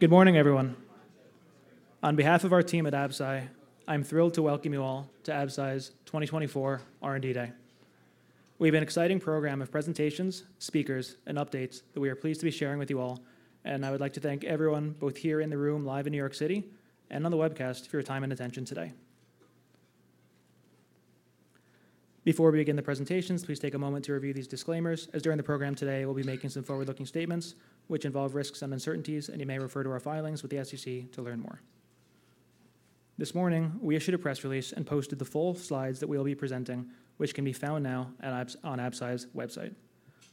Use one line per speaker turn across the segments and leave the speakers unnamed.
Good morning, everyone. On behalf of our team at Absci, I'm thrilled to welcome you all to Absci's 2024 R&D Day. We have an exciting program of presentations, speakers, and updates that we are pleased to be sharing with you all, and I would like to thank everyone, both here in the room, live in New York City, and on the webcast, for your time and attention today. Before we begin the presentations, please take a moment to review these disclaimers, as during the program today, we'll be making some forward-looking statements, which involve risks and uncertainties, and you may refer to our filings with the SEC to learn more. This morning, we issued a press release and posted the full slides that we will be presenting, which can be found now on Absci's website.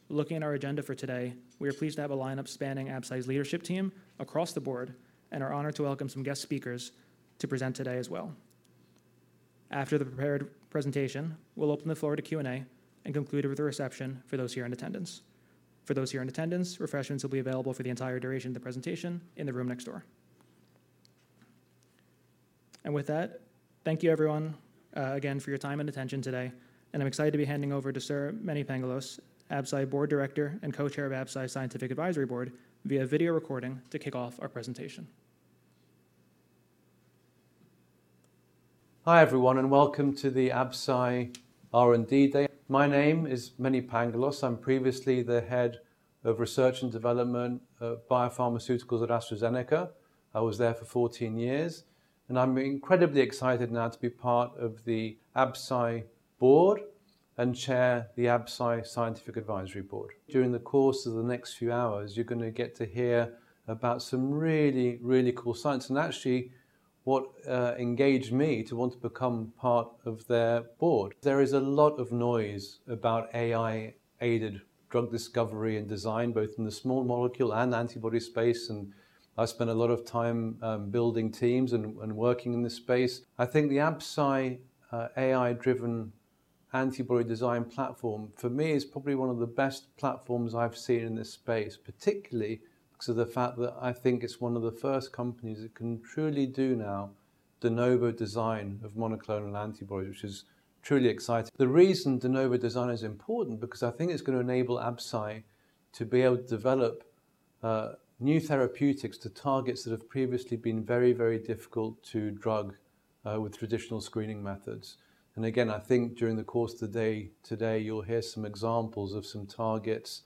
Looking at our agenda for today, we are pleased to have a lineup spanning Absci's leadership team across the board and are honored to welcome some guest speakers to present today as well. After the prepared presentation, we'll open the floor to Q&A and conclude with a reception for those here in attendance. For those here in attendance, refreshments will be available for the entire duration of the presentation in the room next door. And with that, thank you, everyone, again for your time and attention today. And I'm excited to be handing over to Sir Mene Pangalos, Absci's Board Director and Co-Chair of Absci's Scientific Advisory Board, via video recording to kick off our presentation.
Hi, everyone, and welcome to Absci's R&D Day. My name is Mene Pangalos. I'm previously the head of research and development of biopharmaceuticals at AstraZeneca. I was there for 14 years, and I'm incredibly excited now to be part of Absci's board and chair Absci's Scientific Advisory Board. During the course of the next few hours, you're going to get to hear about some really, really cool science and actually what engaged me to want to become part of their board. There is a lot of noise about AI-aided drug discovery and design, both in the small molecule and antibody space, and I spent a lot of time building teams and working in this space. I think the Absci's AI-driven antibody design platform, for me, is probably one of the best platforms I've seen in this space, particularly because of the fact that I think it's one of the first companies that can truly do now de novo design of monoclonal antibodies, which is truly exciting. The reason de novo design is important is because I think it's going to enable Absci to be able to develop new therapeutics to targets that have previously been very, very difficult to drug with traditional screening methods. Again, I think during the course of the day today, you'll hear some examples of some targets,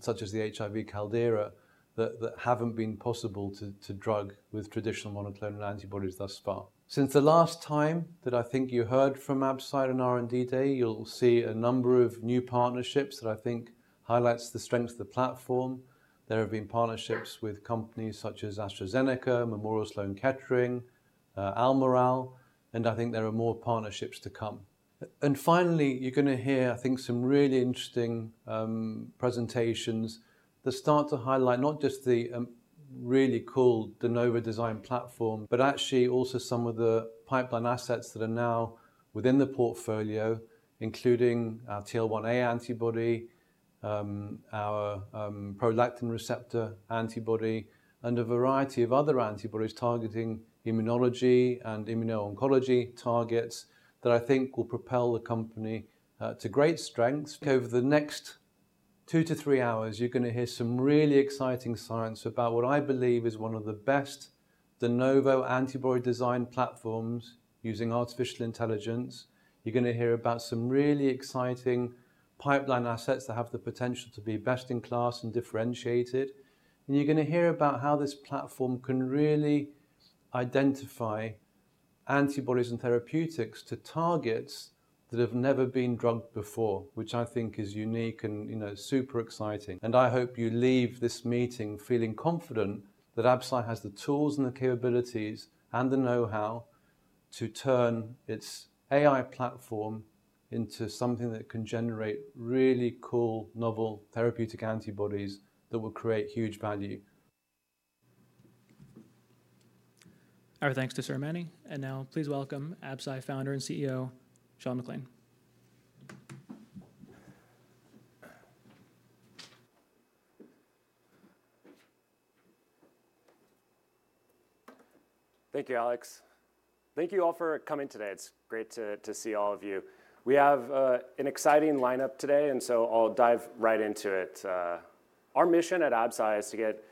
such as the HIV Caldera, that haven't been possible to drug with traditional monoclonal antibodies thus far. Since the last time that I think you heard from Absci's R&D Day, you'll see a number of new partnerships that I think highlight the strength of the platform. There have been partnerships with companies such as AstraZeneca, Memorial Sloan Kettering, Almirall, and I think there are more partnerships to come. And finally, you're going to hear, I think, some really interesting presentations that start to highlight not just the really cool de novo design platform, but actually also some of the pipeline assets that are now within the portfolio, including our TL1A antibody, our prolactin receptor antibody, and a variety of other antibodies targeting immunology and immuno-oncology targets that I think will propel the company to great strength. Over the next two to three hours, you're going to hear some really exciting science about what I believe is one of the best de novo antibody design platforms using artificial intelligence. You're going to hear about some really exciting pipeline assets that have the potential to be best in class and differentiated. And you're going to hear about how this platform can really identify antibodies and therapeutics to targets that have never been drugged before, which I think is unique and super exciting. And I hope you leave this meeting feeling confident that Absci has the tools and the capabilities and the know-how to turn its AI platform into something that can generate really cool, novel therapeutic antibodies that will create huge value.
Our thanks to Sir Mene. And now, please welcome Absci's founder and CEO, Sean McClain.
Thank you, Alex. Thank you all for coming today. It's great to see all of you. We have an exciting lineup today, and so I'll dive right into it. Our mission at Absci is to get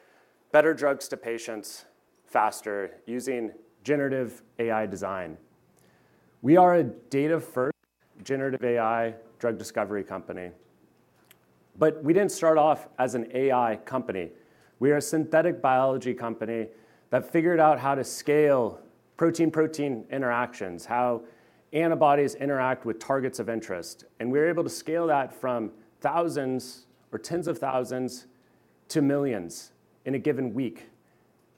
better drugs to patients faster using generative AI design. We are a data-first generative AI drug discovery company. But we didn't start off as an AI company. We are a synthetic biology company that figured out how to scale protein-protein interactions, how antibodies interact with targets of interest. And we were able to scale that from thousands or tens of thousands to millions in a given week.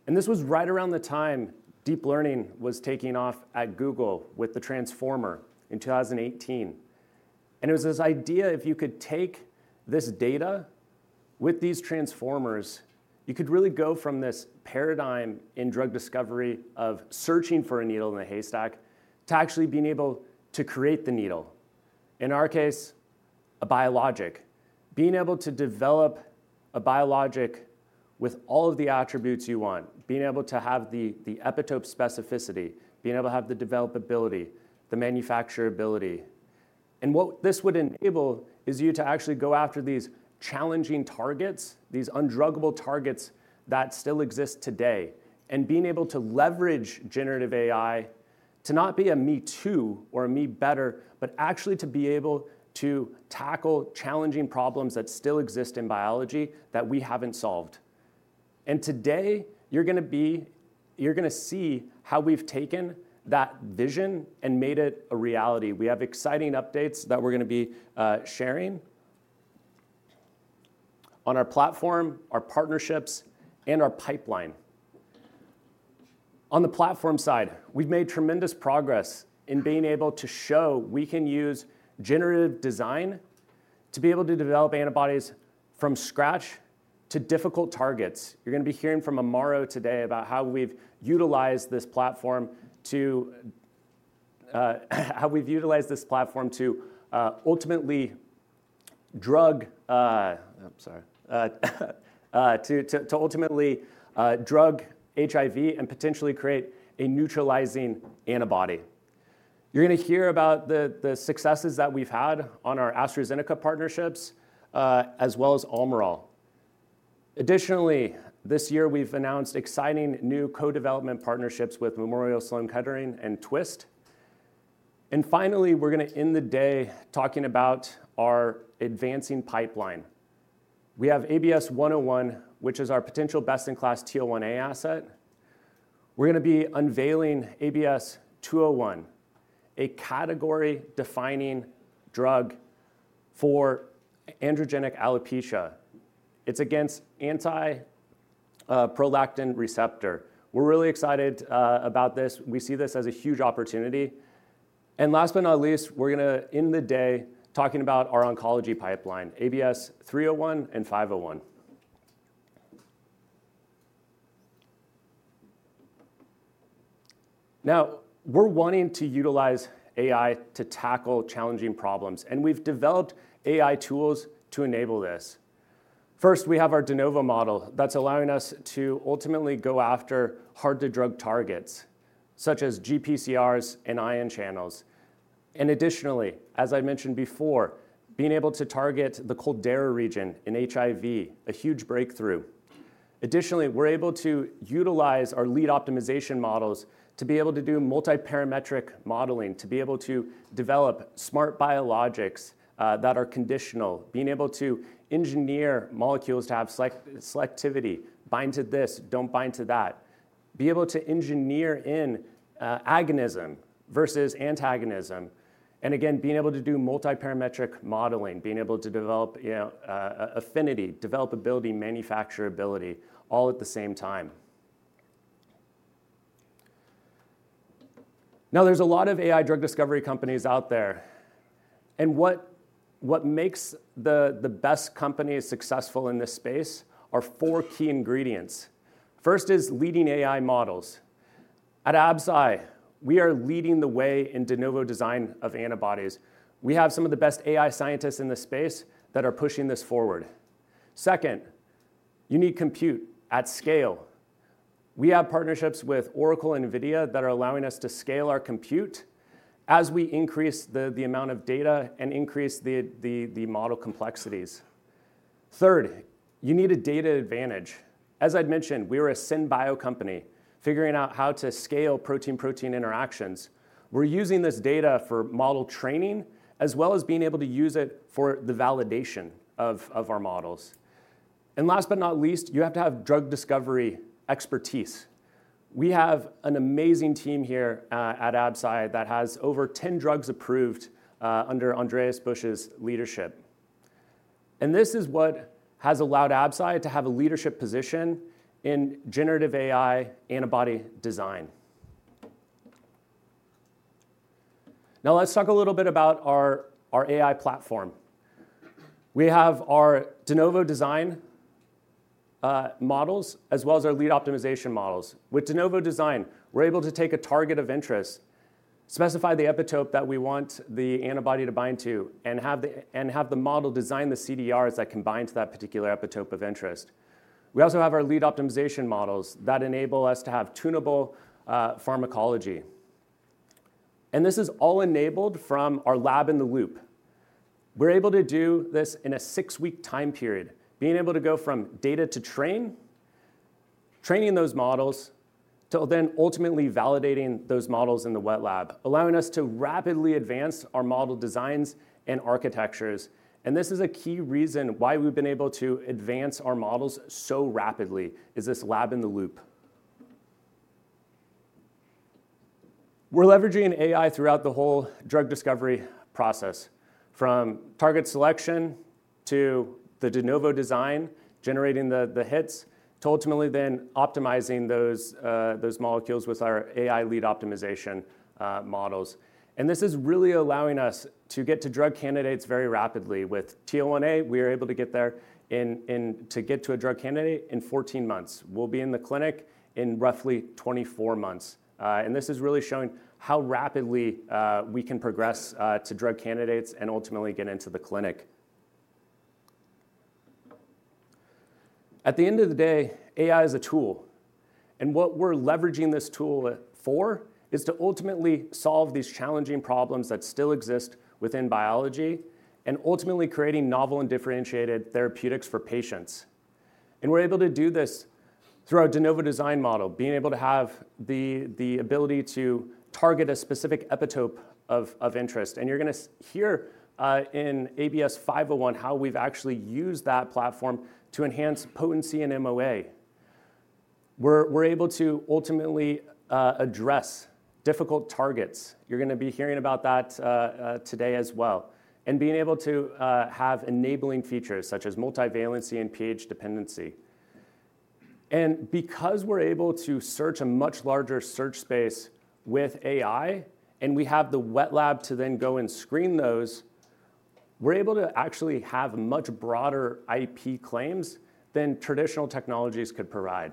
And this was right around the time deep learning was taking off at Google with the transformer in 2018. It was this idea if you could take this data with these transformers, you could really go from this paradigm in drug discovery of searching for a needle in the haystack to actually being able to create the needle. In our case, a biologic. Being able to develop a biologic with all of the attributes you want. Being able to have the epitope specificity. Being able to have the developability, the manufacturability. What this would enable is you to actually go after these challenging targets, these undruggable targets that still exist today, and being able to leverage generative AI to not be a "me too" or a "me better," but actually to be able to tackle challenging problems that still exist in biology that we haven't solved. Today, you're going to see how we've taken that vision and made it a reality. We have exciting updates that we're going to be sharing on our platform, our partnerships, and our pipeline. On the platform side, we've made tremendous progress in being able to show we can use generative design to be able to develop antibodies from scratch to difficult targets. You're going to be hearing from Amaro today about how we've utilized this platform to ultimately drug HIV and potentially create a neutralizing antibody. You're going to hear about the successes that we've had on our AstraZeneca partnerships, as well as Almirall. Additionally, this year, we've announced exciting new co-development partnerships with Memorial Sloan Kettering and Twist. And finally, we're going to end the day talking about our advancing pipeline. We have ABS-101, which is our potential best-in-class TL1A asset. We're going to be unveiling ABS-201, a category-defining drug for androgenetic alopecia. It's against anti-prolactin receptor. We're really excited about this. We see this as a huge opportunity, and last but not least, we're going to end the day talking about our oncology pipeline, ABS-301 and ABS-501. Now, we're wanting to utilize AI to tackle challenging problems, and we've developed AI tools to enable this. First, we have our de novo model that's allowing us to ultimately go after hard-to-drug targets, such as GPCRs and ion channels, and additionally, as I mentioned before, being able to target the Caldera region in HIV, a huge breakthrough. Additionally, we're able to utilize our lead optimization models to be able to do multiparametric modeling, to be able to develop smart biologics that are conditional, being able to engineer molecules to have selectivity, bind to this, don't bind to that, be able to engineer in agonism versus antagonism, and again, being able to do multiparametric modeling, being able to develop affinity, developability, manufacturability, all at the same time. Now, there's a lot of AI drug discovery companies out there. And what makes the best companies successful in this space are four key ingredients. First is leading AI models. At Absci, we are leading the way in de novo design of antibodies. We have some of the best AI scientists in the space that are pushing this forward. Second, you need compute at scale. We have partnerships with Oracle and NVIDIA that are allowing us to scale our compute as we increase the amount of data and increase the model complexities. Third, you need a data advantage. As I'd mentioned, we are a synbio company, figuring out how to scale protein-protein interactions. We're using this data for model training, as well as being able to use it for the validation of our models. And last but not least, you have to have drug discovery expertise. We have an amazing team here at Absci that has over 10 drugs approved under Andreas Busch's leadership. And this is what has allowed Absci to have a leadership position in generative AI antibody design. Now, let's talk a little bit about our AI platform. We have our de novo design models, as well as our lead optimization models. With de novo design, we're able to take a target of interest, specify the epitope that we want the antibody to bind to, and have the model design the CDRs that can bind to that particular epitope of interest. We also have our lead optimization models that enable us to have tunable pharmacology. And this is all enabled from our Lab-in-the-Loop. We're able to do this in a six-week time period, being able to go from data to train, training those models, to then ultimately validating those models in the wet lab, allowing us to rapidly advance our model designs and architectures. And this is a key reason why we've been able to advance our models so rapidly, is this Lab-in-the-Loop. We're leveraging AI throughout the whole drug discovery process, from target selection to the de novo design, generating the hits, to ultimately then optimizing those molecules with our AI lead optimization models, and this is really allowing us to get to drug candidates very rapidly. With TL1A, we are able to get there to get to a drug candidate in 14 months. We'll be in the clinic in roughly 24 months, and this is really showing how rapidly we can progress to drug candidates and ultimately get into the clinic. At the end of the day, AI is a tool, and what we're leveraging this tool for is to ultimately solve these challenging problems that still exist within biology and ultimately creating novel and differentiated therapeutics for patients. And we're able to do this through our de novo design model, being able to have the ability to target a specific epitope of interest. And you're going to hear in ABS-501 how we've actually used that platform to enhance potency and MOA. We're able to ultimately address difficult targets. You're going to be hearing about that today as well, and being able to have enabling features such as multivalency and pH dependency. And because we're able to search a much larger search space with AI, and we have the wet lab to then go and screen those, we're able to actually have much broader IP claims than traditional technologies could provide.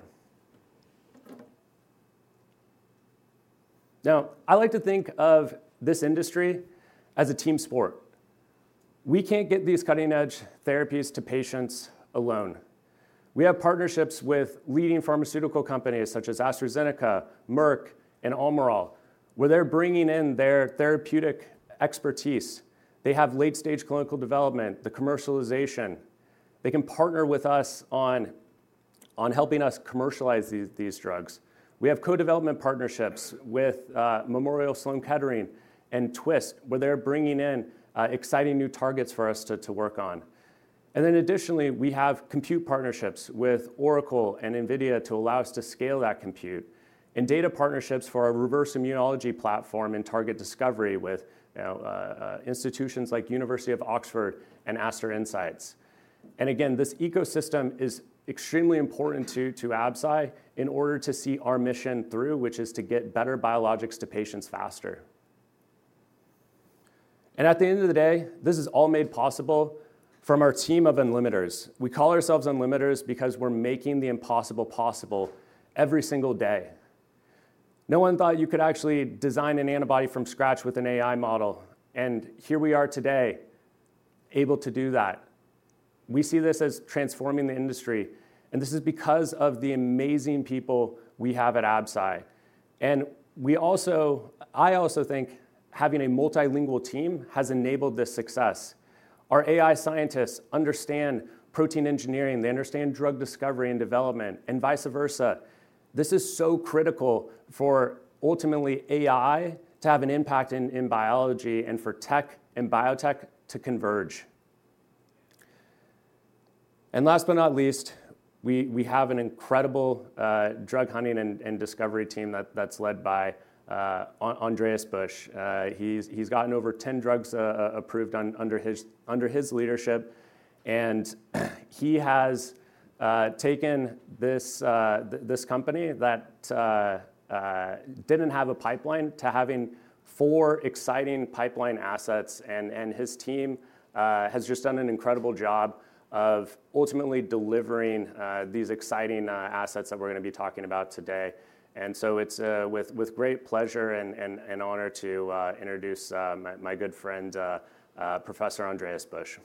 Now, I like to think of this industry as a team sport. We can't get these cutting-edge therapies to patients alone. We have partnerships with leading pharmaceutical companies such as AstraZeneca, Merck, and Almirall, where they're bringing in their therapeutic expertise. They have late-stage clinical development, the commercialization. They can partner with us on helping us commercialize these drugs. We have co-development partnerships with Memorial Sloan Kettering and Twist, where they're bringing in exciting new targets for us to work on. And then additionally, we have compute partnerships with Oracle and NVIDIA to allow us to scale that compute, and data partnerships for our Reverse Immunology platform and target discovery with institutions like University of Oxford and Aster Insights. And again, this ecosystem is extremely important to Absci in order to see our mission through, which is to get better biologics to patients faster. And at the end of the day, this is all made possible from our team of Unlimiters. We call ourselves Unlimiters because we're making the impossible possible every single day. No one thought you could actually design an antibody from scratch with an AI model, and here we are today, able to do that. We see this as transforming the industry, and this is because of the amazing people we have at Absci, and I also think having a multilingual team has enabled this success. Our AI scientists understand protein engineering. They understand drug discovery and development, and vice versa. This is so critical for ultimately AI to have an impact in biology and for tech and biotech to converge, and last but not least, we have an incredible drug hunting and discovery team that's led by Andreas Busch. He's gotten over 10 drugs approved under his leadership, and he has taken this company that didn't have a pipeline to having four exciting pipeline assets. His team has just done an incredible job of ultimately delivering these exciting assets that we're going to be talking about today. So it's with great pleasure and honor to introduce my good friend, Professor Andreas Busch.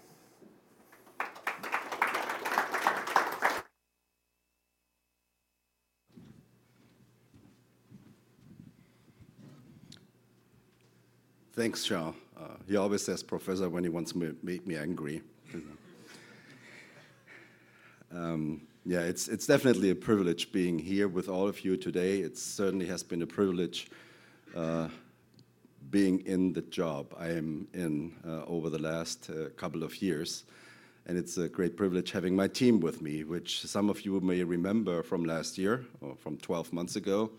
Thanks, Sean. He always says professor when he wants to make me angry. Yeah, it's definitely a privilege being here with all of you today. It certainly has been a privilege being in the job I am in over the last couple of years. And it's a great privilege having my team with me, which some of you may remember from last year or from 12 months ago.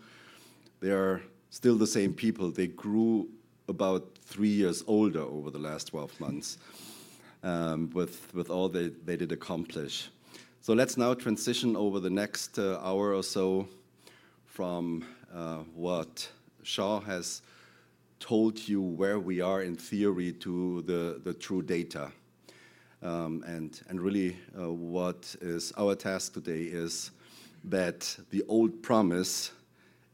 They are still the same people. They grew about three years older over the last 12 months with all they did accomplish. So let's now transition over the next hour or so from what Sean has told you where we are in theory to the true data. And really, what is our task today is that the old promise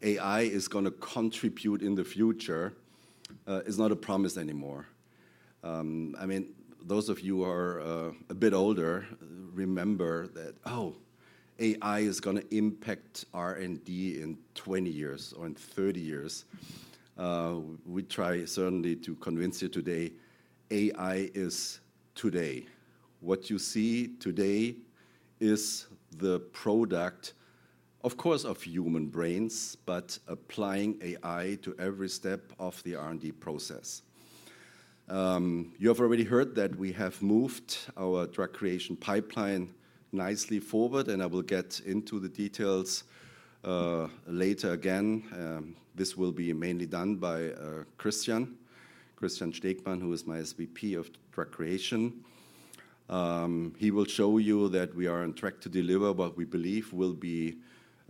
AI is going to contribute in the future is not a promise anymore. I mean, those of you who are a bit older remember that, oh, AI is going to impact R&D in 20 years or in 30 years. We try certainly to convince you today AI is today. What you see today is the product, of course, of human brains, but applying AI to every step of the R&D process. You have already heard that we have moved our drug creation pipeline nicely forward, and I will get into the details later again. This will be mainly done by Christian, Christian Stegmann, who is my SVP of drug creation. He will show you that we are on track to deliver what we believe will be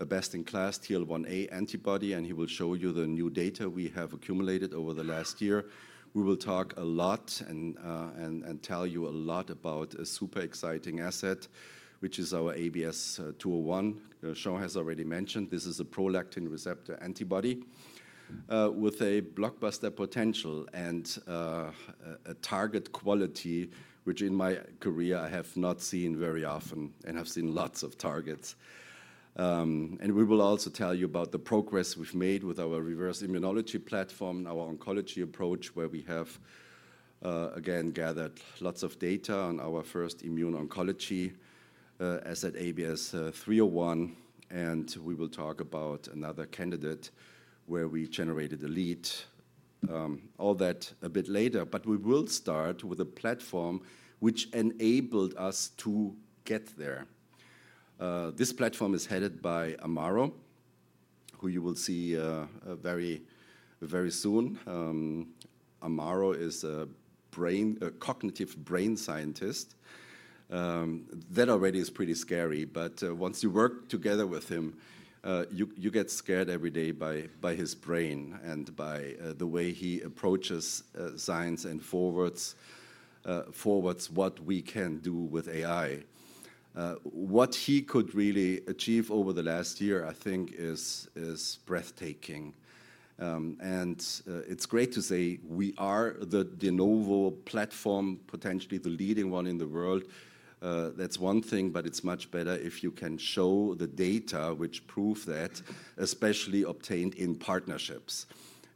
a best-in-class TL1A antibody, and he will show you the new data we have accumulated over the last year. We will talk a lot and tell you a lot about a super exciting asset, which is our ABS-201. Sean has already mentioned this is a prolactin receptor antibody with a blockbuster potential and a target quality, which in my career I have not seen very often and have seen lots of targets, and we will also tell you about the progress we've made with our Reverse Immunology platform and our oncology approach, where we have, again, gathered lots of data on our first immuno-oncology asset, ABS-301, and we will talk about another candidate where we generated a lead. All that a bit later, but we will start with a platform which enabled us to get there. This platform is headed by Amaro, who you will see very, very soon. Amaro is a cognitive brain scientist. That already is pretty scary. But once you work together with him, you get scared every day by his brain and by the way he approaches science and forwards what we can do with AI. What he could really achieve over the last year, I think, is breathtaking. And it's great to say we are the de novo platform, potentially the leading one in the world. That's one thing. But it's much better if you can show the data which prove that, especially obtained in partnerships.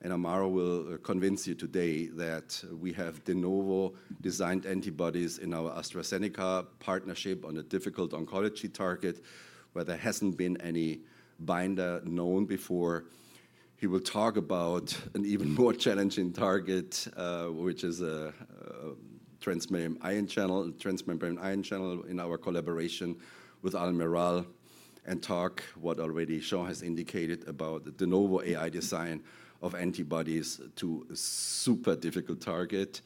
And Amaro will convince you today that we have de novo designed antibodies in our AstraZeneca partnership on a difficult oncology target where there hasn't been any binder known before. He will talk about an even more challenging target, which is a transmembrane ion channel in our collaboration with Almirall, and talk about what already Sean has indicated about the de novo AI design of antibodies to a super difficult target,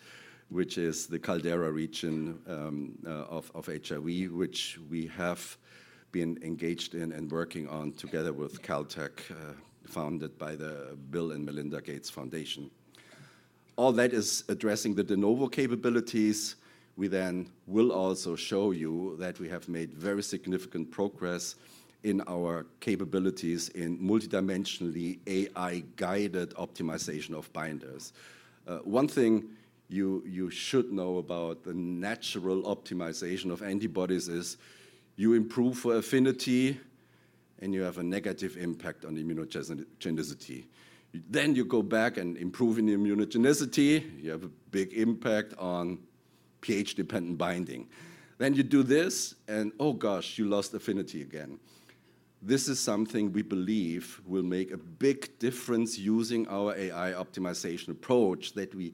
which is the Caldera region of HIV, which we have been engaged in and working on together with Caltech, funded by the Bill & Melinda Gates Foundation. All that is addressing the de novo capabilities. We then will also show you that we have made very significant progress in our capabilities in multidimensionally AI-guided optimization of binders. One thing you should know about the natural optimization of antibodies is you improve affinity, and you have a negative impact on immunogenicity. Then you go back and improve in immunogenicity. You have a big impact on pH-dependent binding. Then you do this, and oh, gosh, you lost affinity again. This is something we believe will make a big difference using our AI optimization approach that we,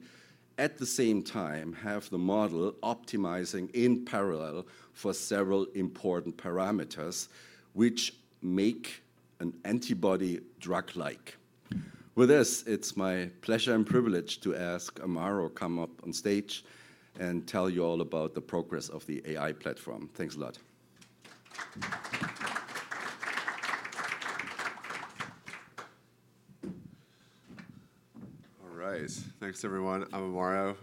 at the same time, have the model optimizing in parallel for several important parameters, which make an antibody drug-like. With this, it's my pleasure and privilege to ask Amaro to come up on stage and tell you all about the progress of the AI platform. Thanks a lot.
All right. Thanks, everyone. I'm Amaro.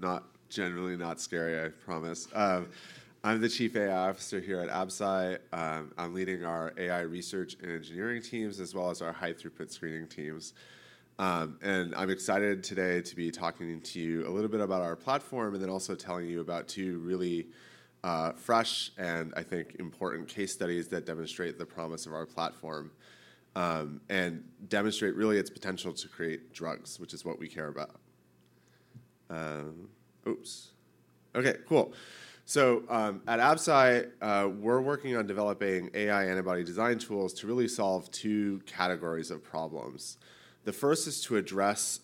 Not generally scary, I promise. I'm the Chief AI Officer here at Absci. I'm leading our AI research and engineering teams, as well as our high-throughput screening teams. And I'm excited today to be talking to you a little bit about our platform and then also telling you about two really fresh and, I think, important case studies that demonstrate the promise of our platform and demonstrate really its potential to create drugs, which is what we care about. So at Absci, we're working on developing AI antibody design tools to really solve two categories of problems. The first is to address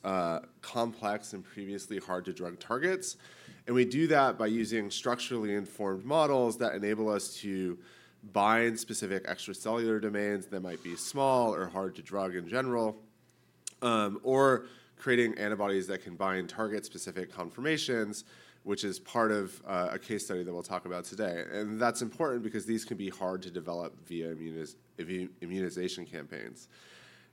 complex and previously hard-to-drug targets. We do that by using structurally informed models that enable us to bind specific extracellular domains that might be small or hard-to-drug in general, or creating antibodies that can bind target-specific conformations, which is part of a case study that we'll talk about today. That's important because these can be hard to develop via immunization campaigns.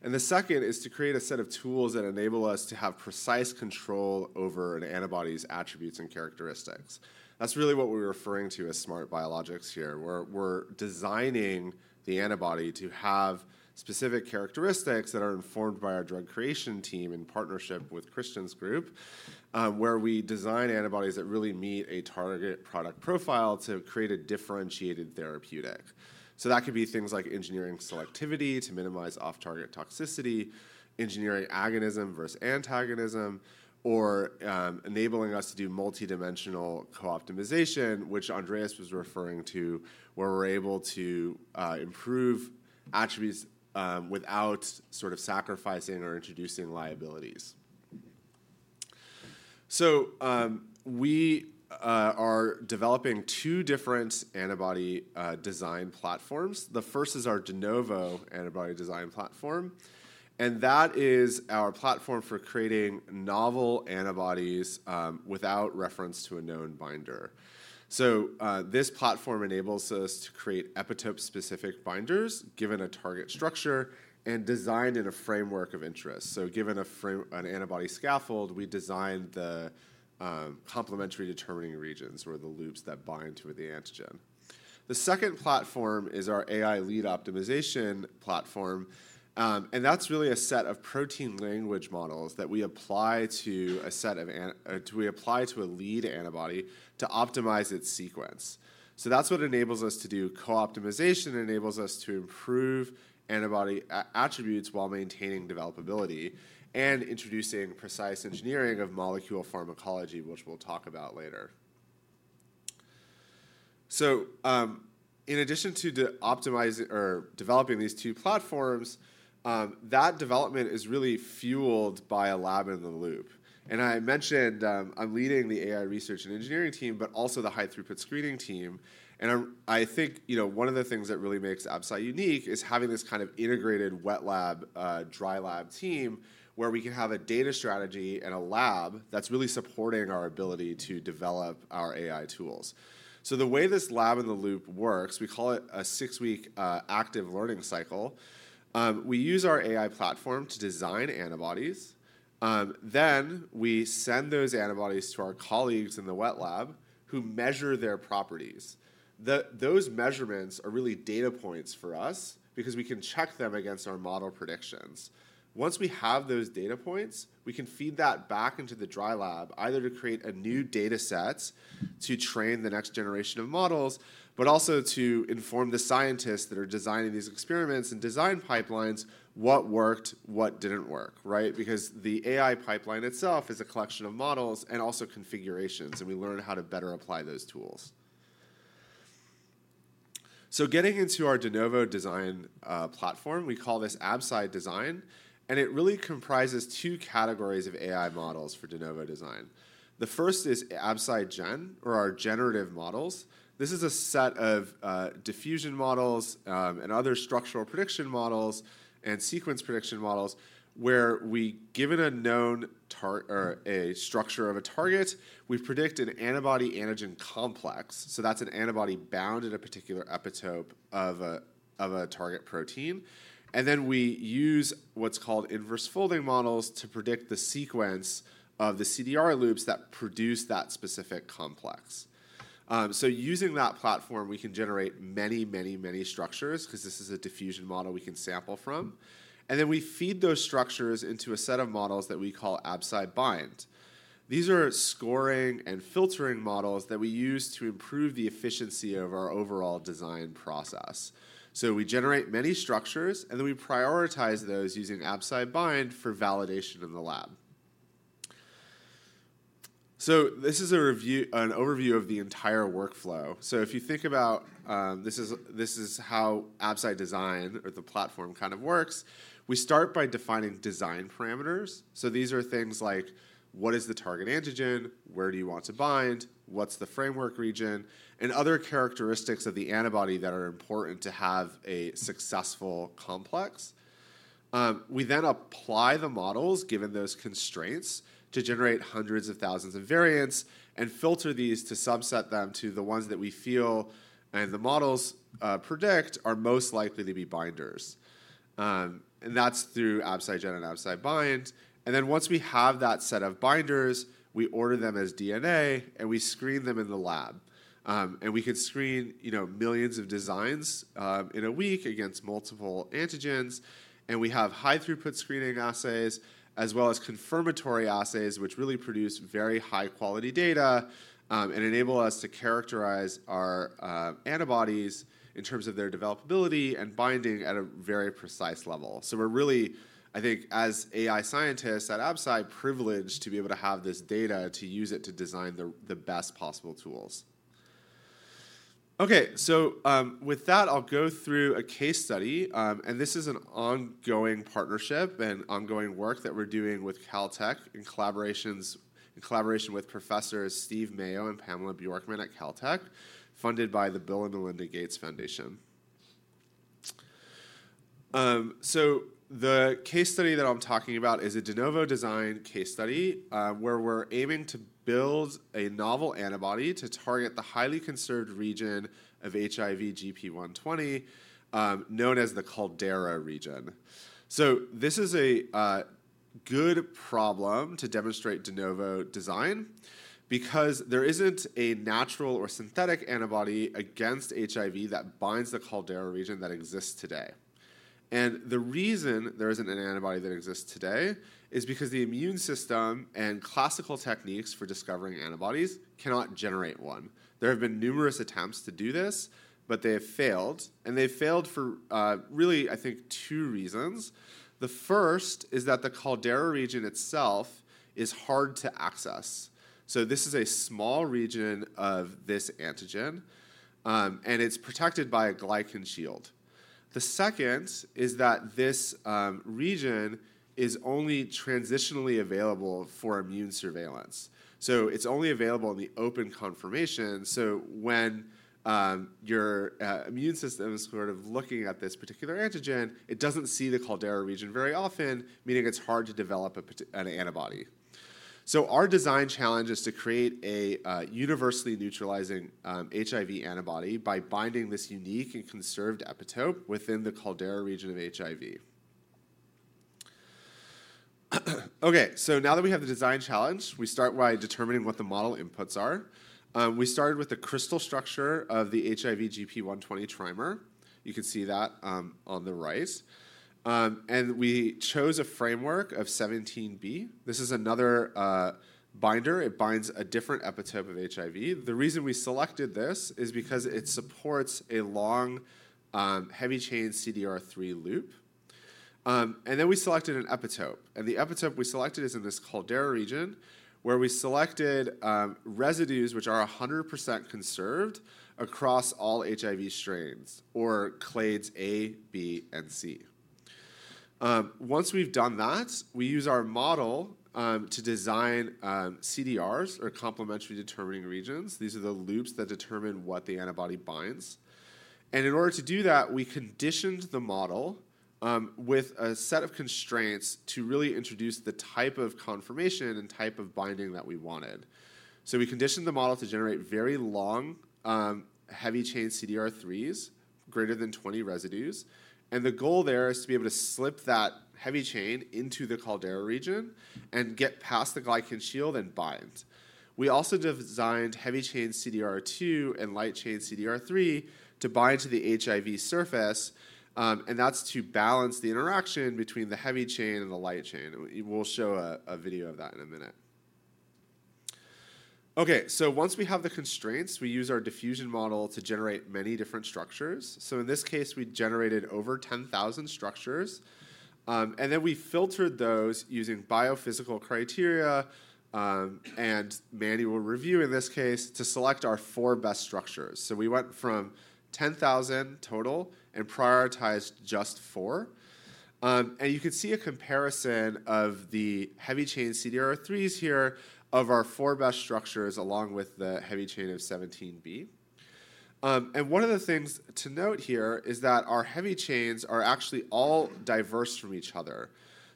The second is to create a set of tools that enable us to have precise control over an antibody's attributes and characteristics. That's really what we're referring to as smart biologics here. We're designing the antibody to have specific characteristics that are informed by our drug creation team in partnership with Christian's group, where we design antibodies that really meet a target product profile to create a differentiated therapeutic. So that could be things like engineering selectivity to minimize off-target toxicity, engineering agonism versus antagonism, or enabling us to do multidimensional co-optimization, which Andreas was referring to, where we're able to improve attributes without sort of sacrificing or introducing liabilities. So we are developing two different antibody design platforms. The first is our de novo antibody design platform. And that is our platform for creating novel antibodies without reference to a known binder. So this platform enables us to create epitope-specific binders given a target structure and designed in a framework of interest. So given an antibody scaffold, we design the complementarity-determining regions, or the loops that bind to the antigen. The second platform is our AI lead optimization platform. And that's really a set of protein language models that we apply to a lead antibody to optimize its sequence. That's what enables us to do co-optimization. It enables us to improve antibody attributes while maintaining developability and introducing precise engineering of molecule pharmacology, which we'll talk about later. In addition to developing these two platforms, that development is really fueled by a Lab-in-the-Loop. I mentioned I'm leading the AI research and engineering team, but also the high-throughput screening team. I think one of the things that really makes Absci's unique is having this kind of integrated wet lab, dry lab team, where we can have a data strategy and a lab that's really supporting our ability to develop our AI tools. The way this Lab-in-the-Loop works, we call it a six-week active learning cycle. We use our AI platform to design antibodies. Then we send those antibodies to our colleagues in the wet lab, who measure their properties. Those measurements are really data points for us because we can check them against our model predictions. Once we have those data points, we can feed that back into the dry lab, either to create a new data set to train the next generation of models, but also to inform the scientists that are designing these experiments and design pipelines what worked, what didn't work, right? Because the AI pipeline itself is a collection of models and also configurations, and we learn how to better apply those tools, so getting into our de novo design platform, we call this Absci Design. And it really comprises two categories of AI models for de novo design. The first is AbsciGen, or our generative models. This is a set of diffusion models and other structural prediction models and sequence prediction models, where we, given a known target or a structure of a target, we predict an antibody-antigen complex. So that's an antibody bound in a particular epitope of a target protein. And then we use what's called inverse folding models to predict the sequence of the CDR loops that produce that specific complex. So using that platform, we can generate many, many, many structures because this is a diffusion model we can sample from. And then we feed those structures into a set of models that we call AbsciBind. These are scoring and filtering models that we use to improve the efficiency of our overall design process. So we generate many structures, and then we prioritize those using AbsciBind for validation in the lab. So this is an overview of the entire workflow. So if you think about this is how Absci Design, or the platform, kind of works. We start by defining design parameters, so these are things like, what is the target antigen? Where do you want to bind? What's the framework region? And other characteristics of the antibody that are important to have a successful complex. We then apply the models, given those constraints, to generate hundreds of thousands of variants and filter these to subset them to the ones that we feel and the models predict are most likely to be binders. And that's through AbsciGen and AbsciBind. And then once we have that set of binders, we order them as DNA, and we screen them in the lab. And we can screen millions of designs in a week against multiple antigens. We have high-throughput screening assays, as well as confirmatory assays, which really produce very high-quality data and enable us to characterize our antibodies in terms of their developability and binding at a very precise level. We're really, I think, as AI scientists at Absci, privileged to be able to have this data to use it to design the best possible tools. OK, with that, I'll go through a case study. This is an ongoing partnership and ongoing work that we're doing with Caltech in collaboration with Professors Stephen Mayo and Pamela Bjorkman at Caltech, funded by the Bill and Melinda Gates Foundation. The case study that I'm talking about is a de novo design case study where we're aiming to build a novel antibody to target the highly conserved region of HIV gp120, known as the Caldera region. This is a good problem to demonstrate de novo design because there isn't a natural or synthetic antibody against HIV that binds the Caldera region that exists today. The reason there isn't an antibody that exists today is because the immune system and classical techniques for discovering antibodies cannot generate one. There have been numerous attempts to do this, but they have failed. They've failed for really, I think, two reasons. The first is that the Caldera region itself is hard to access. This is a small region of this antigen, and it's protected by a glycan shield. The second is that this region is only transiently available for immune surveillance. It's only available in the open conformation. So when your immune system is sort of looking at this particular antigen, it doesn't see the Caldera region very often, meaning it's hard to develop an antibody. So our design challenge is to create a universally neutralizing HIV antibody by binding this unique and conserved epitope within the Caldera region of HIV. Okay, so now that we have the design challenge, we start by determining what the model inputs are. We started with the crystal structure of the HIV gp120 trimer. You can see that on the right. And we chose a framework of 17B. This is another binder. It binds a different epitope of HIV. The reason we selected this is because it supports a long, heavy-chain CDR3 loop. And then we selected an epitope. The epitope we selected is in this Caldera region, where we selected residues which are 100% conserved across all HIV strains, or clades A, B, and C. Once we've done that, we use our model to design CDRs, or complementarity-determining regions. These are the loops that determine what the antibody binds. In order to do that, we conditioned the model with a set of constraints to really introduce the type of conformation and type of binding that we wanted. We conditioned the model to generate very long, heavy-chain CDR3s, greater than 20 residues. The goal there is to be able to slip that heavy chain into the Caldera region and get past the glycan shield and bind. We also designed heavy-chain CDR2 and light-chain CDR3 to bind to the HIV surface. That's to balance the interaction between the heavy chain and the light chain. We'll show a video of that in a minute. Okay, so once we have the constraints, we use our diffusion model to generate many different structures. So in this case, we generated over 10,000 structures. And then we filtered those using biophysical criteria and manual review, in this case, to select our four best structures. So we went from 10,000 total and prioritized just four. And you can see a comparison of the heavy-chain CDR3s here of our four best structures along with the heavy chain of 17B. And one of the things to note here is that our heavy chains are actually all diverse from each other.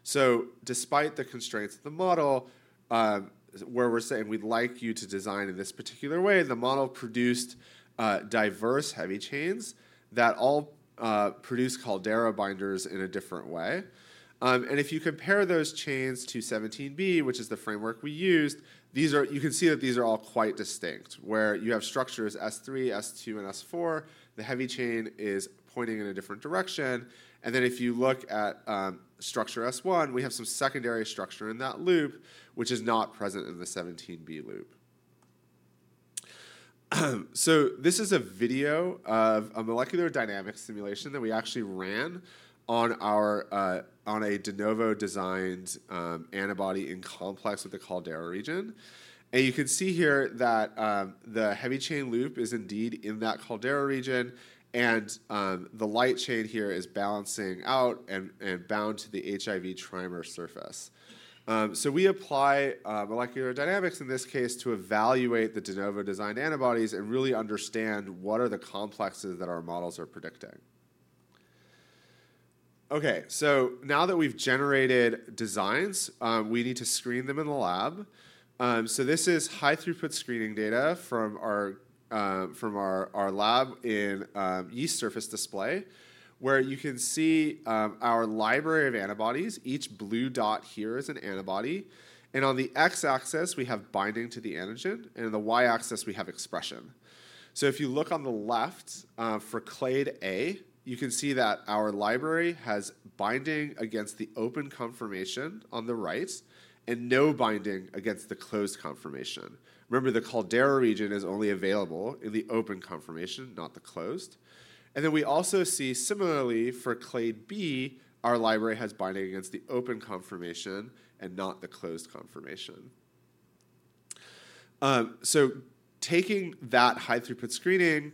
So despite the constraints of the model, where we're saying we'd like you to design in this particular way, the model produced diverse heavy chains that all produce Caldera binders in a different way. And if you compare those chains to 17B, which is the framework we used, you can see that these are all quite distinct, where you have structures S3, S2, and S4. The heavy chain is pointing in a different direction. And then if you look at structure S1, we have some secondary structure in that loop, which is not present in the 17B loop. So this is a video of a molecular dynamics simulation that we actually ran on a de novo designed antibody in complex with the Caldera region. And you can see here that the heavy chain loop is indeed in that Caldera region. And the light chain here is balancing out and bound to the HIV trimer surface. So we apply molecular dynamics, in this case, to evaluate the de novo designed antibodies and really understand what are the complexes that our models are predicting. OK, so now that we've generated designs, we need to screen them in the lab, so this is high-throughput screening data from our lab in yeast surface display, where you can see our library of antibodies. Each blue dot here is an antibody, and on the x-axis, we have binding to the antigen, and on the y-axis, we have expression, so if you look on the left for clade A, you can see that our library has binding against the open conformation on the right and no binding against the closed conformation. Remember, the Caldera region is only available in the open conformation, not the closed, and then we also see, similarly, for clade B, our library has binding against the open conformation and not the closed conformation, so taking that high-throughput screening,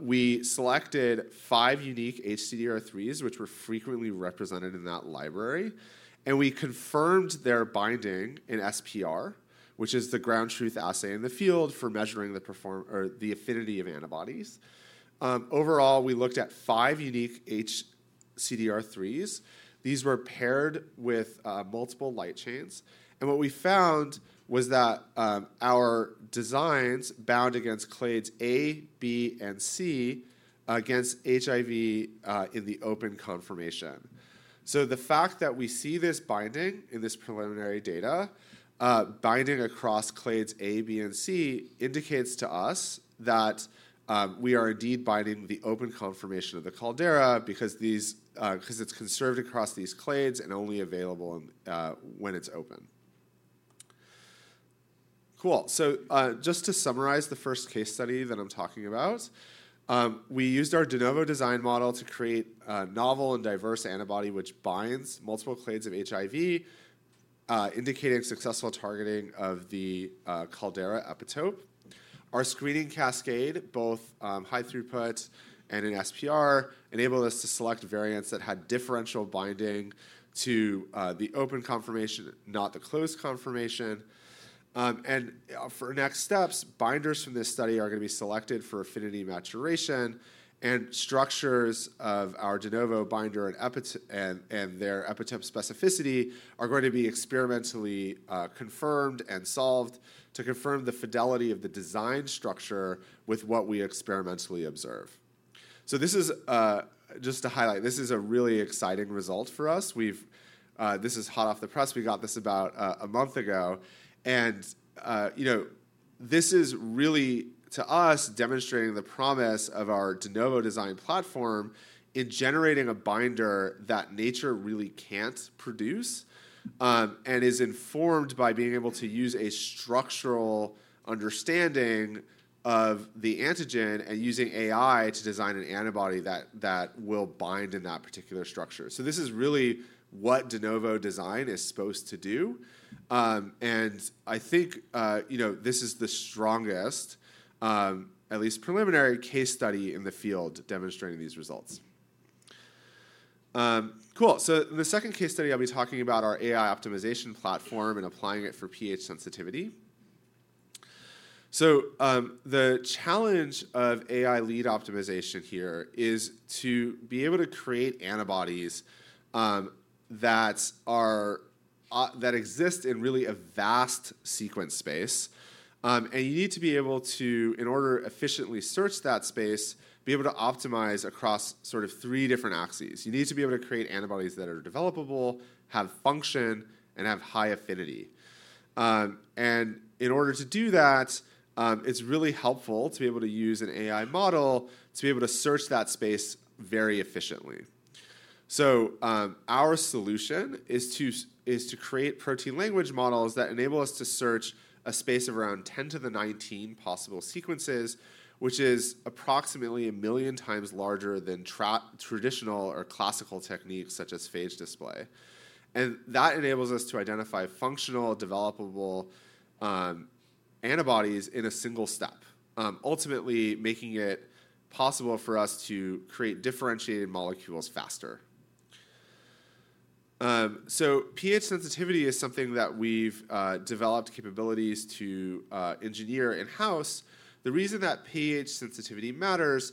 we selected five unique HCDR3s, which were frequently represented in that library. And we confirmed their binding in SPR, which is the ground truth assay in the field for measuring the affinity of antibodies. Overall, we looked at five unique HCDR3s. These were paired with multiple light chains. And what we found was that our designs bound against clades A, B, and C against HIV in the open conformation. So the fact that we see this binding in this preliminary data, binding across clades A, B, and C, indicates to us that we are indeed binding the open conformation of the Caldera because it's conserved across these clades and only available when it's open. Cool. So just to summarize the first case study that I'm talking about, we used our de novo design model to create a novel and diverse antibody which binds multiple clades of HIV, indicating successful targeting of the Caldera epitope. Our screening cascade, both high throughput and in SPR, enabled us to select variants that had differential binding to the open conformation, not the closed conformation, and for next steps, binders from this study are going to be selected for affinity maturation, and structures of our de novo binder and their epitope specificity are going to be experimentally confirmed and solved to confirm the fidelity of the design structure with what we experimentally observe, so this is just to highlight, this is a really exciting result for us. This is hot off the press. We got this about a month ago. This is really, to us, demonstrating the promise of our de novo design platform in generating a binder that nature really can't produce and is informed by being able to use a structural understanding of the antigen and using AI to design an antibody that will bind in that particular structure. This is really what de novo design is supposed to do. And I think this is the strongest, at least preliminary, case study in the field demonstrating these results. Cool. In the second case study, I'll be talking about our AI optimization platform and applying it for pH sensitivity. The challenge of AI lead optimization here is to be able to create antibodies that exist in really a vast sequence space. And you need to be able to, in order to efficiently search that space, be able to optimize across sort of three different axes. You need to be able to create antibodies that are developable, have function, and have high affinity, and in order to do that, it's really helpful to be able to use an AI model to be able to search that space very efficiently, so our solution is to create protein language models that enable us to search a space of around 10 to the 19 possible sequences, which is approximately a million times larger than traditional or classical techniques such as phage display, and that enables us to identify functional, developable antibodies in a single step, ultimately making it possible for us to create differentiated molecules faster, so pH sensitivity is something that we've developed capabilities to engineer in-house. The reason that pH sensitivity matters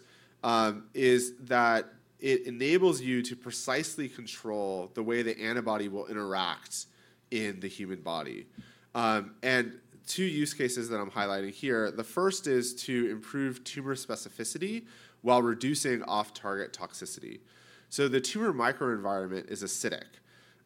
is that it enables you to precisely control the way the antibody will interact in the human body. And two use cases that I'm highlighting here, the first is to improve tumor specificity while reducing off-target toxicity. So the tumor microenvironment is acidic.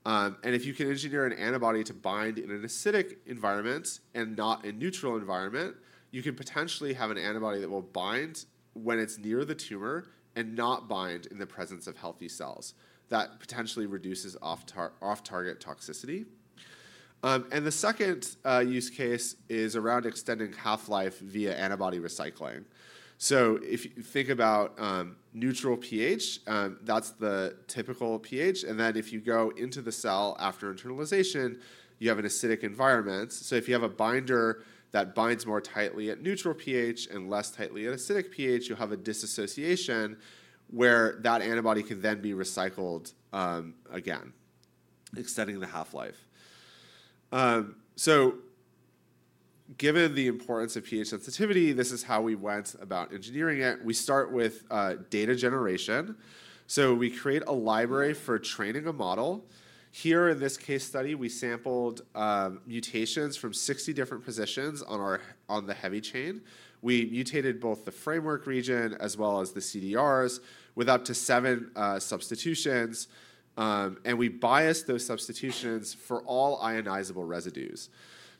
And if you can engineer an antibody to bind in an acidic environment and not a neutral environment, you can potentially have an antibody that will bind when it's near the tumor and not bind in the presence of healthy cells. That potentially reduces off-target toxicity. And the second use case is around extending half-life via antibody recycling. So if you think about neutral pH, that's the typical pH. And then if you go into the cell after internalization, you have an acidic environment. So if you have a binder that binds more tightly at neutral pH and less tightly at acidic pH, you'll have a dissociation where that antibody can then be recycled again, extending the half-life. Given the importance of pH sensitivity, this is how we went about engineering it. We start with data generation. We create a library for training a model. Here in this case study, we sampled mutations from 60 different positions on the heavy chain. We mutated both the framework region as well as the CDRs with up to seven substitutions. We biased those substitutions for all ionizable residues.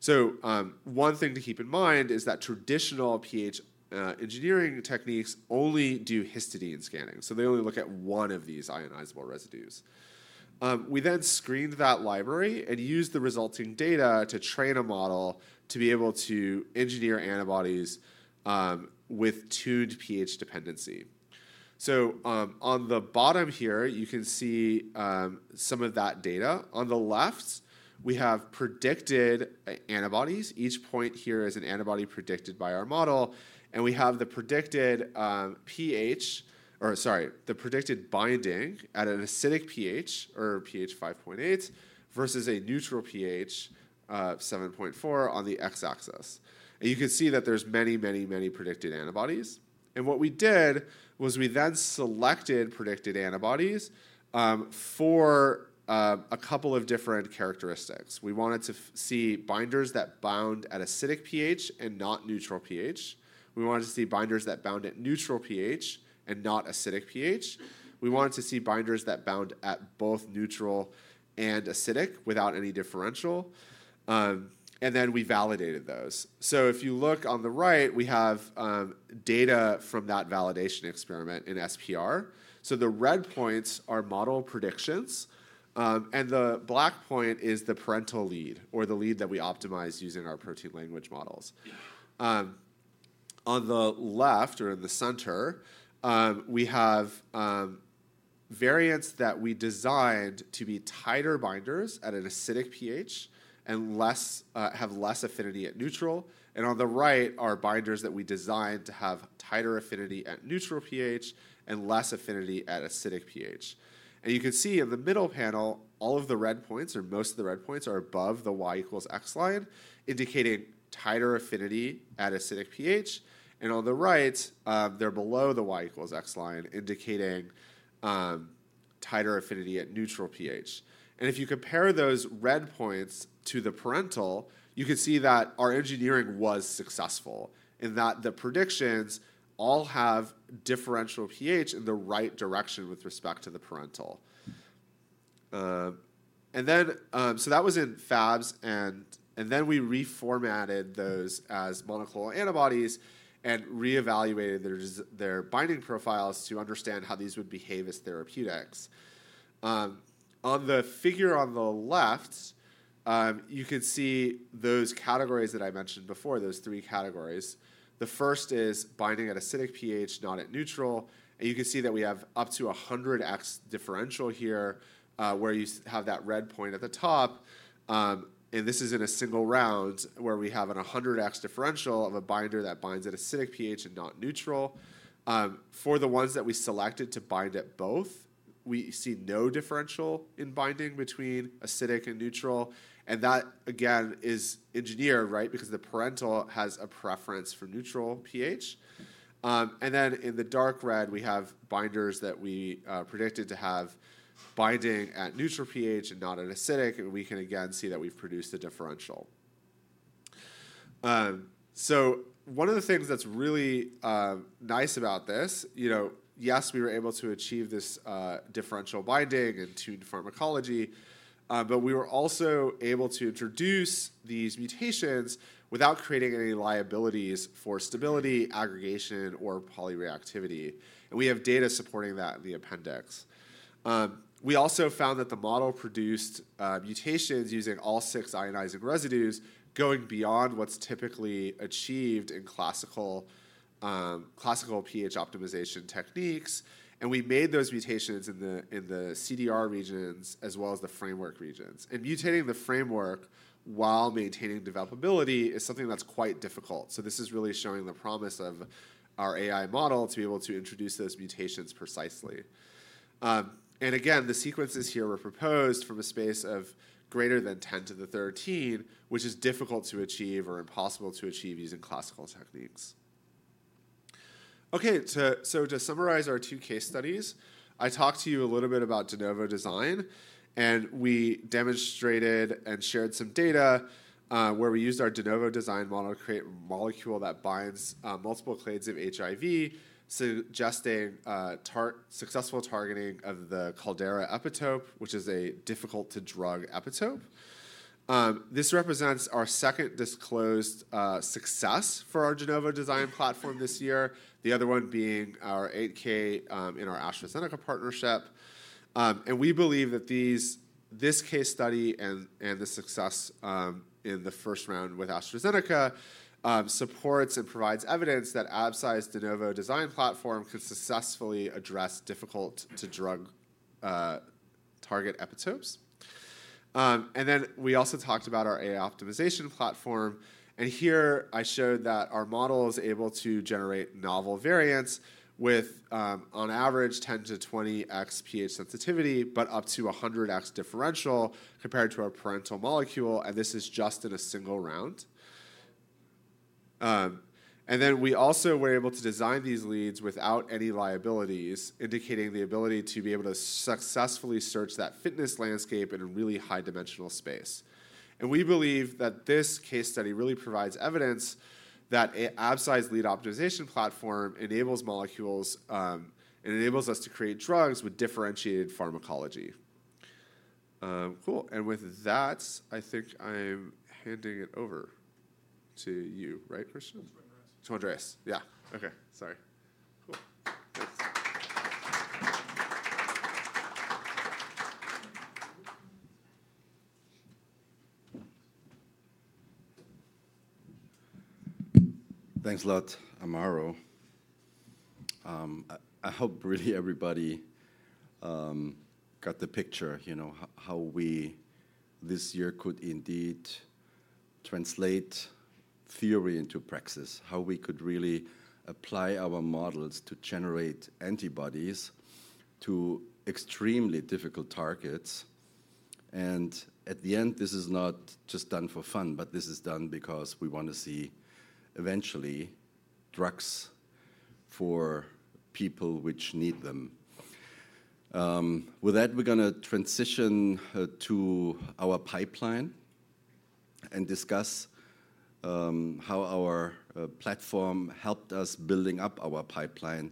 One thing to keep in mind is that traditional pH engineering techniques only do histidine scanning. They only look at one of these ionizable residues. We then screened that library and used the resulting data to train a model to be able to engineer antibodies with tuned pH dependency. On the bottom here, you can see some of that data. On the left, we have predicted antibodies. Each point here is an antibody predicted by our model. We have the predicted pH, or sorry, the predicted binding at an acidic pH, or pH 5.8, versus a neutral pH of 7.4 on the x-axis. And you can see that there's many, many, many predicted antibodies. And what we did was we then selected predicted antibodies for a couple of different characteristics. We wanted to see binders that bound at acidic pH and not neutral pH. We wanted to see binders that bound at neutral pH and not acidic pH. We wanted to see binders that bound at both neutral and acidic without any differential. And then we validated those. So if you look on the right, we have data from that validation experiment in SPR. So the red points are model predictions. And the black point is the parental lead, or the lead that we optimized using our protein language models. On the left, or in the center, we have variants that we designed to be tighter binders at an acidic pH and have less affinity at neutral. And on the right are binders that we designed to have tighter affinity at neutral pH and less affinity at acidic pH. And you can see in the middle panel, all of the red points, or most of the red points, are above the y equals x line, indicating tighter affinity at acidic pH. And on the right, they're below the y equals x line, indicating tighter affinity at neutral pH. And if you compare those red points to the parental, you can see that our engineering was successful in that the predictions all have differential pH in the right direction with respect to the parental. And then so that was in Fabs. And then we reformatted those as monoclonal antibodies and reevaluated their binding profiles to understand how these would behave as therapeutics. On the figure on the left, you can see those categories that I mentioned before, those three categories. The first is binding at acidic pH, not at neutral. And you can see that we have up to 100x differential here, where you have that red point at the top. And this is in a single round where we have a 100x differential of a binder that binds at acidic pH and not neutral. For the ones that we selected to bind at both, we see no differential in binding between acidic and neutral. And that, again, is engineered, right, because the parental has a preference for neutral pH. Then in the dark red, we have binders that we predicted to have binding at neutral pH and not at acidic. And we can, again, see that we've produced the differential. So one of the things that's really nice about this, yes, we were able to achieve this differential binding and tuned pharmacology. But we were also able to introduce these mutations without creating any liabilities for stability, aggregation, or polyreactivity. And we have data supporting that in the appendix. We also found that the model produced mutations using all six ionizing residues going beyond what's typically achieved in classical pH optimization techniques. And we made those mutations in the CDR regions as well as the framework regions. And mutating the framework while maintaining developability is something that's quite difficult. So this is really showing the promise of our AI model to be able to introduce those mutations precisely. Again, the sequences here were proposed from a space of greater than 10 to the 13, which is difficult to achieve or impossible to achieve using classical techniques. OK, so to summarize our two case studies, I talked to you a little bit about de novo design. We demonstrated and shared some data where we used our de novo design model to create a molecule that binds multiple clades of HIV, suggesting successful targeting of the Caldera epitope, which is a difficult-to-drug epitope. This represents our second disclosed success for our de novo design platform this year, the other one being our 8-K in our AstraZeneca partnership. We believe that this case study and the success in the first round with AstraZeneca supports and provides evidence that Absci's de novo design platform can successfully address difficult-to-drug target epitopes. And then we also talked about our AI optimization platform. And here, I showed that our model is able to generate novel variants with, on average, 10-20x pH sensitivity, but up to 100x differential compared to our parental molecule. And this is just in a single round. And we also were able to design these leads without any liabilities, indicating the ability to be able to successfully search that fitness landscape in a really high-dimensional space. And we believe that this case study really provides evidence that Absci's lead optimization platform enables molecules and enables us to create drugs with differentiated pharmacology. Cool. And with that, I think I'm handing it over to you, right, Christian? To Andreas. To Andreas. Yeah. OK, sorry. Cool. Thanks.
Thanks a lot, Amaro. I hope really everybody got the picture, you know, how we this year could indeed translate theory into practice, how we could really apply our models to generate antibodies to extremely difficult targets. And at the end, this is not just done for fun, but this is done because we want to see eventually drugs for people which need them. With that, we're going to transition to our pipeline and discuss how our platform helped us building up our pipeline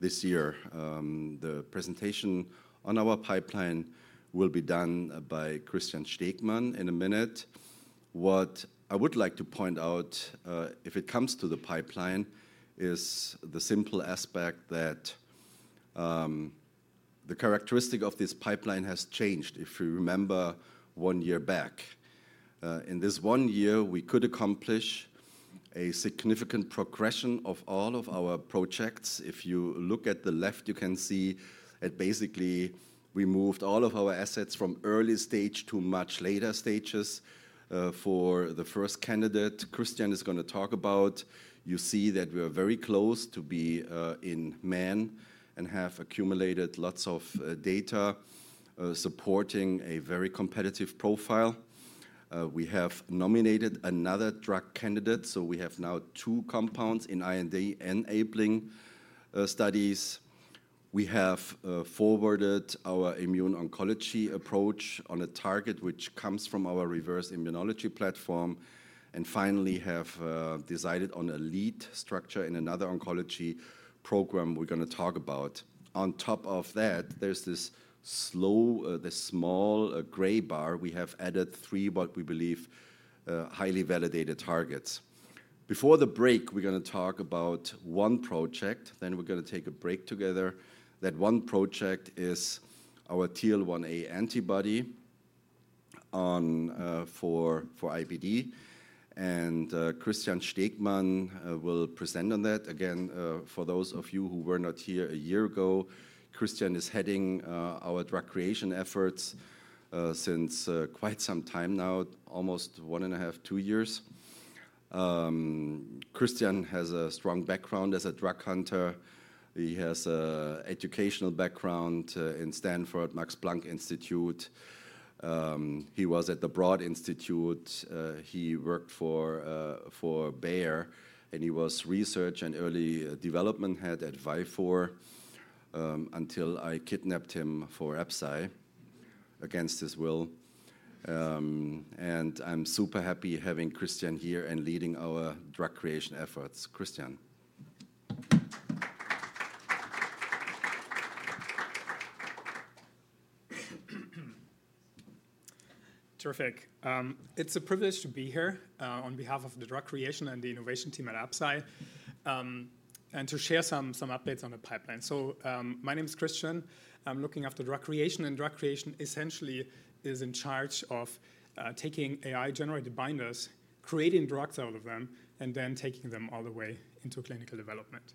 this year. The presentation on our pipeline will be done by Christian Stegmann in a minute. What I would like to point out, if it comes to the pipeline, is the simple aspect that the characteristic of this pipeline has changed, if you remember one year back. In this one year, we could accomplish a significant progression of all of our projects. If you look at the left, you can see that basically we moved all of our assets from early stage to much later stages. For the first candidate Christian is going to talk about, you see that we are very close to being in man and have accumulated lots of data supporting a very competitive profile. We have nominated another drug candidate. So we have now two compounds in IND-enabling studies. We have forwarded our immuno-oncology approach on a target which comes from our Reverse Immunology platform. And finally, we have decided on a lead structure in another oncology program we're going to talk about. On top of that, there's this small gray bar. We have added three what we believe highly validated targets. Before the break, we're going to talk about one project. Then we're going to take a break together. That one project is our TL1A antibody for IBD. And Christian Stegmann will present on that. Again, for those of you who were not here a year ago, Christian is heading our drug creation efforts since quite some time now, almost one and a half, two years. Christian has a strong background as a drug hunter. He has an educational background in Stanford, Max Planck Institute. He was at the Broad Institute. He worked for Bayer. And he was research and early development head at Vifor until I kidnapped him for Absci against his will. And I'm super happy having Christian here and leading our drug creation efforts. Christian.
Terrific. It's a privilege to be here on behalf of the drug creation and the innovation team at Absci and to share some updates on the pipeline. My name is Christian. I'm looking after drug creation. Drug creation essentially is in charge of taking AI-generated binders, creating drugs out of them, and then taking them all the way into clinical development.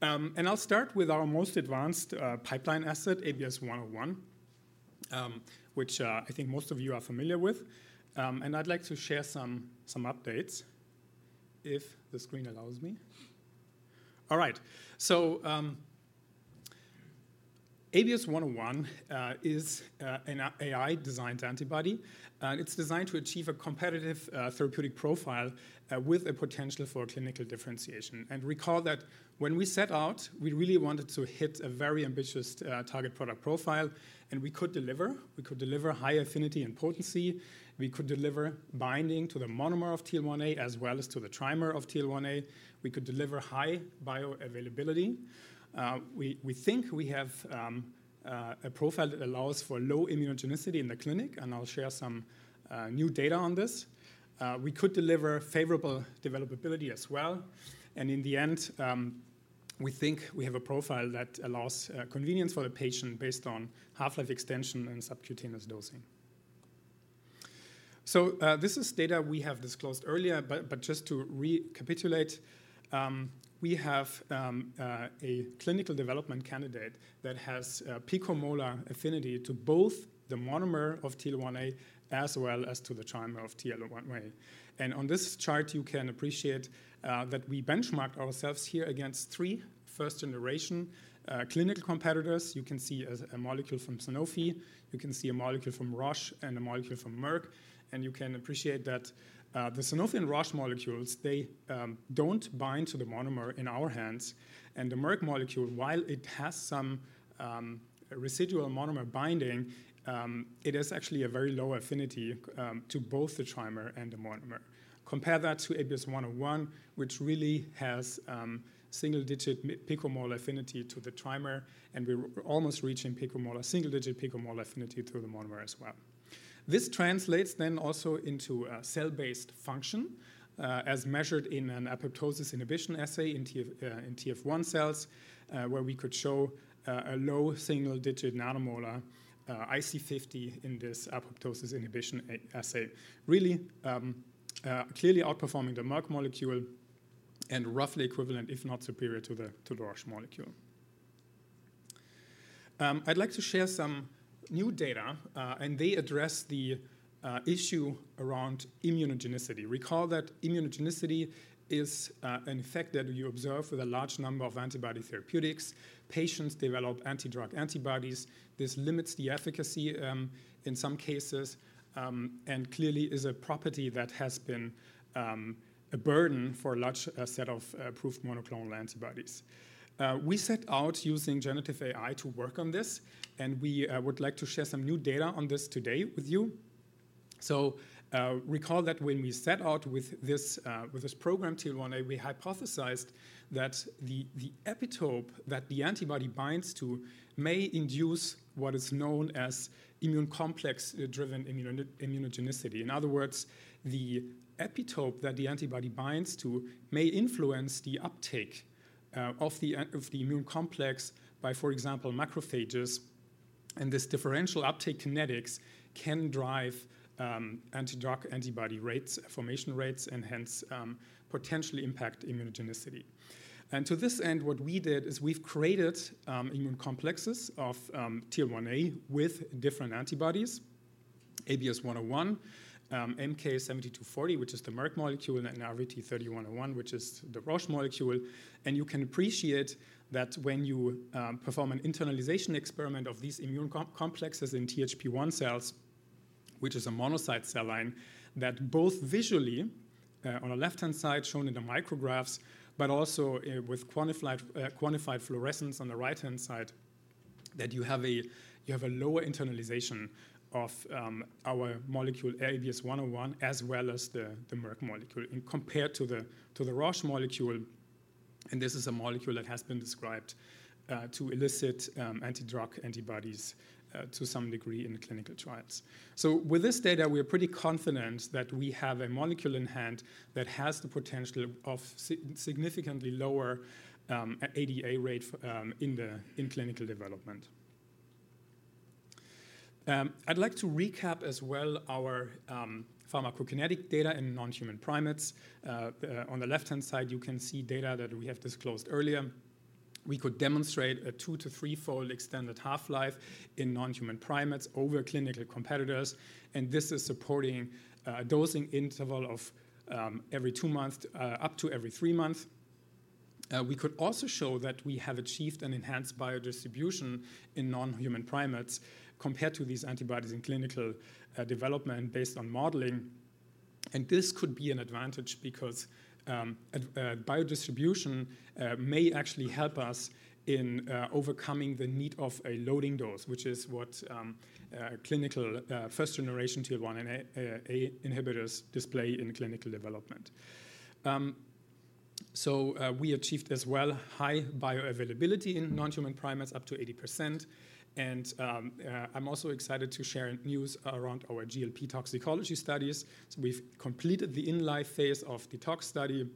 I'll start with our most advanced pipeline asset, ABS-101, which I think most of you are familiar with. I'd like to share some updates if the screen allows me. All right. ABS-101 is an AI-designed antibody. It's designed to achieve a competitive therapeutic profile with a potential for clinical differentiation. Recall that when we set out, we really wanted to hit a very ambitious target product profile. We could deliver. We could deliver high affinity and potency. We could deliver binding to the monomer of TL1A as well as to the trimer of TL1A. We could deliver high bioavailability. We think we have a profile that allows for low immunogenicity in the clinic, and I'll share some new data on this. We could deliver favorable developability as well, and in the end, we think we have a profile that allows convenience for the patient based on half-life extension and subcutaneous dosing. This is data we have disclosed earlier, but just to recap, we have a clinical development candidate that has picomolar affinity to both the monomer of TL1A as well as to the trimer of TL1A. On this chart, you can appreciate that we benchmarked ourselves here against three first-generation clinical competitors. You can see a molecule from Sanofi. You can see a molecule from Roche and a molecule from Merck. You can appreciate that the Sanofi and Roche molecules, they don't bind to the monomer in our hands. The Merck molecule, while it has some residual monomer binding, it is actually a very low affinity to both the trimer and the monomer. Compare that to ABS-101, which really has single-digit picomolar affinity to the trimer. We're almost reaching single-digit picomolar affinity to the monomer as well. This translates then also into cell-based function, as measured in an apoptosis inhibition assay in TF-1 cells, where we could show a low single-digit nanomolar IC50 in this apoptosis inhibition assay, really clearly outperforming the Merck molecule and roughly equivalent, if not superior, to the Roche molecule. I'd like to share some new data. They address the issue around immunogenicity. Recall that immunogenicity is an effect that you observe with a large number of antibody therapeutics. Patients develop anti-drug antibodies. This limits the efficacy in some cases and clearly is a property that has been a burden for a large set of approved monoclonal antibodies. We set out using generative AI to work on this, and we would like to share some new data on this today with you, so recall that when we set out with this program, TL1A, we hypothesized that the epitope that the antibody binds to may induce what is known as immune complex-driven immunogenicity. In other words, the epitope that the antibody binds to may influence the uptake of the immune complex by, for example, macrophages, and this differential uptake kinetics can drive anti-drug antibody rates, formation rates, and hence potentially impact immunogenicity. To this end, what we did is we've created immune complexes of TL1A with different antibodies: ABS-101, MK-7240, which is the Merck molecule, and RVT-3101, which is the Roche molecule. You can appreciate that when you perform an internalization experiment of these immune complexes in THP-1 cells, which is a monocyte cell line, that both visually on the left-hand side shown in the micrographs, but also with quantified fluorescence on the right-hand side, that you have a lower internalization of our molecule ABS-101 as well as the Merck molecule compared to the Roche molecule. This is a molecule that has been described to elicit antidrug antibodies to some degree in clinical trials. With this data, we are pretty confident that we have a molecule in hand that has the potential of significantly lower ADA rate in clinical development. I'd like to recap as well our pharmacokinetic data in non-human primates. On the left-hand side, you can see data that we have disclosed earlier. We could demonstrate a two to three-fold extended half-life in non-human primates over clinical competitors. And this is supporting a dosing interval of every two months up to every three months. We could also show that we have achieved an enhanced biodistribution in non-human primates compared to these antibodies in clinical development based on modeling. And this could be an advantage because biodistribution may actually help us in overcoming the need of a loading dose, which is what clinical first-generation TL1A inhibitors display in clinical development. So we achieved as well high bioavailability in non-human primates up to 80%. And I'm also excited to share news around our GLP toxicology studies. So we've completed the in-life phase of the tox study.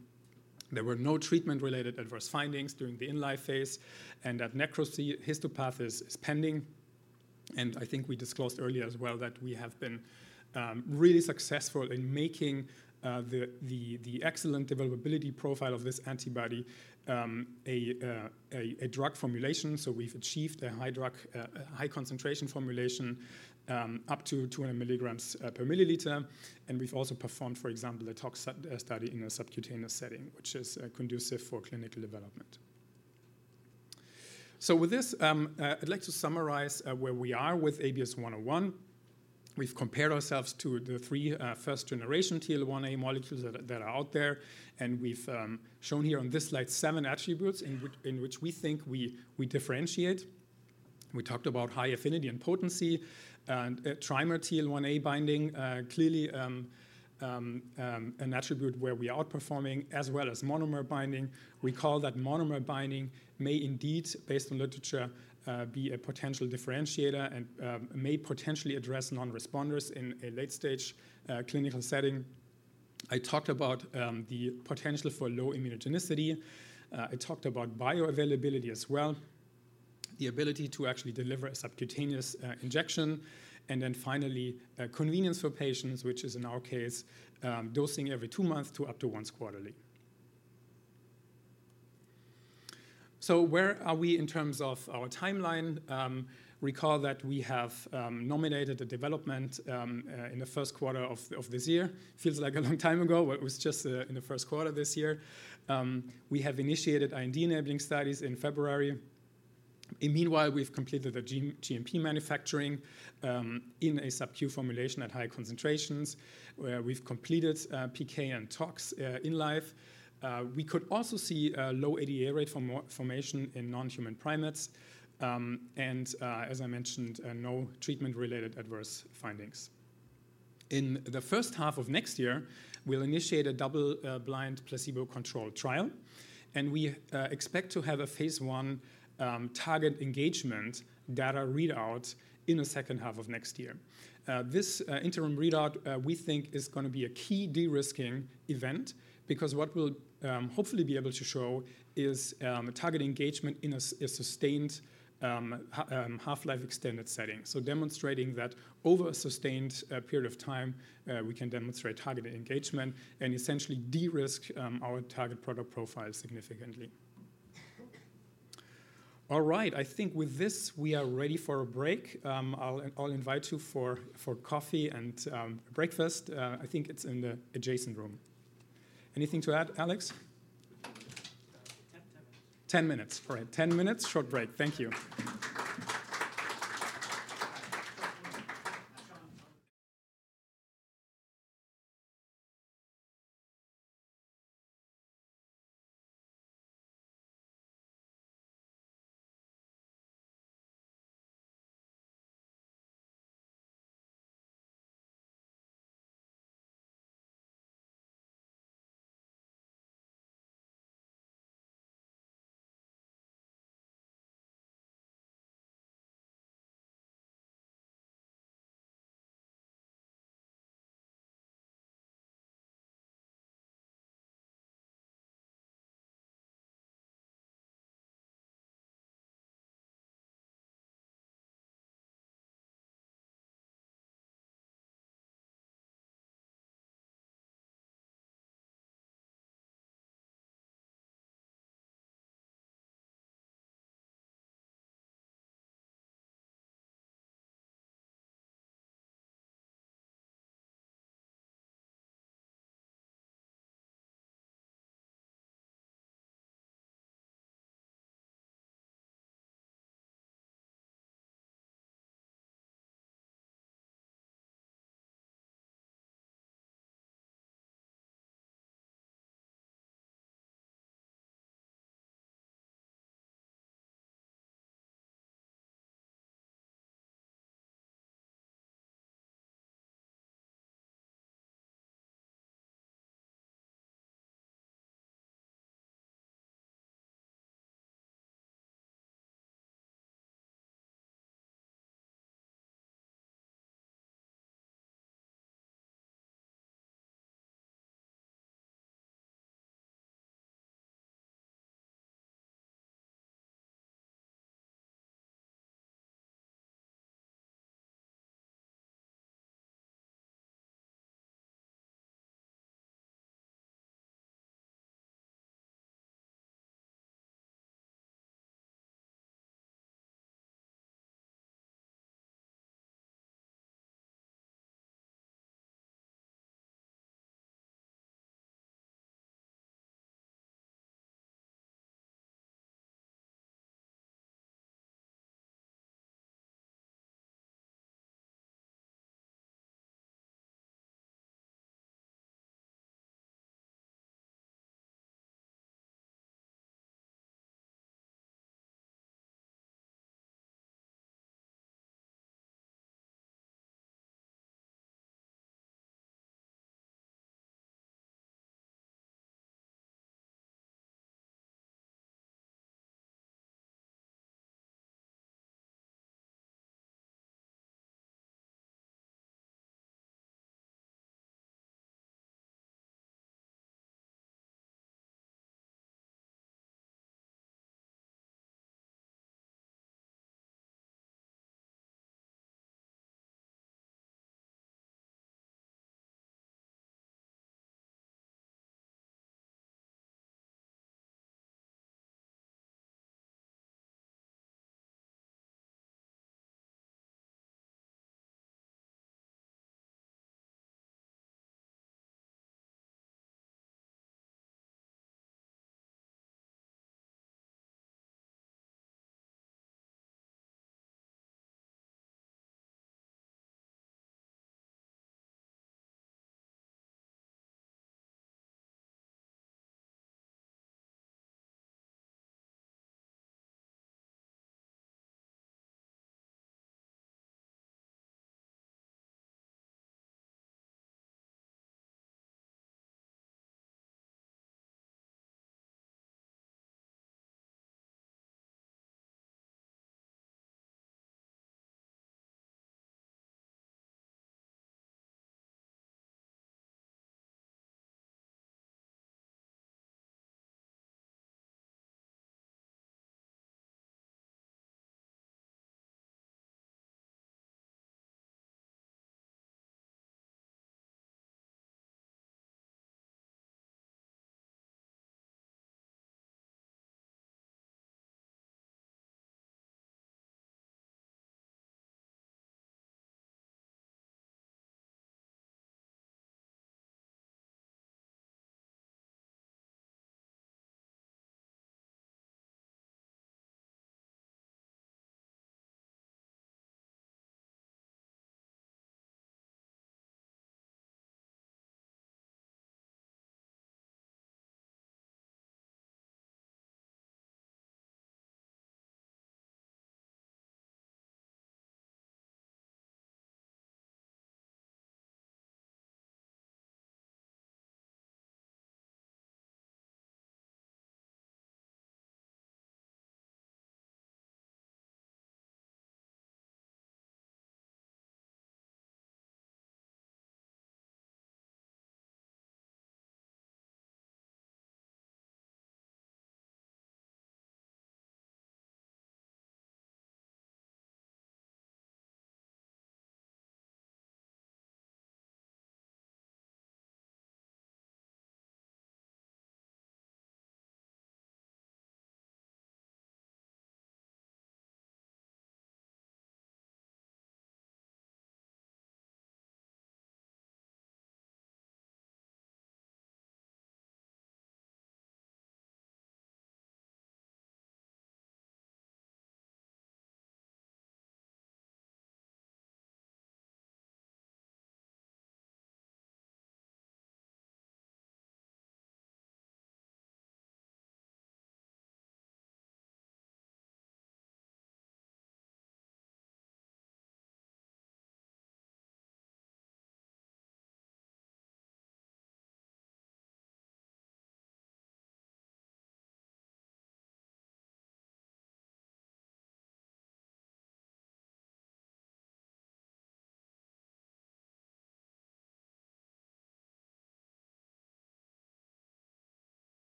There were no treatment-related adverse findings during the in-life phase. And that necropsy histopath is pending. And I think we disclosed earlier as well that we have been really successful in making the excellent developability profile of this antibody a drug formulation. So we've achieved a high drug, high concentration formulation up to 200 milligrams per milliliter. And we've also performed, for example, a tox study in a subcutaneous setting, which is conducive for clinical development. So with this, I'd like to summarize where we are with ABS-101. We've compared ourselves to the three first-generation TL1A molecules that are out there. And we've shown here on this slide seven attributes in which we think we differentiate. We talked about high affinity and potency. And trimer TL1A binding, clearly an attribute where we are outperforming, as well as monomer binding. Recall that monomer binding may indeed, based on literature, be a potential differentiator and may potentially address non-responders in a late-stage clinical setting. I talked about the potential for low immunogenicity. I talked about bioavailability as well, the ability to actually deliver a subcutaneous injection. And then finally, convenience for patients, which is in our case dosing every two months to up to once quarterly. So where are we in terms of our timeline? Recall that we have nominated the development in the first quarter of this year. Feels like a long time ago, but it was just in the first quarter this year. We have initiated IND-enabling studies in February. Meanwhile, we've completed the GMP manufacturing in a Sub-Q formulation at high concentrations, where we've completed PK and tox in-life. We could also see a low ADA rate formation in non-human primates. As I mentioned, no treatment-related adverse findings. In the first half of next year, we'll initiate a double-blind placebo-controlled trial. We expect to have a phase I target engagement data readout in the second half of next year. This interim readout, we think, is going to be a key de-risking event because what we'll hopefully be able to show is target engagement in a sustained half-life extended setting. Demonstrating that over a sustained period of time, we can demonstrate targeted engagement and essentially de-risk our target product profile significantly. All right. I think with this, we are ready for a break. I'll invite you for coffee and breakfast. I think it's in the adjacent room. Anything to add, Alex? 10 minutes. 10 minutes. All right. 10 minutes. Short break. Thank you.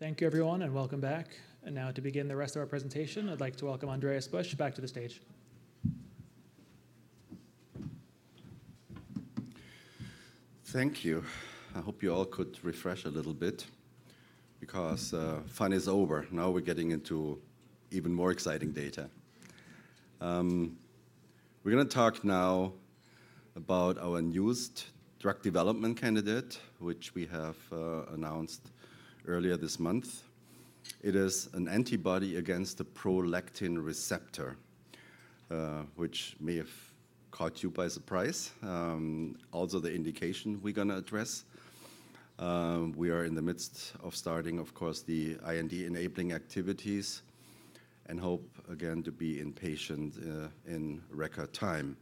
Thank you, everyone, and welcome back. And now, to begin the rest of our presentation, I'd like to welcome Andreas Busch back to the stage.
Thank you. I hope you all could refresh a little bit because fun is over. Now we're getting into even more exciting data. We're going to talk now about our newest drug development candidate, which we have announced earlier this month. It is an antibody against the prolactin receptor, which may have caught you by surprise. Also, the indication we're going to address. We are in the midst of starting, of course, the IND-enabling activities and hope, again, to be in patient in record time.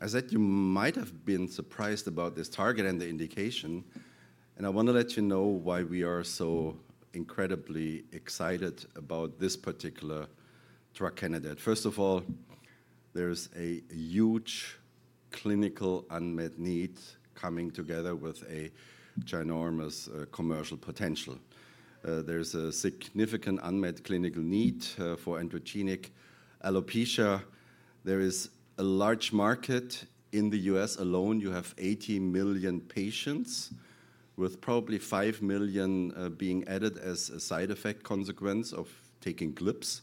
I said you might have been surprised about this target and the indication, and I want to let you know why we are so incredibly excited about this particular drug candidate. First of all, there's a huge clinical unmet need coming together with a ginormous commercial potential. There's a significant unmet clinical need for androgenetic alopecia. There is a large market in the U.S. alone. You have 80 million patients, with probably 5 million being added as a side effect consequence of taking GLPs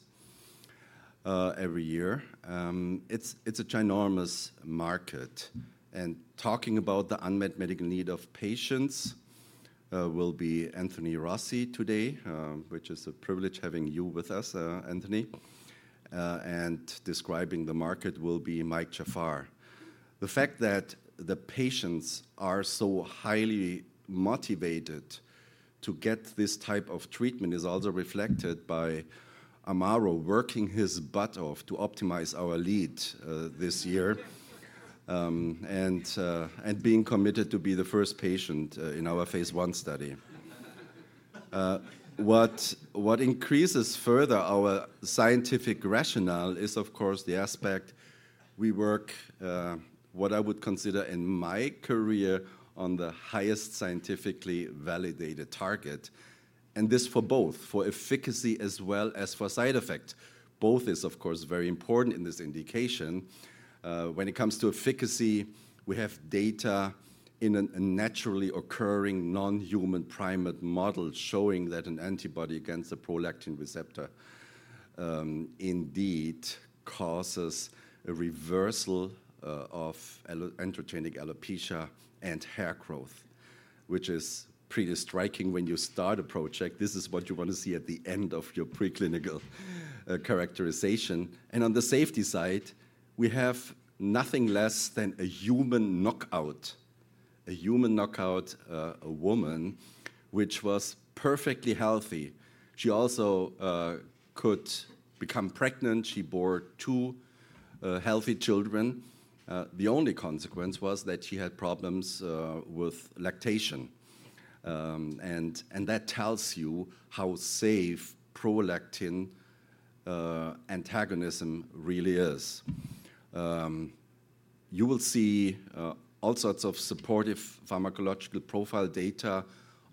every year. It's a ginormous market, and talking about the unmet medical need of patients will be Anthony Rossi today, which is a privilege having you with us, Anthony, and describing the market will be Mike Jafar. The fact that the patients are so highly motivated to get this type of treatment is also reflected by Amaro working his butt off to optimize our lead this year and being committed to be the first patient in our phase I study. What increases further our scientific rationale is, of course, the aspect we work, what I would consider in my career, on the highest scientifically validated target, and this for both, for efficacy as well as for side effect. Both is, of course, very important in this indication. When it comes to efficacy, we have data in a naturally occurring non-human primate model showing that an antibody against the prolactin receptor indeed causes a reversal of androgenetic alopecia and hair growth, which is pretty striking when you start a project. This is what you want to see at the end of your preclinical characterization. And on the safety side, we have nothing less than a human knockout, a human knockout, a woman which was perfectly healthy. She also could become pregnant. She bore two healthy children. The only consequence was that she had problems with lactation. And that tells you how safe prolactin antagonism really is. You will see all sorts of supportive pharmacological profile data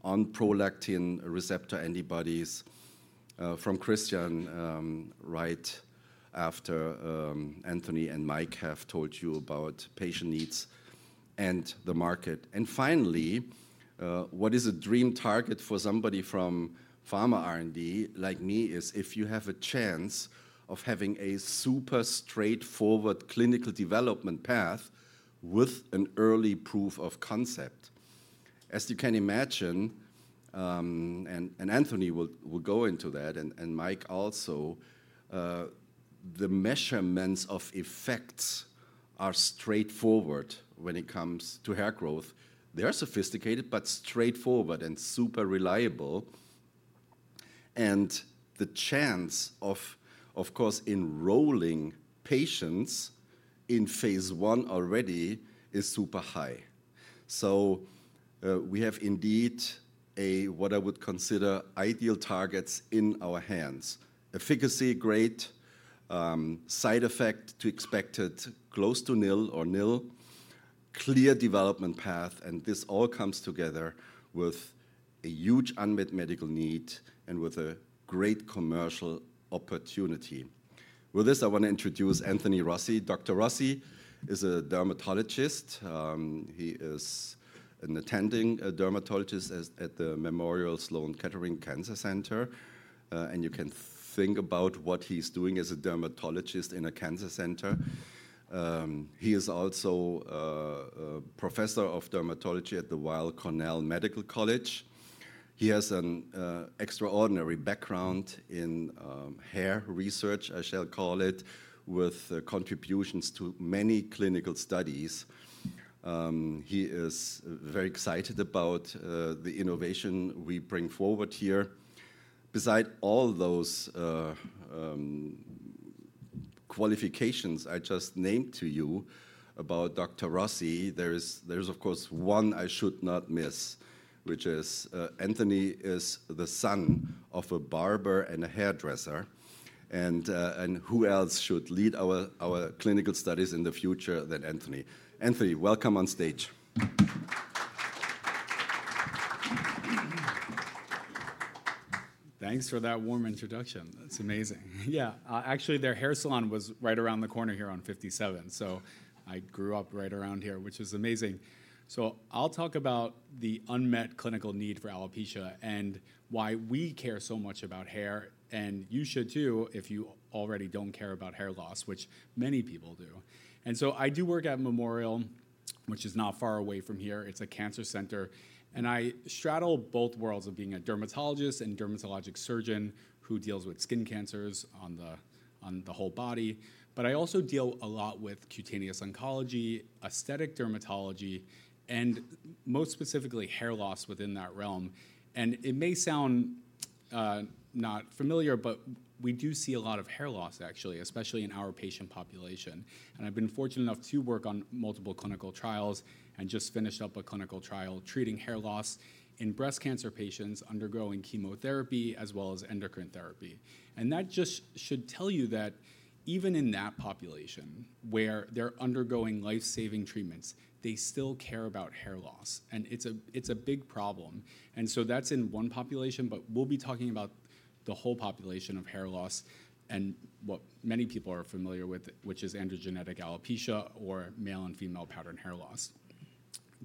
on prolactin receptor antibodies from Christian right after Anthony and Mike have told you about patient needs and the market. And finally, what is a dream target for somebody from Pharma R&D like me is if you have a chance of having a super straightforward clinical development path with an early proof of concept. As you can imagine, and Anthony will go into that, and Mike also, the measurements of effects are straightforward when it comes to hair growth. They're sophisticated but straightforward and super reliable. The chance of, of course, enrolling patients in phase I already is super high. We have indeed what I would consider ideal targets in our hands: efficacy, great side effect to expected close to nil or nil, clear development path. This all comes together with a huge unmet medical need and with a great commercial opportunity. With this, I want to introduce Anthony Rossi. Dr. Rossi is a dermatologist. He is an attending dermatologist at the Memorial Sloan Kettering Cancer Center. You can think about what he's doing as a dermatologist in a cancer center. He is also a professor of dermatology at the Weill Cornell Medical College. He has an extraordinary background in hair research, I shall call it, with contributions to many clinical studies. He is very excited about the innovation we bring forward here. Besides all those qualifications I just named to you about Dr. Rossi, there is, of course, one I should not miss, which is Anthony is the son of a barber and a hairdresser. And who else should lead our clinical studies in the future than Anthony? Anthony, welcome on stage.
Thanks for that warm introduction. That's amazing. Yeah, actually, their hair salon was right around the corner here on 57. So I grew up right around here, which is amazing. So I'll talk about the unmet clinical need for alopecia and why we care so much about hair. And you should too if you already don't care about hair loss, which many people do. And so I do work at Memorial, which is not far away from here. It's a cancer center. And I straddle both worlds of being a dermatologist and dermatologic surgeon who deals with skin cancers on the whole body. But I also deal a lot with cutaneous oncology, aesthetic dermatology, and most specifically hair loss within that realm. And it may sound not familiar, but we do see a lot of hair loss, actually, especially in our patient population. I've been fortunate enough to work on multiple clinical trials and just finished up a clinical trial treating hair loss in breast cancer patients undergoing chemotherapy as well as endocrine therapy. That just should tell you that even in that population where they're undergoing life-saving treatments, they still care about hair loss. It's a big problem. That's in one population, but we'll be talking about the whole population of hair loss and what many people are familiar with, which is androgenetic alopecia or male and female pattern hair loss.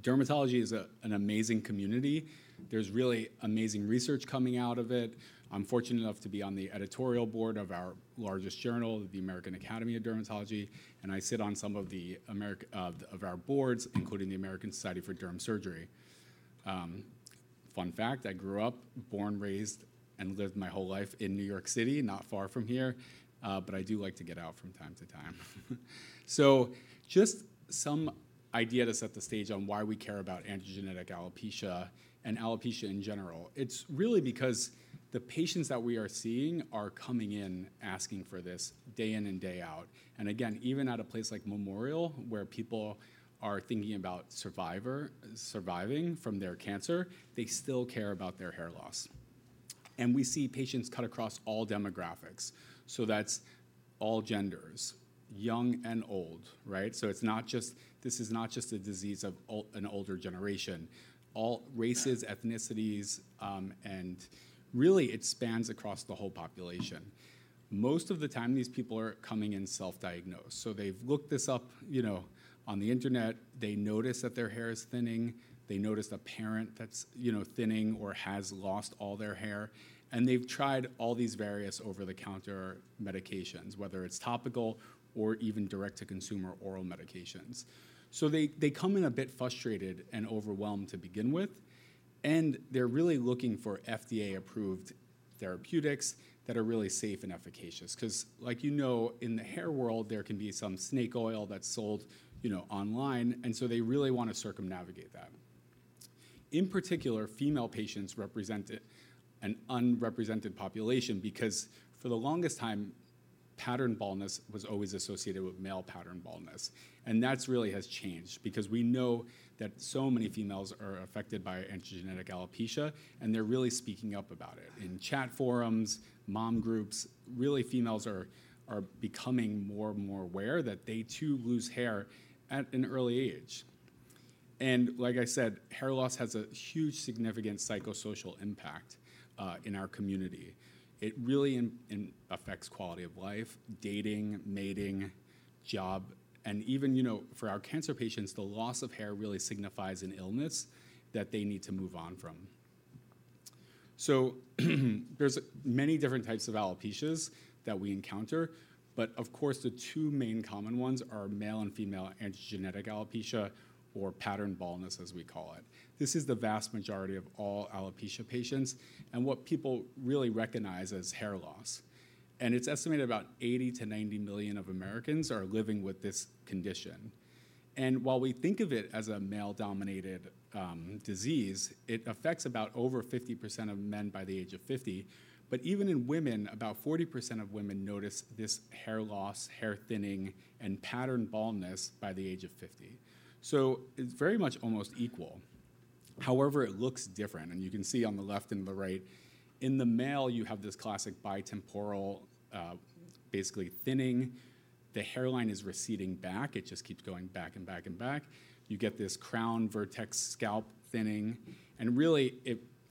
Dermatology is an amazing community. There's really amazing research coming out of it. I'm fortunate enough to be on the editorial board of our largest journal, the American Academy of Dermatology. I sit on some of our boards, including the American Society for Dermatologic Surgery. Fun fact, I grew up, born, raised, and lived my whole life in New York City, not far from here. But I do like to get out from time to time. So just some idea to set the stage on why we care about androgenetic alopecia and alopecia in general. It's really because the patients that we are seeing are coming in asking for this day in and day out. And again, even at a place like Memorial, where people are thinking about surviving from their cancer, they still care about their hair loss. And we see patients cut across all demographics. So that's all genders, young and old, right? So this is not just a disease of an older generation. All races, ethnicities, and really, it spans across the whole population. Most of the time, these people are coming in self-diagnosed. So they've looked this up on the internet. They notice that their hair is thinning. They notice a parent that's thinning or has lost all their hair. And they've tried all these various over-the-counter medications, whether it's topical or even direct-to-consumer oral medications. So they come in a bit frustrated and overwhelmed to begin with. And they're really looking for FDA-approved therapeutics that are really safe and efficacious. Because, like you know, in the hair world, there can be some snake oil that's sold online. And so they really want to circumnavigate that. In particular, female patients represent an unrepresented population because for the longest time, pattern baldness was always associated with male pattern baldness. And that really has changed because we know that so many females are affected by androgenetic alopecia, and they're really speaking up about it in chat forums, mom groups. Really, females are becoming more and more aware that they too lose hair at an early age. And like I said, hair loss has a huge significant psychosocial impact in our community. It really affects quality of life, dating, mating, job. And even for our cancer patients, the loss of hair really signifies an illness that they need to move on from. So there's many different types of alopecia that we encounter. But of course, the two main common ones are male and female androgenetic alopecia or pattern baldness, as we call it. This is the vast majority of all alopecia patients and what people really recognize as hair loss. And it's estimated about 80-90 million Americans are living with this condition. And while we think of it as a male-dominated disease, it affects about over 50% of men by the age of 50. But even in women, about 40% of women notice this hair loss, hair thinning, and pattern baldness by the age of 50. So it's very much almost equal. However, it looks different. And you can see on the left and the right, in the male, you have this classic bitemporal, basically thinning. The hairline is receding back. It just keeps going back and back and back. You get this crown vertex scalp thinning. And really,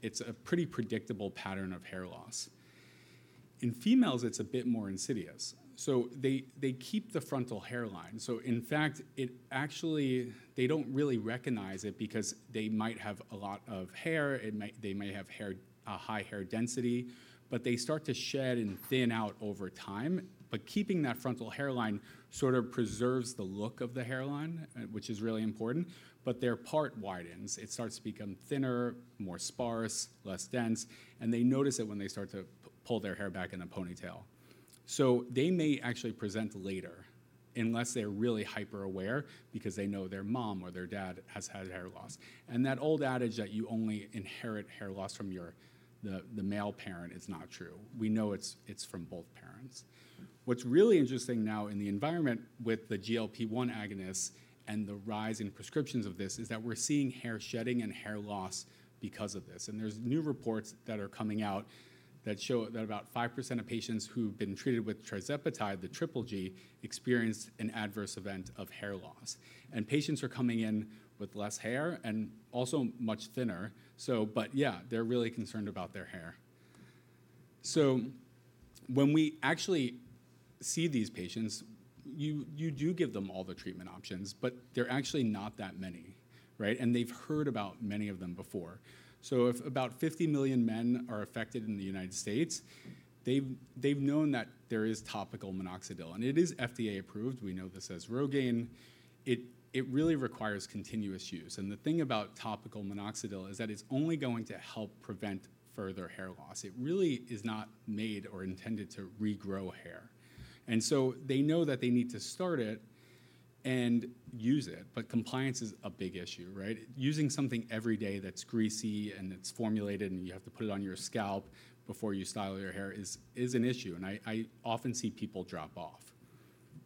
it's a pretty predictable pattern of hair loss. In females, it's a bit more insidious. So they keep the frontal hairline. So in fact, they don't really recognize it because they might have a lot of hair. They might have high hair density. But they start to shed and thin out over time. But keeping that frontal hairline sort of preserves the look of the hairline, which is really important. But their part widens. It starts to become thinner, more sparse, less dense. They notice it when they start to pull their hair back in a ponytail. So they may actually present later unless they're really hyperaware because they know their mom or their dad has had hair loss. That old adage that you only inherit hair loss from the male parent is not true. We know it's from both parents. What's really interesting now in the environment with the GLP-1 agonists and the rise in prescriptions of this is that we're seeing hair shedding and hair loss because of this. There's new reports that are coming out that show that about 5% of patients who've been treated with tirzepatide, the triple G, experienced an adverse event of hair loss. Patients are coming in with less hair and also much thinner. But yeah, they're really concerned about their hair. So when we actually see these patients, you do give them all the treatment options, but they're actually not that many, right? And they've heard about many of them before. So if about 50 million men are affected in the United States, they've known that there is topical minoxidil. And it is FDA approved. We know this as Rogaine. It really requires continuous use. And the thing about topical minoxidil is that it's only going to help prevent further hair loss. It really is not made or intended to regrow hair. And so they know that they need to start it and use it. But compliance is a big issue, right? Using something every day that's greasy and it's formulated and you have to put it on your scalp before you style your hair is an issue. And I often see people drop off.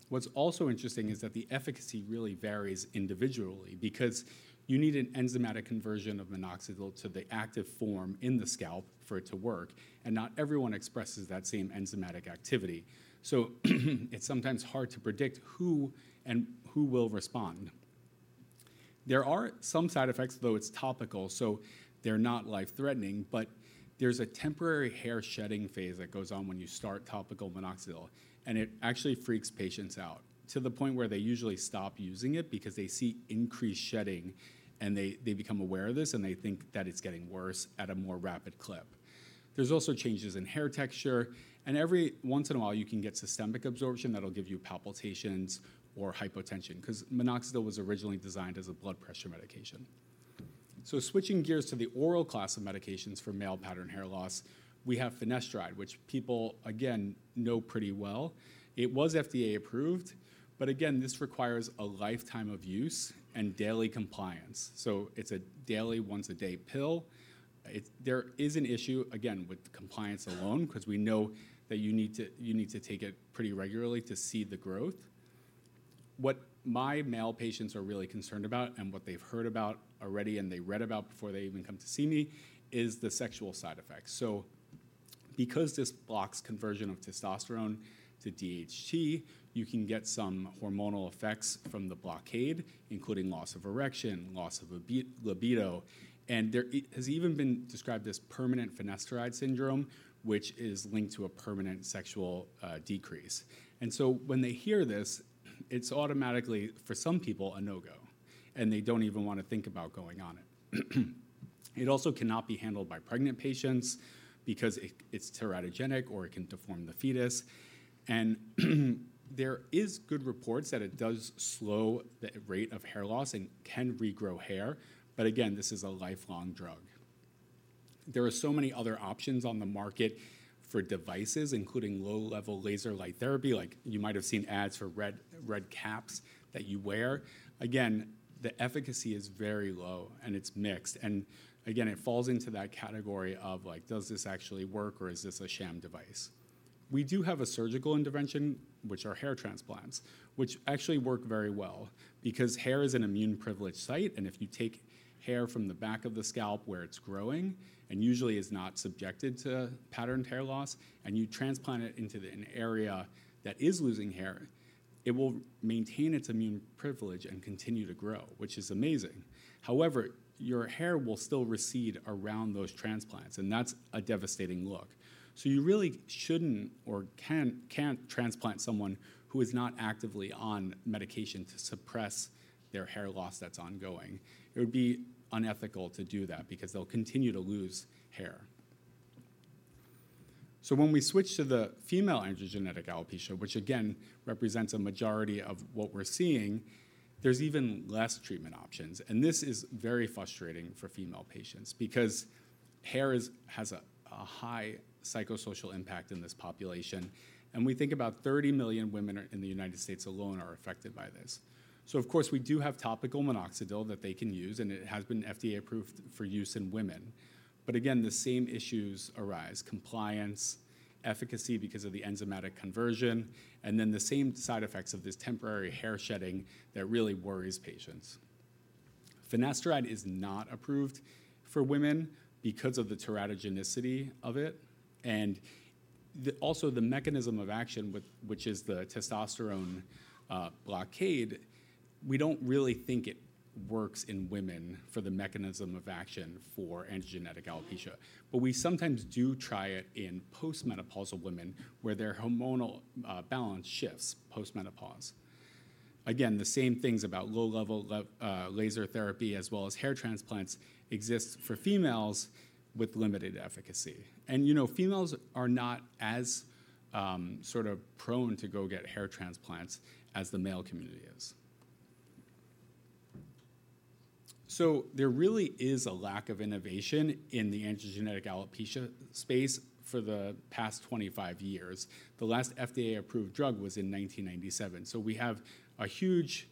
What's also interesting is that the efficacy really varies individually because you need an enzymatic conversion of minoxidil to the active form in the scalp for it to work. And not everyone expresses that same enzymatic activity. So it's sometimes hard to predict who will and who won't respond. There are some side effects, though it's topical. So they're not life-threatening. But there's a temporary hair shedding phase that goes on when you start topical minoxidil. And it actually freaks patients out to the point where they usually stop using it because they see increased shedding. And they become aware of this. And they think that it's getting worse at a more rapid clip. There's also changes in hair texture. And every once in a while, you can get systemic absorption that'll give you palpitations or hypotension because minoxidil was originally designed as a blood pressure medication. So switching gears to the oral class of medications for male pattern hair loss, we have finasteride, which people, again, know pretty well. It was FDA approved. But again, this requires a lifetime of use and daily compliance. So it's a daily, once-a-day pill. There is an issue, again, with compliance alone because we know that you need to take it pretty regularly to see the growth. What my male patients are really concerned about and what they've heard about already and they read about before they even come to see me is the sexual side effects. So because this blocks conversion of testosterone to DHT, you can get some hormonal effects from the blockade, including loss of erection, loss of libido. And there has even been described this permanent finasteride syndrome, which is linked to a permanent sexual decrease. And so when they hear this, it's automatically, for some people, a no-go. And they don't even want to think about going on it. It also cannot be handled by pregnant patients because it's teratogenic or it can deform the fetus. And there are good reports that it does slow the rate of hair loss and can regrow hair. But again, this is a lifelong drug. There are so many other options on the market for devices, including low-level laser light therapy. You might have seen ads for red caps that you wear. Again, the efficacy is very low. And it's mixed. And again, it falls into that category of like, does this actually work or is this a sham device? We do have a surgical intervention, which are hair transplants, which actually work very well because hair is an immune-privileged site. And if you take hair from the back of the scalp where it's growing and usually is not subjected to patterned hair loss and you transplant it into an area that is losing hair, it will maintain its immune privilege and continue to grow, which is amazing. However, your hair will still recede around those transplants. And that's a devastating look. So you really shouldn't or can't transplant someone who is not actively on medication to suppress their hair loss that's ongoing. It would be unethical to do that because they'll continue to lose hair. So when we switch to the female androgenetic alopecia, which again represents a majority of what we're seeing, there's even less treatment options. And this is very frustrating for female patients because hair has a high psychosocial impact in this population. And we think about 30 million women in the United States alone are affected by this. So of course, we do have topical minoxidil that they can use. And it has been FDA approved for use in women. But again, the same issues arise: compliance, efficacy because of the enzymatic conversion, and then the same side effects of this temporary hair shedding that really worries patients. finasteride is not approved for women because of the teratogenicity of it. And also the mechanism of action, which is the testosterone blockade, we don't really think it works in women for the mechanism of action for androgenetic alopecia. But we sometimes do try it in postmenopausal women where their hormonal balance shifts postmenopause. Again, the same things about low-level laser therapy as well as hair transplants exist for females with limited efficacy. And females are not as sort of prone to go get hair transplants as the male community is. So there really is a lack of innovation in the androgenetic alopecia space for the past 25 years. The last FDA-approved drug was in 1997. So we have a huge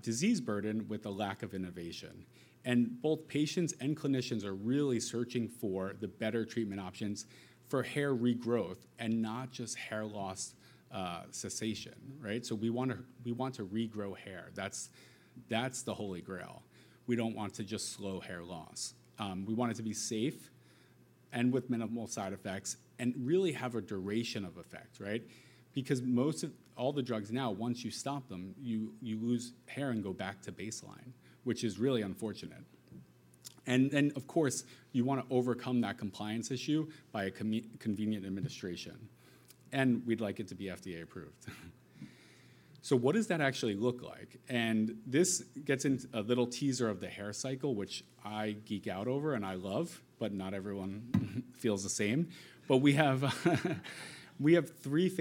disease burden with a lack of innovation. And both patients and clinicians are really searching for the better treatment options for hair regrowth and not just hair loss cessation, right? So we want to regrow hair. That's the Holy Grail. We don't want to just slow hair loss. We want it to be safe and with minimal side effects and really have a duration of effect, right? Because all the drugs now, once you stop them, you lose hair and go back to baseline, which is really unfortunate. And of course, you want to overcome that compliance issue by a convenient administration. We'd like it to be FDA approved. What does that actually look like? This gets into a little teaser of the hair cycle, which I geek out over and I love, but not everyone feels the same. We have three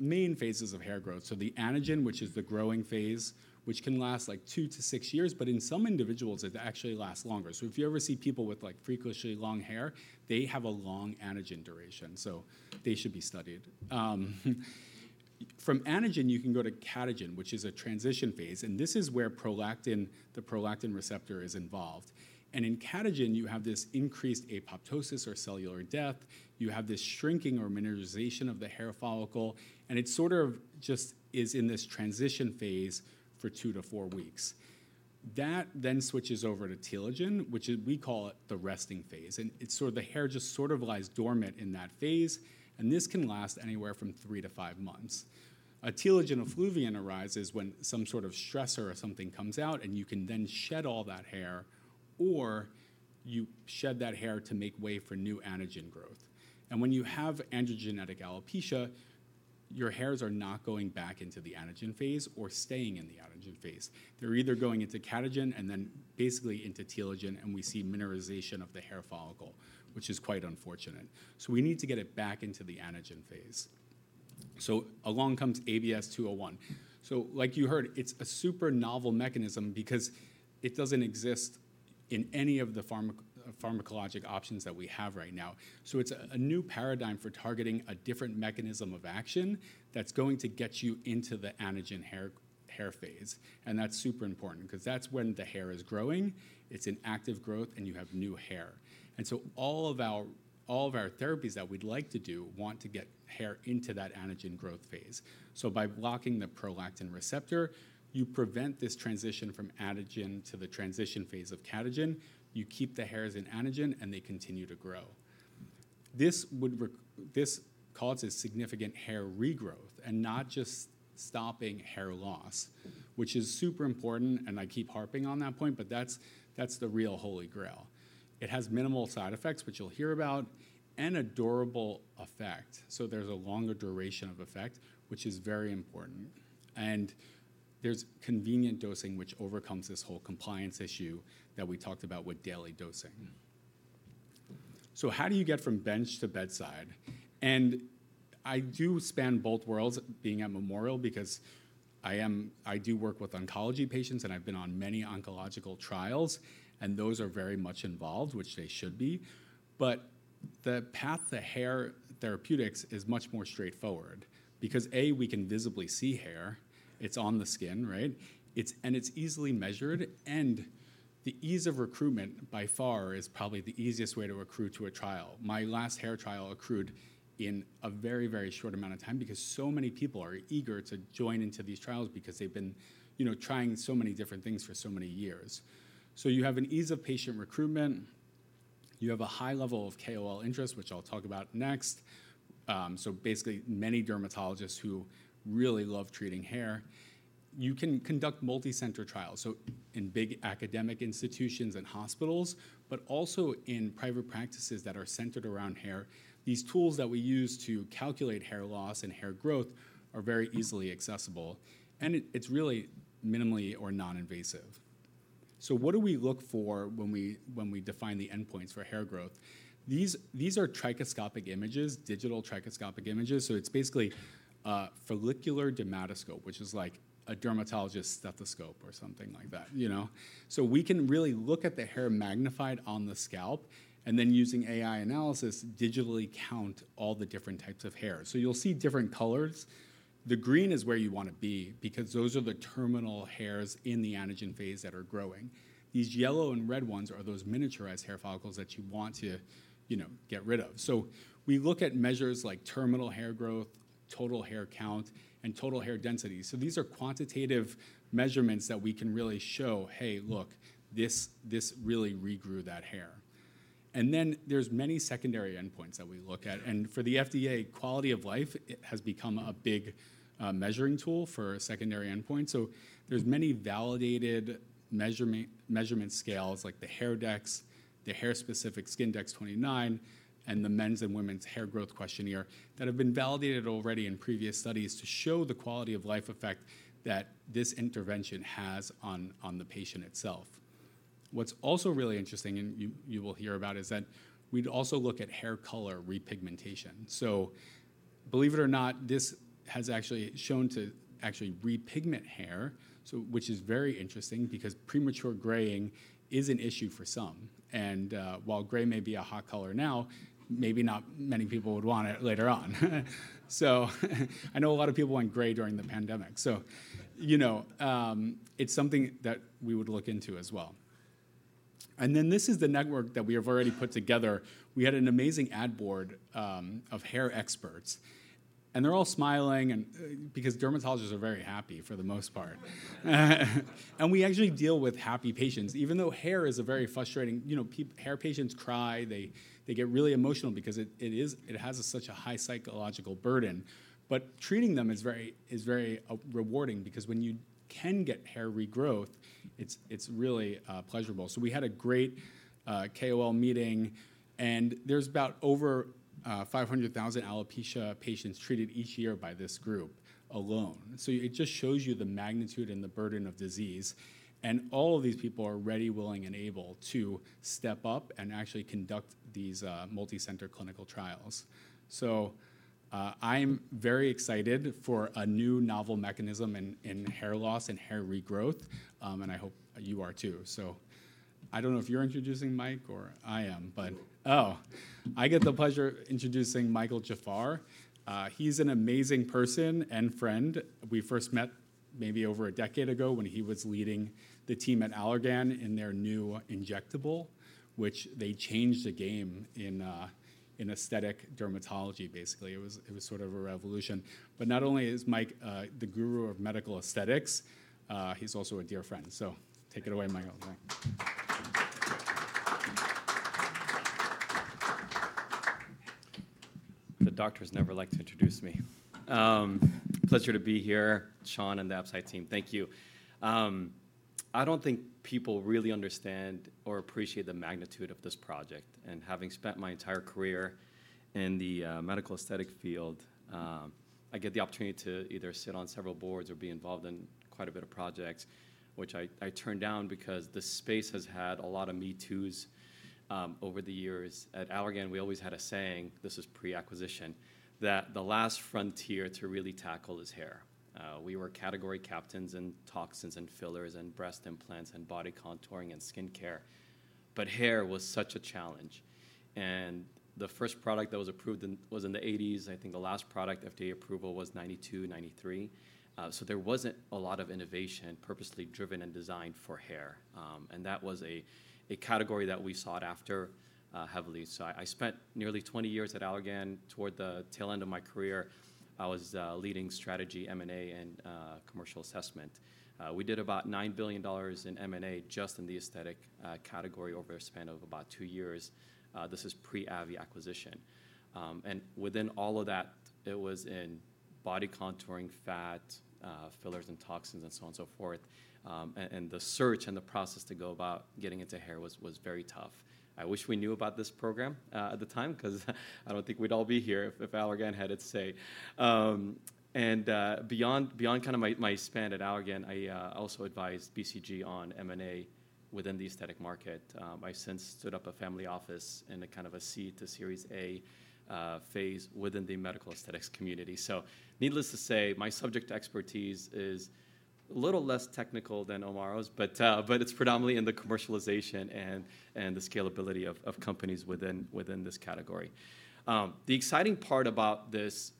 main phases of hair growth. The anagen, which is the growing phase, which can last like two to six years. In some individuals, it actually lasts longer. If you ever see people with frequently long hair, they have a long anagen duration. They should be studied. From anagen, you can go to catagen, which is a transition phase. This is where the prolactin receptor is involved. In catagen, you have this increased apoptosis or cellular death. You have this shrinking or miniaturization of the hair follicle. It sort of just is in this transition phase for two to four weeks. That then switches over to telogen, which we call it the resting phase. The hair just sort of lies dormant in that phase. This can last anywhere from three to five months. A telogen effluvium arises when some sort of stressor or something comes out. You can then shed all that hair or you shed that hair to make way for new anagen growth. When you have androgenetic alopecia, your hairs are not going back into the anagen phase or staying in the anagen phase. They're either going into catagen and then basically into telogen. We see mineralization of the hair follicle, which is quite unfortunate. We need to get it back into the anagen phase. Along comes ABS-201. Like you heard, it's a super novel mechanism because it doesn't exist in any of the pharmacologic options that we have right now. It's a new paradigm for targeting a different mechanism of action that's going to get you into the anagen phase. That's super important because that's when the hair is growing. It's in active growth. You have new hair. All of our therapies that we'd like to do want to get hair into that anagen growth phase. By blocking the prolactin receptor, you prevent this transition from anagen to the transition phase of catagen. You keep the hairs in anagen. They continue to grow. This causes significant hair regrowth and not just stopping hair loss, which is super important. I keep harping on that point. That's the real holy grail. It has minimal side effects, which you'll hear about, and durable effect. So there's a longer duration of effect, which is very important. And there's convenient dosing, which overcomes this whole compliance issue that we talked about with daily dosing. So how do you get from bench to bedside? And I do span both worlds being at Memorial because I do work with oncology patients. And I've been on many oncological trials. And those are very much involved, which they should be. But the path to hair therapeutics is much more straightforward because, A, we can visibly see hair. It's on the skin, right? And it's easily measured. And the ease of recruitment by far is probably the easiest way to recruit to a trial. My last hair trial occurred in a very, very short amount of time because so many people are eager to join into these trials because they've been trying so many different things for so many years, so you have an ease of patient recruitment. You have a high level of KOL interest, which I'll talk about next, so basically, many dermatologists who really love treating hair. You can conduct multi-center trials, so in big academic institutions and hospitals, but also in private practices that are centered around hair, these tools that we use to calculate hair loss and hair growth are very easily accessible, and it's really minimally or non-invasive, so what do we look for when we define the endpoints for hair growth? These are digital trichoscopic images, so it's basically a follicular dermatoscope, which is like a dermatologist's stethoscope or something like that. We can really look at the hair magnified on the scalp and then, using AI analysis, digitally count all the different types of hair. So you'll see different colors. The green is where you want to be because those are the terminal hairs in the anagen phase that are growing. These yellow and red ones are those miniaturized hair follicles that you want to get rid of. So we look at measures like terminal hair growth, total hair count, and total hair density. So these are quantitative measurements that we can really show, hey, look, this really regrew that hair. And then there's many secondary endpoints that we look at. And for the FDA, quality of life has become a big measuring tool for secondary endpoints. There are many validated measurement scales like the Hairdex, the Hair-Specific Skindex-29, and the Men's and Women's Hair Growth Questionnaire that have been validated already in previous studies to show the quality of life effect that this intervention has on the patient itself. What's also really interesting and you will hear about is that we'd also look at hair color repigmentation. So believe it or not, this has actually shown to actually repigment hair, which is very interesting because premature graying is an issue for some. And while gray may be a hot color now, maybe not many people would want it later on. So I know a lot of people went gray during the pandemic. So it's something that we would look into as well. And then this is the network that we have already put together. We had an amazing advisory board of hair experts. They're all smiling because dermatologists are very happy for the most part. We actually deal with happy patients, even though hair is a very frustrating hair. Patients cry. They get really emotional because it has such a high psychological burden. But treating them is very rewarding because when you can get hair regrowth, it's really pleasurable. We had a great KOL meeting. There's about over 500,000 alopecia patients treated each year by this group alone. It just shows you the magnitude and the burden of disease. All of these people are ready, willing, and able to step up and actually conduct these multi-center clinical trials. I'm very excited for a new novel mechanism in hair loss and hair regrowth. I hope you are too. So I don't know if you're introducing Mike or I am, but oh, I get the pleasure introducing Michael Jafar. He's an amazing person and friend. We first met maybe over a decade ago when he was leading the team at Allergan in their new injectable, which they changed the game in aesthetic dermatology, basically. It was sort of a revolution. But not only is Mike the guru of medical aesthetics, he's also a dear friend. So take it away, Michael.
The doctors never like to introduce me. Pleasure to be here, Sean and the Absci team. Thank you. I don't think people really understand or appreciate the magnitude of this project. Having spent my entire career in the medical aesthetic field, I get the opportunity to either sit on several boards or be involved in quite a bit of projects, which I turned down because the space has had a lot of me toos over the years. At Allergan, we always had a saying, this is pre-acquisition, that the last frontier to really tackle is hair. We were category captains in toxins and fillers and breast implants and body contouring and skin care. But hair was such a challenge. And the first product that was approved was in the 1980s. I think the last product FDA approval was 1992, 1993. So there wasn't a lot of innovation purposely driven and designed for hair. And that was a category that we sought after heavily. So I spent nearly 20 years at Allergan. Toward the tail end of my career, I was leading strategy, M&A, and commercial assessment. We did about $9 billion in M&A just in the aesthetic category over a span of about two years. This is pre-AbbVie acquisition. Within all of that, it was in body contouring, fat, fillers, and toxins, and so on and so forth. The search and the process to go about getting into hair was very tough. I wish we knew about this program at the time because I don't think we'd all be here if Allergan had it to say. Beyond kind of my span at Allergan, I also advised BCG on M&A within the aesthetic market. I since stood up a family office in a kind of a seed to series A phase within the medical aesthetics community. Needless to say, my subject expertise is a little less technical than Amaro's, but it's predominantly in the commercialization and the scalability of companies within this category. The exciting part about this,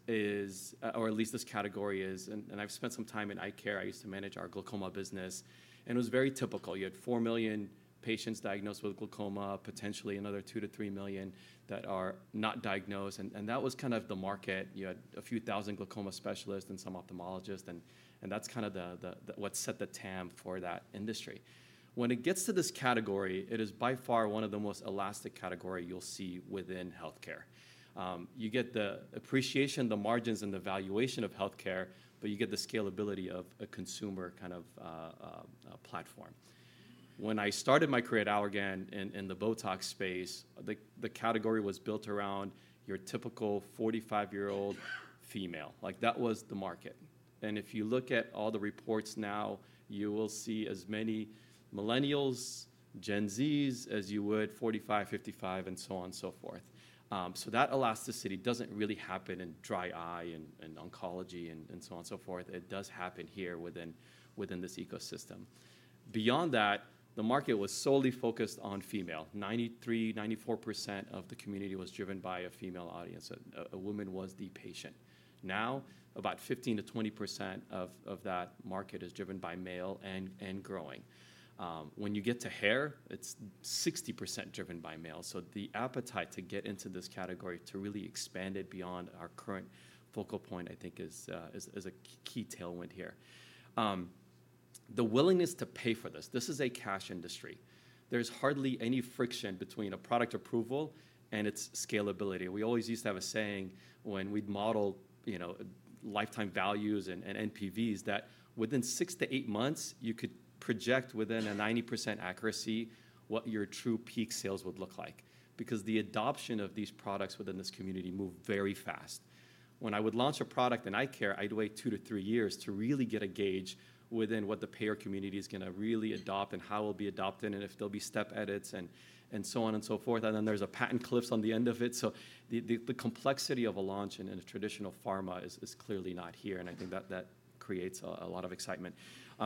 or at least this category, is, and I've spent some time in eye care. I used to manage our glaucoma business. And it was very typical. You had four million patients diagnosed with glaucoma, potentially another two to three million that are not diagnosed. And that was kind of the market. You had a few thousand glaucoma specialists and some ophthalmologists. And that's kind of what set the TAM for that industry. When it gets to this category, it is by far one of the most elastic categories you'll see within health care. You get the appreciation, the margins, and the valuation of health care, but you get the scalability of a consumer kind of platform. When I started my career at Allergan in the Botox space, the category was built around your typical 45-year-old female. That was the market, and if you look at all the reports now, you will see as many millennials, Gen Zs as you would, 45, 55, and so on and so forth, so that elasticity doesn't really happen in dry eye and oncology and so on and so forth. It does happen here within this ecosystem. Beyond that, the market was solely focused on female. 93%, 94% of the community was driven by a female audience. A woman was the patient. Now, about 15%-20% of that market is driven by male and growing. When you get to hair, it's 60% driven by male, so the appetite to get into this category, to really expand it beyond our current focal point, I think, is a key tailwind here. The willingness to pay for this, this is a cash industry. There's hardly any friction between a product approval and its scalability. We always used to have a saying when we'd model lifetime values and NPVs that within six to eight months, you could project within a 90% accuracy what your true peak sales would look like because the adoption of these products within this community moved very fast. When I would launch a product in eye care, I'd wait two to three years to really get a gauge within what the payer community is going to really adopt and how it'll be adopted and if there'll be step edits and so on and so forth. And then there's a patent cliffs on the end of it. So the complexity of a launch in a traditional pharma is clearly not here. And I think that creates a lot of excitement.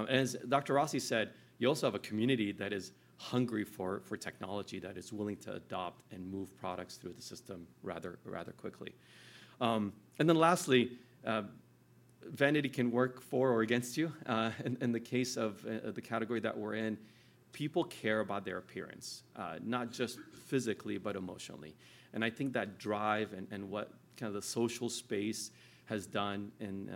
As Dr. Rossi said, you also have a community that is hungry for technology that is willing to adopt and move products through the system rather quickly. And then lastly, vanity can work for or against you. In the case of the category that we're in, people care about their appearance, not just physically, but emotionally. And I think that drive and what kind of the social space has done in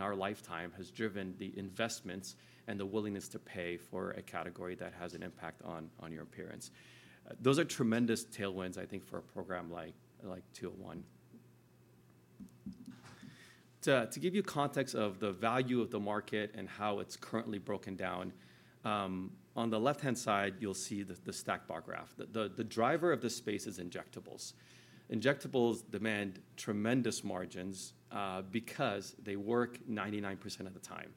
our lifetime has driven the investments and the willingness to pay for a category that has an impact on your appearance. Those are tremendous tailwinds, I think, for a program like 201. To give you context of the value of the market and how it's currently broken down, on the left-hand side, you'll see the stacked bar graph. The driver of this space is injectables. Injectables demand tremendous margins because they work 99% of the time.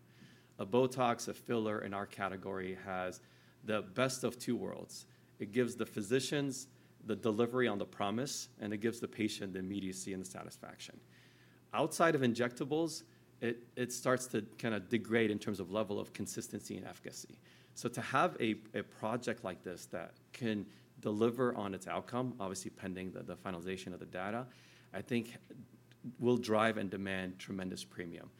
A Botox, a filler in our category, has the best of two worlds. It gives the physicians the delivery on the promise, and it gives the patient the immediacy and the satisfaction. Outside of injectables, it starts to kind of degrade in terms of level of consistency and efficacy. So to have a project like this that can deliver on its outcome, obviously pending the finalization of the data, I think will drive and demand tremendous premium.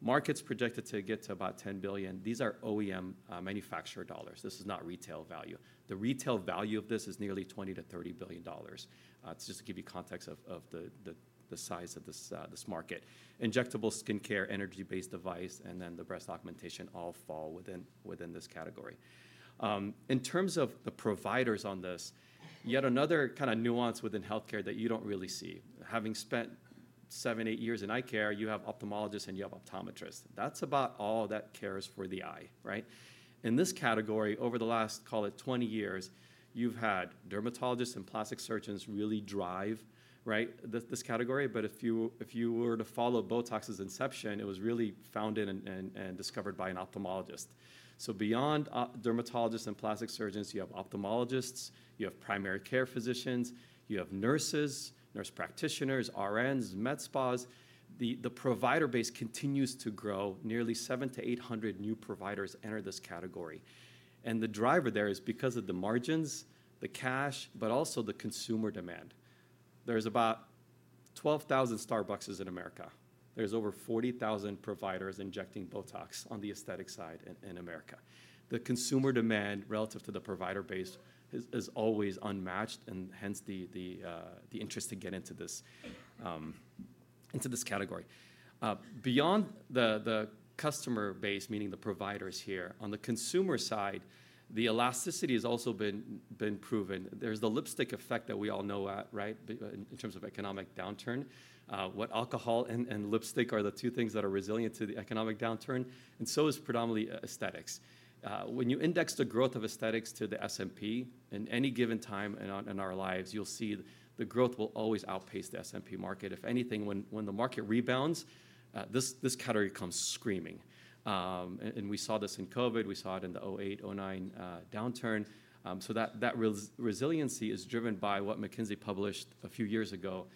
Market's projected to get to about $10 billion. These are OEM manufacturer dollars. This is not retail value. The retail value of this is nearly $20-$30 billion. It's just to give you context of the size of this market. Injectables, skin care, energy-based device, and then the breast augmentation all fall within this category. In terms of the providers on this, yet another kind of nuance within health care that you don't really see. Having spent seven, eight years in eye care, you have ophthalmologists and you have optometrists. That's about all that cares for the eye, right? In this category, over the last, call it 20 years, you've had dermatologists and plastic surgeons really drive this category. But if you were to follow Botox's inception, it was really founded and discovered by an ophthalmologist. So beyond dermatologists and plastic surgeons, you have ophthalmologists, you have primary care physicians, you have nurses, nurse practitioners, RNs, med spas. The provider base continues to grow. Nearly 700 to 800 new providers enter this category. And the driver there is because of the margins, the cash, but also the consumer demand. There's about 12,000 Starbucks in America. There's over 40,000 providers injecting Botox on the aesthetic side in America. The consumer demand relative to the provider base is always unmatched, and hence the interest to get into this category. Beyond the customer base, meaning the providers here, on the consumer side, the elasticity has also been proven. There's the lipstick effect that we all know in terms of economic downturn. What alcohol and lipstick are the two things that are resilient to the economic downturn? And so is predominantly aesthetics. When you index the growth of aesthetics to the S&P in any given time in our lives, you'll see the growth will always outpace the S&P market. If anything, when the market rebounds, this category comes screaming. And we saw this in COVID. We saw it in the 2008, 2009 downturn. So that resiliency is driven by what McKinsey published a few years ago.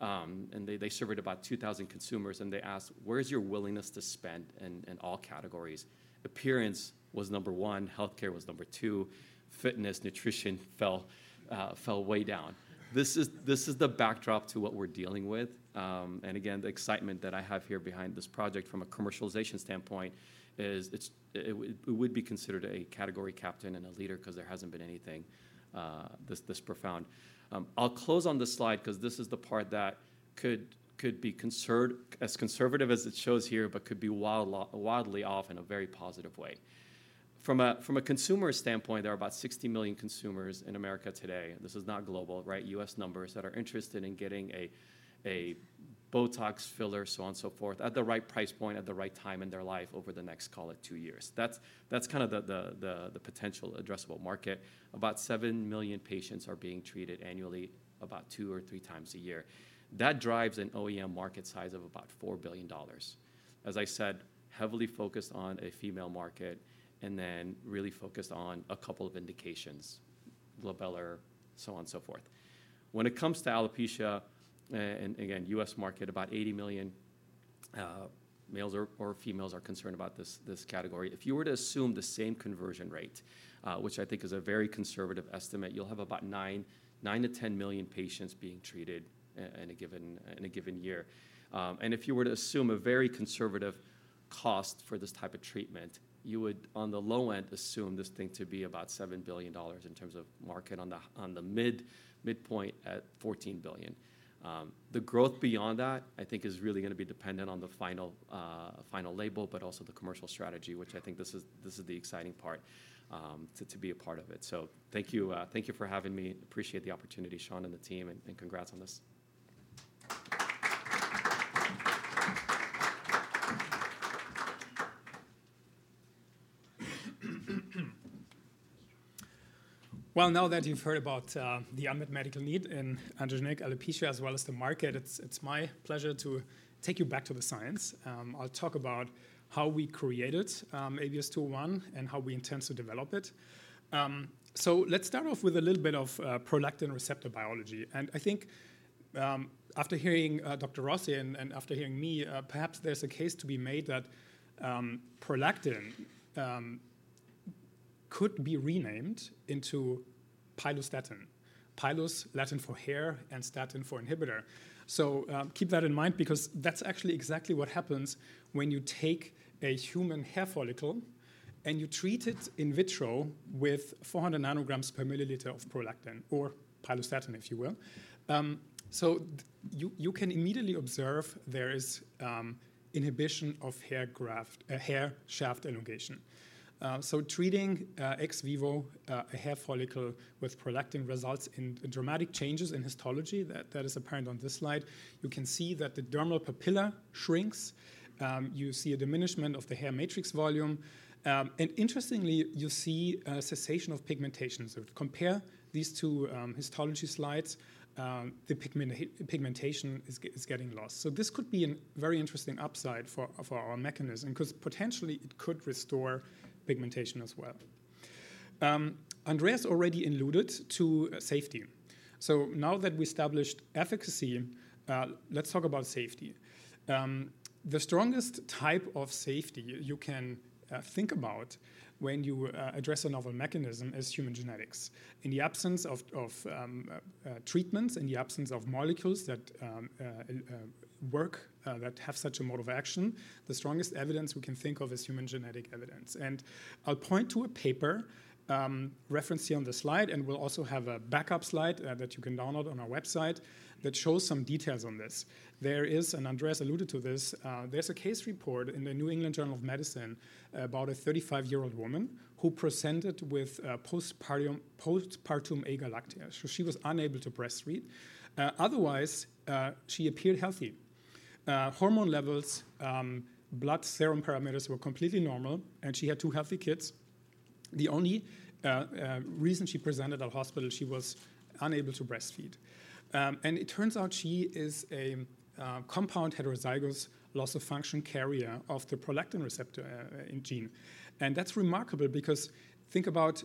They surveyed about 2,000 consumers, and they asked, "Where's your willingness to spend in all categories?" Appearance was number one. Health care was number two. Fitness, nutrition fell way down. This is the backdrop to what we're dealing with. And again, the excitement that I have here behind this project from a commercialization standpoint is it would be considered a category captain and a leader because there hasn't been anything this profound. I'll close on the slide because this is the part that could be as conservative as it shows here, but could be wildly off in a very positive way. From a consumer standpoint, there are about 60 million consumers in America today. This is not global, right? U.S. numbers that are interested in getting a Botox filler, so on and so forth, at the right price point, at the right time in their life over the next, call it, two years. That's kind of the potential addressable market. About 7 million patients are being treated annually about two or three times a year. That drives an OEM market size of about $4 billion. As I said, heavily focused on a female market and then really focused on a couple of indications, glabellar, so on and so forth. When it comes to alopecia, and again, U.S. market, about 80 million males or females are concerned about this category. If you were to assume the same conversion rate, which I think is a very conservative estimate, you'll have about 9-10 million patients being treated in a given year. If you were to assume a very conservative cost for this type of treatment, you would, on the low end, assume this thing to be about $7 billion in terms of market, on the midpoint at $14 billion. The growth beyond that, I think, is really going to be dependent on the final label, but also the commercial strategy, which I think this is the exciting part to be a part of it. Thank you for having me. Appreciate the opportunity, Sean and the team, and congrats on this.
Now that you've heard about the unmet medical need in androgenetic alopecia as well as the market, it's my pleasure to take you back to the science. I'll talk about how we created ABS-201 and how we intend to develop it. Let's start off with a little bit of prolactin receptor biology. I think after hearing Dr. Rossi and after hearing me, perhaps there's a case to be made that prolactin could be renamed into Pilostatin. Pilos, Latin for hair, and statin for inhibitor. Keep that in mind because that's actually exactly what happens when you take a human hair follicle and you treat it in vitro with 400 nanograms per milliliter of prolactin or pilocetin, if you will. You can immediately observe there is inhibition of hair shaft elongation. Treating ex vivo a hair follicle with prolactin results in dramatic changes in histology that is apparent on this slide. You can see that the dermal papilla shrinks. You see a diminishment of the hair matrix volume. And interestingly, you see a cessation of pigmentation. Compare these two histology slides. The pigmentation is getting lost. So this could be a very interesting upside for our mechanism because potentially it could restore pigmentation as well. Andreas's already alluded to safety. So now that we established efficacy, let's talk about safety. The strongest type of safety you can think about when you address a novel mechanism is human genetics. In the absence of treatments, in the absence of molecules that work, that have such a mode of action, the strongest evidence we can think of is human genetic evidence. And I'll point to a paper referenced here on the slide, and we'll also have a backup slide that you can download on our website that shows some details on this. There is, and Andreas's alluded to this, there's a case report in the New England Journal of Medicine about a 35-year-old woman who presented with postpartum agalactia. So she was unable to breastfeed. Otherwise, she appeared healthy. Hormone levels, blood serum parameters were completely normal, and she had two healthy kids. The only reason she presented at hospital, she was unable to breastfeed. And it turns out she is a compound heterozygous loss of function carrier of the prolactin receptor gene. And that's remarkable because think about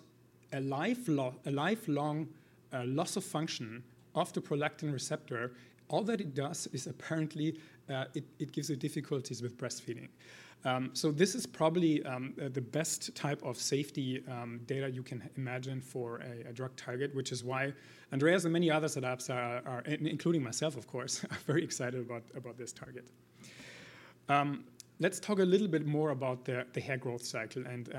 a lifelong loss of function of the prolactin receptor. All that it does is apparently it gives you difficulties with breastfeeding. So this is probably the best type of safety data you can imagine for a drug target, which is why Andreas and many others at Absci, including myself, of course, are very excited about this target. Let's talk a little bit more about the hair growth cycle. And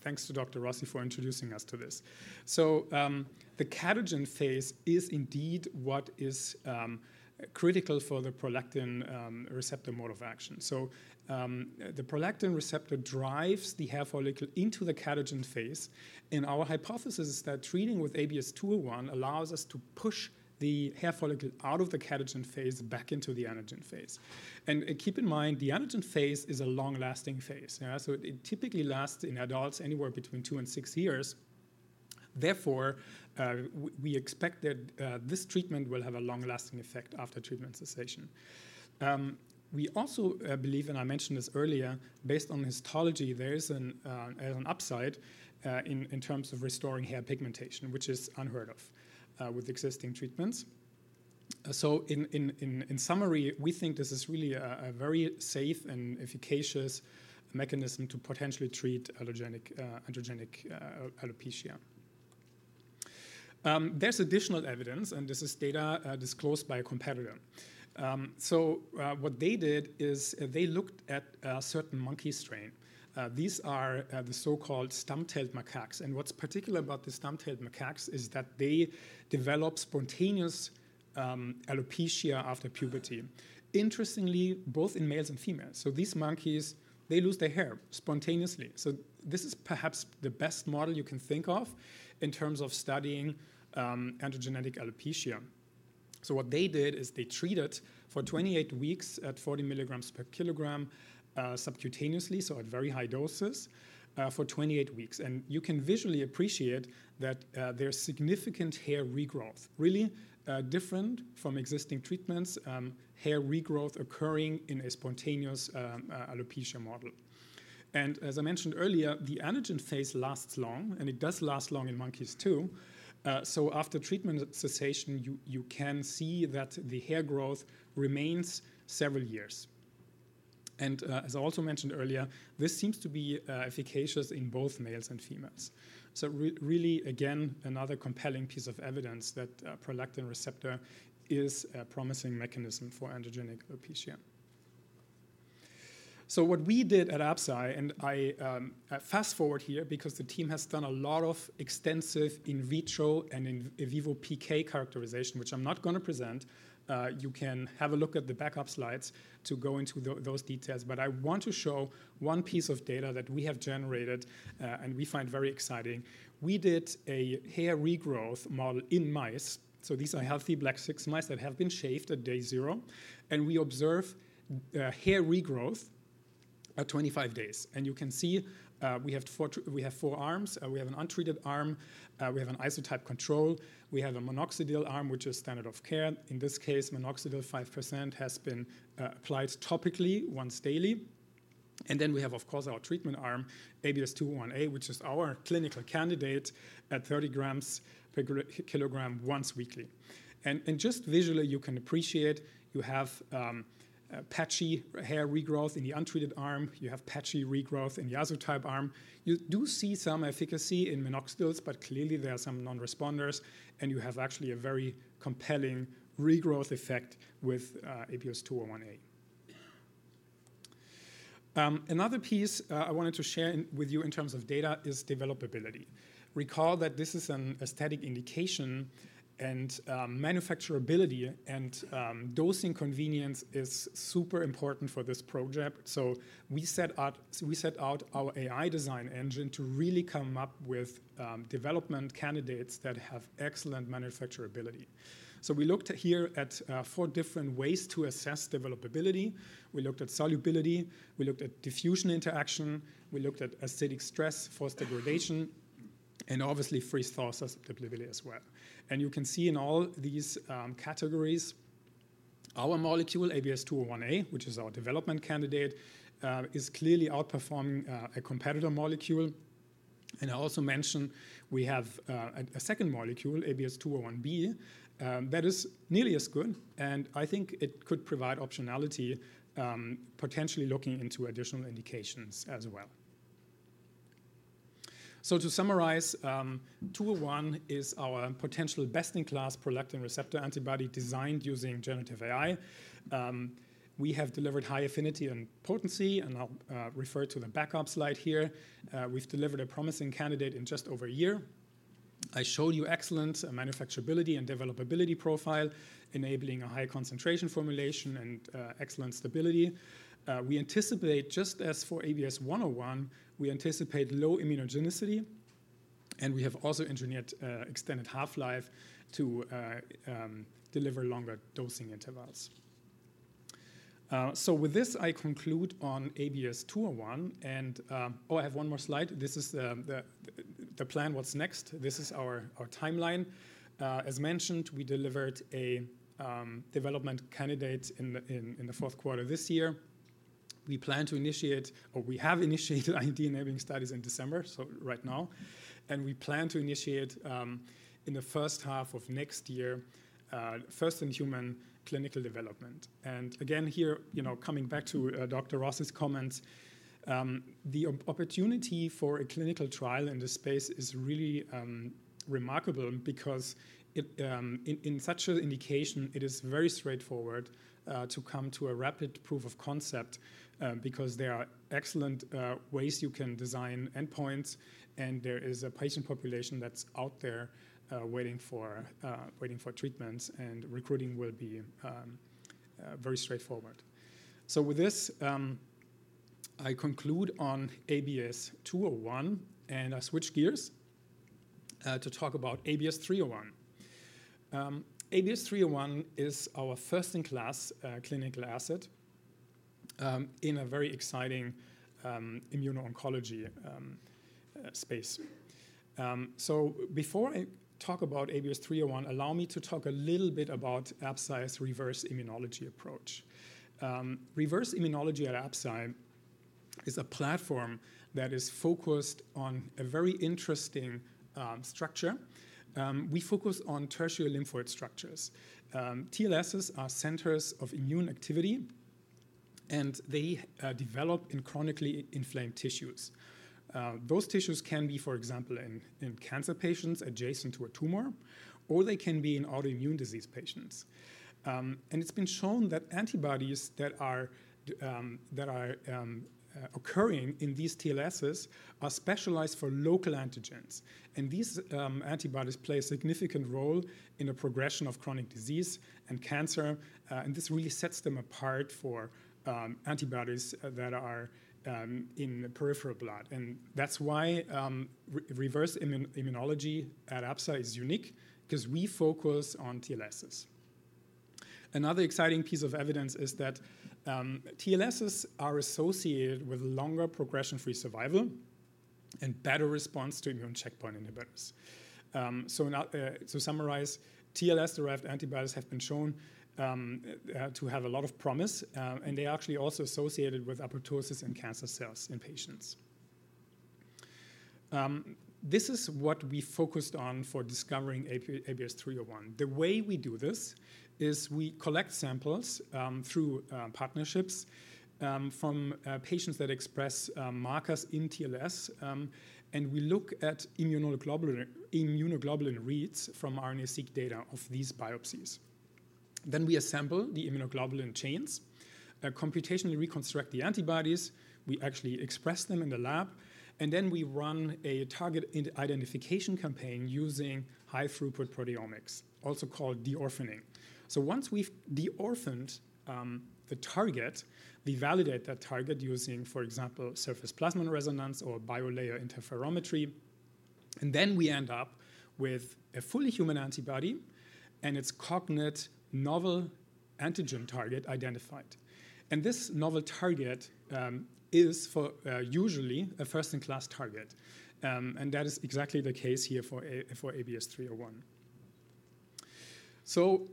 thanks to Dr. Rossi for introducing us to this. So the catagen phase is indeed what is critical for the prolactin receptor mode of action. So the prolactin receptor drives the hair follicle into the catagen phase. And our hypothesis is that treating with ABS-201 allows us to push the hair follicle out of the catagen phase back into the anagen phase. And keep in mind, the anagen phase is a long-lasting phase. So it typically lasts in adults anywhere between two and six years. Therefore, we expect that this treatment will have a long-lasting effect after treatment cessation. We also believe, and I mentioned this earlier, based on histology, there is an upside in terms of restoring hair pigmentation, which is unheard of with existing treatments. So in summary, we think this is really a very safe and efficacious mechanism to potentially treat androgenetic alopecia. There's additional evidence, and this is data disclosed by a competitor. So what they did is they looked at a certain monkey strain. These are the so-called stump-tailed macaques. What's particular about the stump-tailed macaques is that they develop spontaneous alopecia after puberty, interestingly, both in males and females. These monkeys, they lose their hair spontaneously. This is perhaps the best model you can think of in terms of studying androgenetic alopecia. What they did is they treated for 28 weeks at 40 milligrams per kilogram subcutaneously, so at very high doses for 28 weeks. You can visually appreciate that there's significant hair regrowth, really different from existing treatments, hair regrowth occurring in a spontaneous alopecia model. As I mentioned earlier, the anagen phase lasts long, and it does last long in monkeys too. After treatment cessation, you can see that the hair growth remains several years. As I also mentioned earlier, this seems to be efficacious in both males and females. So really, again, another compelling piece of evidence that prolactin receptor is a promising mechanism for androgenetic alopecia. So what we did at Absci, and I fast forward here because the team has done a lot of extensive in vitro and in vivo PK characterization, which I'm not going to present. You can have a look at the backup slides to go into those details. But I want to show one piece of data that we have generated and we find very exciting. We did a hair regrowth model in mice. So these are healthy Black 6 mice that have been shaved at day zero. And we observe hair regrowth at 25 days. And you can see we have four arms. We have an untreated arm. We have an isotype control. We have a minoxidil arm, which is standard of care. In this case, minoxidil 5% has been applied topically once daily. And then we have, of course, our treatment arm, ABS-201, which is our clinical candidate at 30 grams per kilogram once weekly. And just visually, you can appreciate you have patchy hair regrowth in the untreated arm. You have patchy regrowth in the isotype arm. You do see some efficacy in minoxidil, but clearly there are some non-responders. And you have actually a very compelling regrowth effect with ABS-201. Another piece I wanted to share with you in terms of data is developability. Recall that this is an aesthetic indication, and manufacturability and dosing convenience is super important for this project. So we set out our AI design engine to really come up with development candidates that have excellent manufacturability. So we looked here at four different ways to assess developability. We looked at solubility. We looked at diffusion interaction. We looked at acidic stress forced degradation, and obviously freeze-thaw susceptibility as well. And you can see in all these categories, our molecule, ABS-201A, which is our development candidate, is clearly outperforming a competitor molecule. And I also mentioned we have a second molecule, ABS-201B, that is nearly as good. And I think it could provide optionality, potentially looking into additional indications as well. So to summarize, ABS-201 is our potential best-in-class prolactin receptor antibody designed using generative AI. We have delivered high affinity and potency, and I'll refer to the backup slide here. We've delivered a promising candidate in just over a year. I showed you excellent manufacturability and developability profile, enabling a high concentration formulation and excellent stability. We anticipate, just as for ABS-101, we anticipate low immunogenicity. And we have also engineered extended half-life to deliver longer dosing intervals. So with this, I conclude on ABS-201. And oh, I have one more slide. This is the plan, what's next. This is our timeline. As mentioned, we delivered a development candidate in the fourth quarter this year. We plan to initiate, or we have initiated, IND-enabling studies in December, so right now. And we plan to initiate in the first half of next year, first in human clinical development. And again, here, coming back to Dr. Rossi's comments, the opportunity for a clinical trial in this space is really remarkable because in such an indication, it is very straightforward to come to a rapid proof of concept because there are excellent ways you can design endpoints. And there is a patient population that's out there waiting for treatments, and recruiting will be very straightforward. So with this, I conclude on ABS-201, and I switch gears to talk about ABS-301. ABS-301 is our first-in-class clinical asset in a very exciting immuno-oncology space. Before I talk about ABS-301, allow me to talk a little bit about Absci's Reverse Immunology approach. Reverse Immunology at Absci is a platform that is focused on a very interesting structure. We focus on tertiary lymphoid structures. TLSs are centers of immune activity, and they develop in chronically inflamed tissues. Those tissues can be, for example, in cancer patients adjacent to a tumor, or they can be in autoimmune disease patients. It's been shown that antibodies that are occurring in these TLSs are specialized for local antigens. These antibodies play a significant role in the progression of chronic disease and cancer. This really sets them apart for antibodies that are in peripheral blood. And that's why Reverse Immunology at Absci is unique because we focus on TLSs. Another exciting piece of evidence is that TLSs are associated with longer progression-free survival and better response to immune checkpoint inhibitors. So to summarize, TLS-derived antibodies have been shown to have a lot of promise, and they are actually also associated with apoptosis in cancer cells in patients. This is what we focused on for discovering ABS-301. The way we do this is we collect samples through partnerships from patients that express markers in TLS, and we look at immunoglobulin reads from RNA-seq data of these biopsies. Then we assemble the immunoglobulin chains, computationally reconstruct the antibodies. We actually express them in the lab, and then we run a target identification campaign using high-throughput proteomics, also called deorphining. Once we've deorphined the target, we validate that target using, for example, surface plasmon resonance or biolayer interferometry. And then we end up with a fully human antibody and its cognate novel antigen target identified. And this novel target is usually a first-in-class target. And that is exactly the case here for ABS-301. So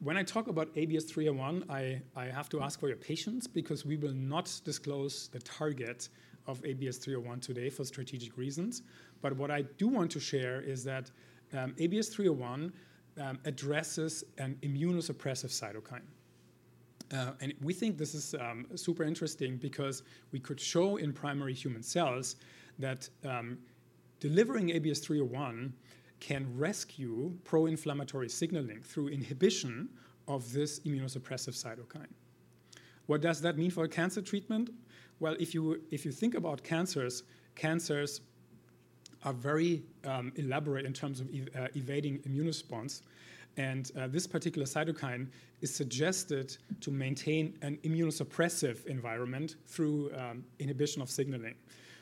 when I talk about ABS-301, I have to ask for your patience because we will not disclose the target of ABS-301 today for strategic reasons. But what I do want to share is that ABS-301 addresses an immunosuppressive cytokine. And we think this is super interesting because we could show in primary human cells that delivering ABS-301 can rescue pro-inflammatory signaling through inhibition of this immunosuppressive cytokine. What does that mean for cancer treatment? Well, if you think about cancers, cancers are very elaborate in terms of evading immune response. And this particular cytokine is suggested to maintain an immunosuppressive environment through inhibition of signaling.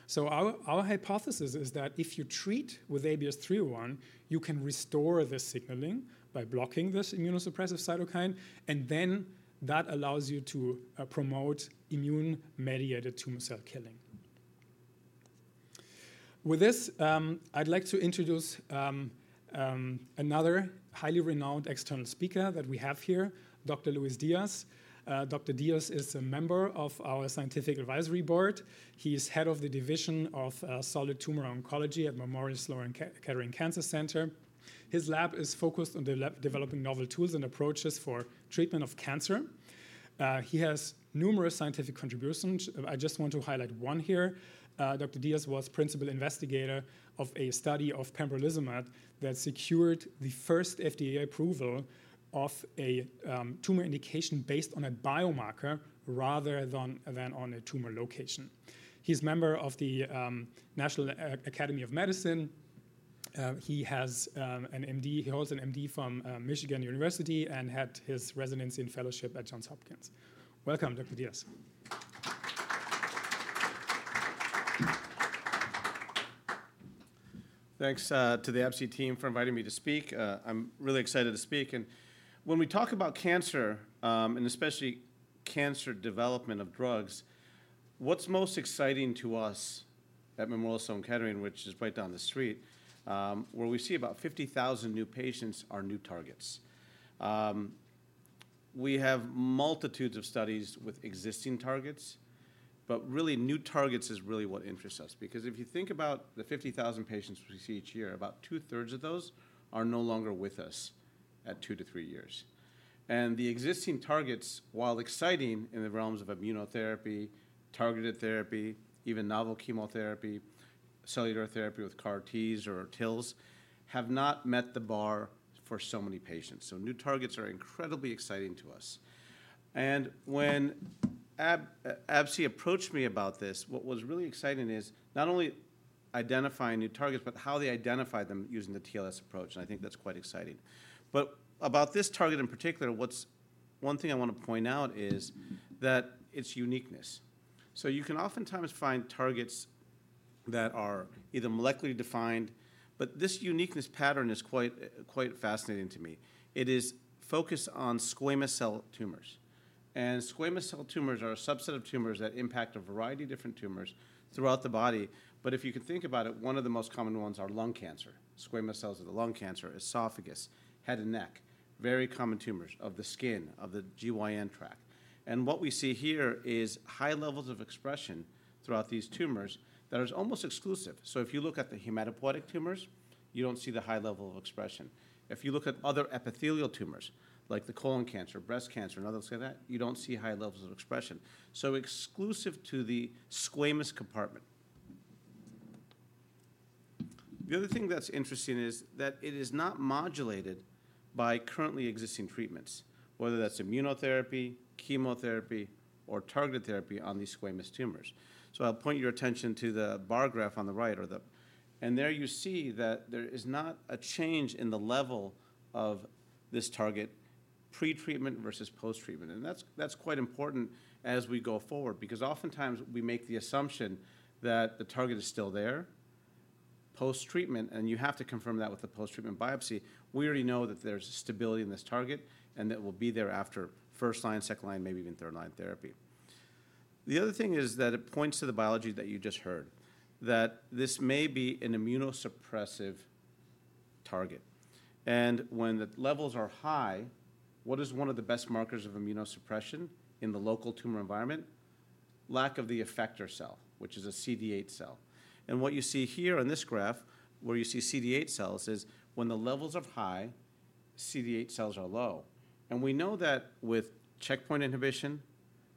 So our hypothesis is that if you treat with ABS-301, you can restore this signaling by blocking this immunosuppressive cytokine. And then that allows you to promote immune-mediated tumor cell killing. With this, I'd like to introduce another highly renowned external speaker that we have here, Dr. Luis Diaz. Dr. Diaz is a member of our scientific advisory board. He is head of the division of solid tumor oncology at Memorial Sloan Kettering Cancer Center. His lab is focused on developing novel tools and approaches for treatment of cancer. He has numerous scientific contributions. I just want to highlight one here. Dr. Diaz was principal investigator of a study of pembrolizumab that secured the first FDA approval of a tumor indication based on a biomarker rather than on a tumor location. He's a member of the National Academy of Medicine. He holds an MD from University of Michigan and had his residency and fellowship at Johns Hopkins University. Welcome, Dr. Diaz.
Thanks to the Absci team for inviting me to speak. I'm really excited to speak. When we talk about cancer, and especially cancer development of drugs, what's most exciting to us at Memorial Sloan Kettering, which is right down the street, where we see about 50,000 new patients, are new targets. We have multitudes of studies with existing targets. Really, new targets is really what interests us. Because if you think about the 50,000 patients we see each year, about two-thirds of those are no longer with us at two to three years, the existing targets, while exciting in the realms of immunotherapy, targeted therapy, even novel chemotherapy, cellular therapy with CAR-Ts or TILs, have not met the bar for so many patients. New targets are incredibly exciting to us. When Absci approached me about this, what was really exciting is not only identifying new targets, but how they identify them using the TLS approach. I think that's quite exciting. About this target in particular, one thing I want to point out is that its uniqueness. You can oftentimes find targets that are either molecularly defined. This uniqueness pattern is quite fascinating to me. It is focused on squamous cell tumors. Squamous cell tumors are a subset of tumors that impact a variety of different tumors throughout the body. If you can think about it, one of the most common ones is lung cancer. Squamous cells of the lung cancer, esophagus, head and neck, very common tumors of the skin, of the GYN tract. What we see here is high levels of expression throughout these tumors that are almost exclusive. So if you look at the hematopoietic tumors, you don't see the high level of expression. If you look at other epithelial tumors, like the colon cancer, breast cancer, and others like that, you don't see high levels of expression. So exclusive to the squamous compartment. The other thing that's interesting is that it is not modulated by currently existing treatments, whether that's immunotherapy, chemotherapy, or targeted therapy on these squamous tumors. So I'll point your attention to the bar graph on the right. And there you see that there is not a change in the level of this target pre-treatment versus post-treatment. And that's quite important as we go forward. Because oftentimes, we make the assumption that the target is still there post-treatment, and you have to confirm that with the post-treatment biopsy. We already know that there's stability in this target, and that it will be there after first-line, second-line, maybe even third-line therapy. The other thing is that it points to the biology that you just heard, that this may be an immunosuppressive target, and when the levels are high, what is one of the best markers of immunosuppression in the local tumor environment? Lack of the effector cell, which is a CD8 cell. And what you see here on this graph, where you see CD8 cells, is when the levels are high, CD8 cells are low, and we know that with checkpoint inhibition,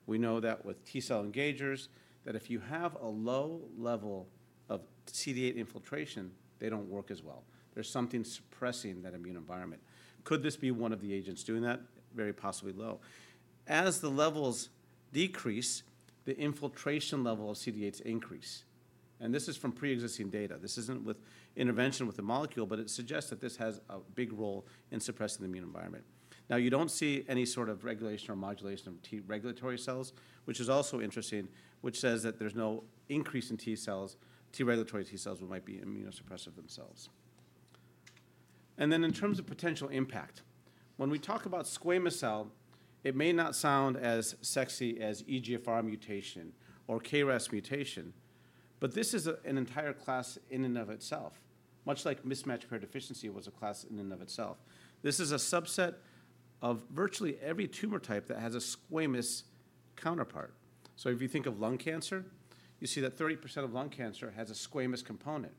we know that with T cell engagers, that if you have a low level of CD8 infiltration, they don't work as well. There's something suppressing that immune environment. Could this be one of the agents doing that? Very possibly low. As the levels decrease, the infiltration level of CD8s increase. And this is from pre-existing data. This isn't with intervention with the molecule, but it suggests that this has a big role in suppressing the immune environment. Now, you don't see any sort of regulation or modulation of T regulatory cells, which is also interesting, which says that there's no increase in T cells, T regulatory T cells that might be immunosuppressive themselves. And then in terms of potential impact, when we talk about squamous cell, it may not sound as sexy as EGFR mutation or KRAS mutation, but this is an entire class in and of itself, much like mismatch repair deficiency was a class in and of itself. This is a subset of virtually every tumor type that has a squamous counterpart. If you think of lung cancer, you see that 30% of lung cancer has a squamous component.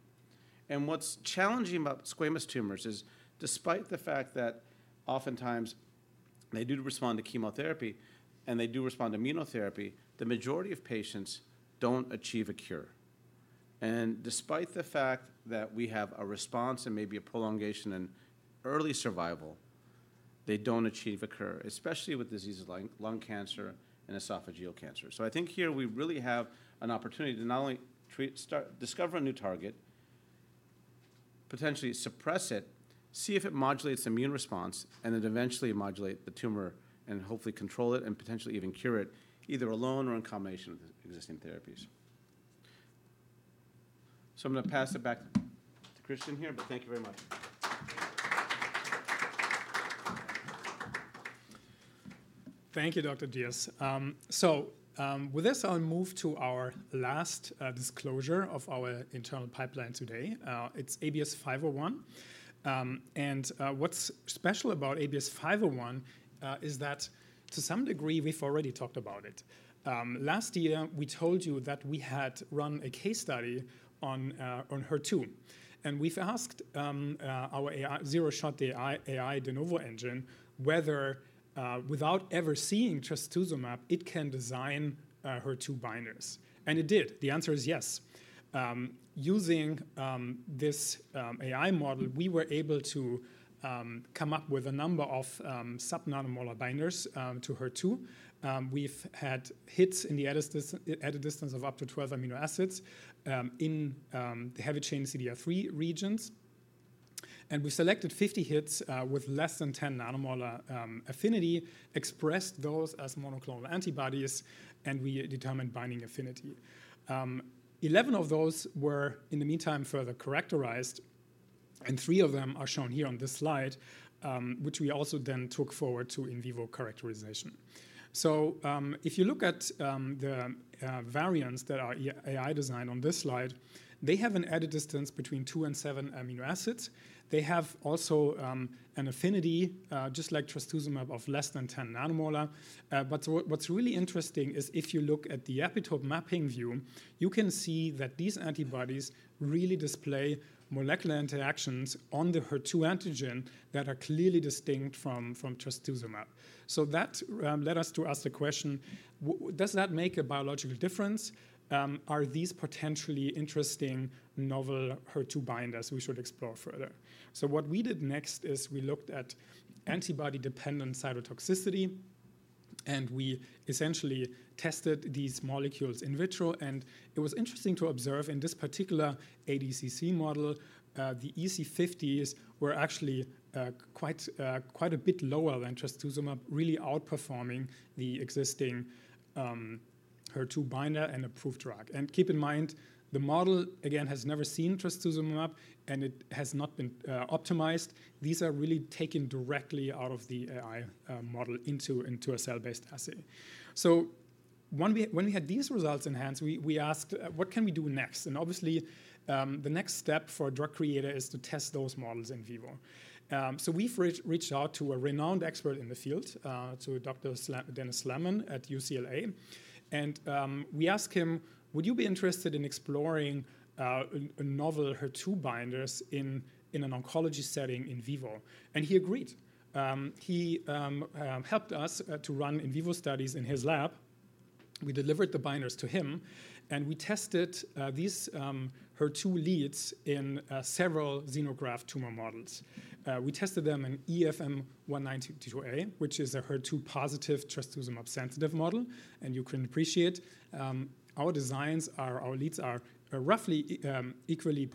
What's challenging about squamous tumors is, despite the fact that oftentimes they do respond to chemotherapy and they do respond to immunotherapy, the majority of patients don't achieve a cure. Despite the fact that we have a response and maybe a prolongation and early survival, they don't achieve a cure, especially with diseases like lung cancer and esophageal cancer. I think here we really have an opportunity to not only discover a new target, potentially suppress it, see if it modulates immune response, and then eventually modulate the tumor and hopefully control it and potentially even cure it either alone or in combination with existing therapies. I'm going to pass it back to Christian here, but thank you very much.
Thank you, Dr. Diaz. So with this, I'll move to our last disclosure of our internal pipeline today. It's ABS-501. And what's special about ABS-501 is that to some degree, we've already talked about it. Last year, we told you that we had run a case study on HER2. And we've asked our zero-shot AI de novo engine whether, without ever seeing trastuzumab, it can design HER2 binders. And it did. The answer is yes. Using this AI model, we were able to come up with a number of sub-nanomolar binders to HER2. We've had hits in the added distance of up to 12 amino acids in the heavy chain CDR3 regions. And we selected 50 hits with less than 10 nanomolar affinity, expressed those as monoclonal antibodies, and we determined binding affinity. 11 of those were, in the meantime, further characterized, and three of them are shown here on this slide, which we also then took forward to in vivo characterization. So if you look at the variants that are AI-designed on this slide, they have an added distance between two and seven amino acids. They have also an affinity, just like trastuzumab, of less than 10 nanomolar. But what's really interesting is if you look at the epitope mapping view, you can see that these antibodies really display molecular interactions on the HER2 antigen that are clearly distinct from trastuzumab. So that led us to ask the question, does that make a biological difference? Are these potentially interesting novel HER2 binders we should explore further? So what we did next is we looked at antibody-dependent cytotoxicity, and we essentially tested these molecules in vitro. It was interesting to observe in this particular ADCC model, the EC50s were actually quite a bit lower than trastuzumab, really outperforming the existing HER2 binder and approved drug. Keep in mind, the model, again, has never seen trastuzumab, and it has not been optimized. These are really taken directly out of the AI model into a cell-based assay. When we had these results in hand, we asked, what can we do next? Obviously, the next step for a drug creator is to test those models in vivo. We've reached out to a renowned expert in the field, to Dr. Dennis Slamon at UCLA. We asked him, would you be interested in exploring novel HER2 binders in an oncology setting in vivo? He agreed. He helped us to run in vivo studies in his lab. We delivered the binders to him, and we tested these HER2 leads in several xenograft tumor models. We tested them in EFM-192A, which is a HER2-positive trastuzumab-sensitive model. And you can appreciate our designs, our leads are roughly equally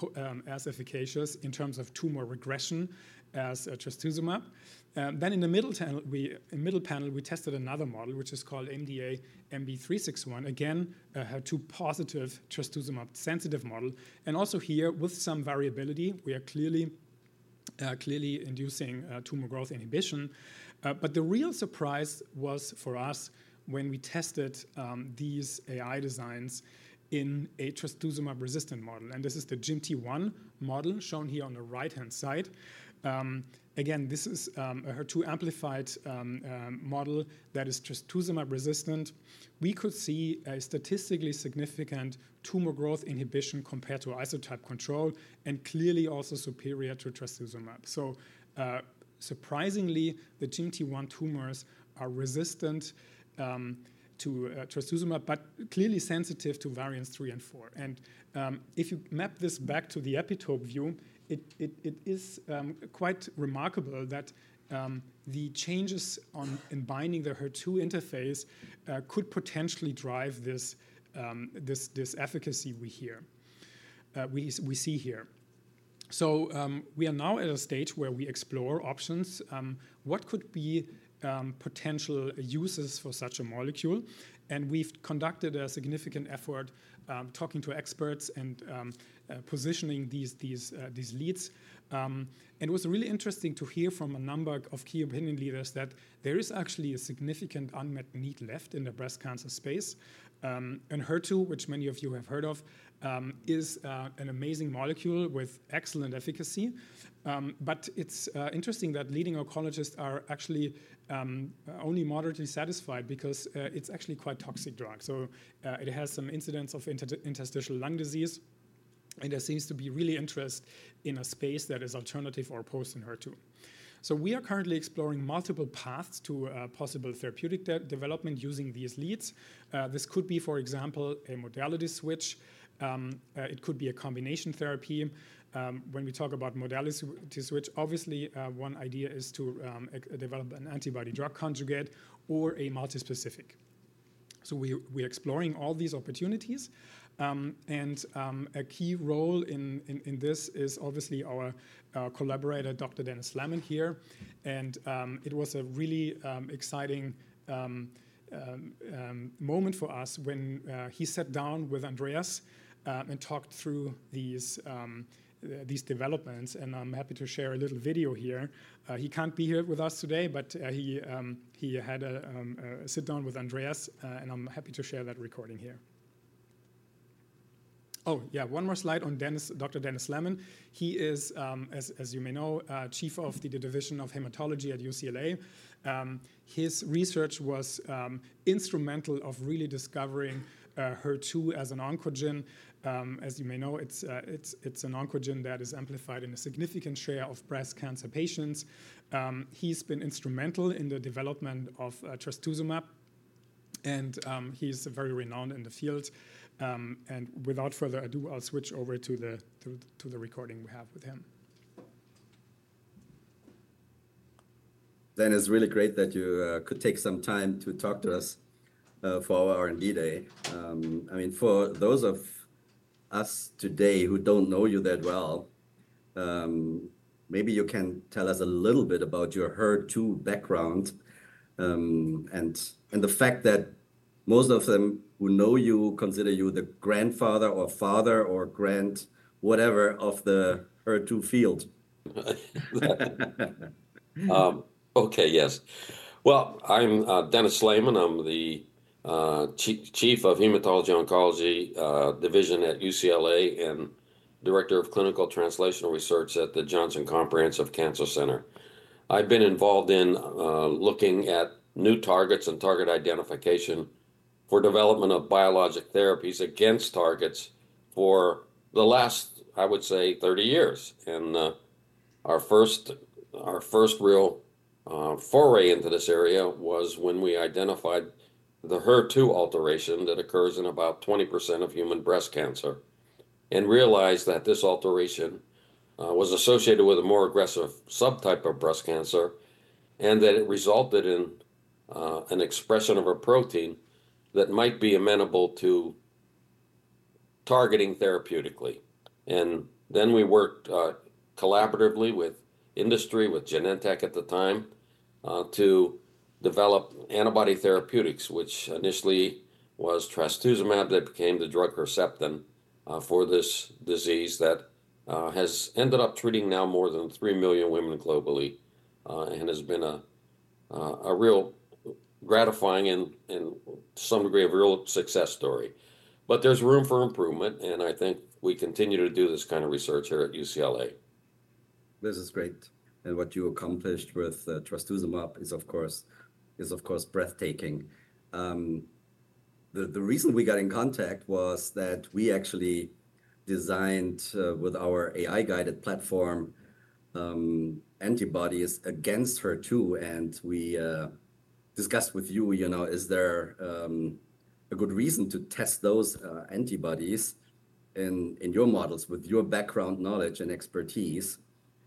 as efficacious in terms of tumor regression as trastuzumab. Then in the middle panel, we tested another model, which is called MDA-MB-361, again, a HER2-positive trastuzumab-sensitive model. And also here, with some variability, we are clearly inducing tumor growth inhibition. But the real surprise was for us when we tested these AI designs in a trastuzumab-resistant model. And this is the JIMT-1 model shown here on the right-hand side. Again, this is a HER2-amplified model that is trastuzumab-resistant. We could see a statistically significant tumor growth inhibition compared to isotype control and clearly also superior to trastuzumab. So surprisingly, the JIMT-1 tumors are resistant to Trastuzumab, but clearly sensitive to variants three and four. And if you map this back to the epitope view, it is quite remarkable that the changes in binding the HER2 interface could potentially drive this efficacy we see here. So we are now at a stage where we explore options. What could be potential uses for such a molecule? And we've conducted a significant effort talking to experts and positioning these leads. And it was really interesting to hear from a number of key opinion leaders that there is actually a significant unmet need left in the breast cancer space. And HER2, which many of you have heard of, is an amazing molecule with excellent efficacy. But it's interesting that leading oncologists are actually only moderately satisfied because it's actually quite a toxic drug. So it has some incidents of interstitial lung disease. And there seems to be really interest in a space that is alternative or post-HER2. So we are currently exploring multiple paths to possible therapeutic development using these leads. This could be, for example, a modality switch. It could be a combination therapy. When we talk about modality switch, obviously, one idea is to develop an antibody-drug conjugate or a multispecific. So we are exploring all these opportunities. And a key role in this is obviously our collaborator, Dr. Dennis Slamon here. And it was a really exciting moment for us when he sat down with Andreas and talked through these developments. And I'm happy to share a little video here. He can't be here with us today, but he had a sit-down with Andreas, and I'm happy to share that recording here. Oh, yeah, one more slide on Dr. Dennis Slamon. He is, as you may know, Chief of the Division of Hematology at UCLA. His research was instrumental in really discovering HER2 as an oncogene. As you may know, it's an oncogene that is amplified in a significant share of breast cancer patients. He's been instrumental in the development of trastuzumab, and he's very renowned in the field. Without further ado, I'll switch over to the recording we have with him.
Dennis, really great that you could take some time to talk to us for our R&D day. I mean, for those of us today who don't know you that well, maybe you can tell us a little bit about your HER2 background and the fact that most of them who know you consider you the grandfather or father or grand, whatever, of the HER2 field.
OK, yes. I'm Dennis Slamon. I'm the Chief of the Hematology/Oncology Division at UCLA and Director of Clinical Translational Research at the Jonsson Comprehensive Cancer Center. I've been involved in looking at new targets and target identification for development of biologic therapies against targets for the last, I would say, 30 years. Our first real foray into this area was when we identified the HER2 alteration that occurs in about 20% of human breast cancer and realized that this alteration was associated with a more aggressive subtype of breast cancer and that it resulted in an expression of a protein that might be amenable to targeting therapeutically. And then we worked collaboratively with industry, with Genentech at the time, to develop antibody therapeutics, which initially was trastuzumab that became the drug Herceptin for this disease that has ended up treating now more than three million women globally and has been a real gratifying and, to some degree, a real success story. But there's room for improvement, and I think we continue to do this kind of research here at UCLA.
This is great. And what you accomplished with trastuzumab is, of course, breathtaking. The reason we got in contact was that we actually designed, with our AI-guided platform, antibodies against HER2. And we discussed with you, is there a good reason to test those antibodies in your models with your background knowledge and expertise?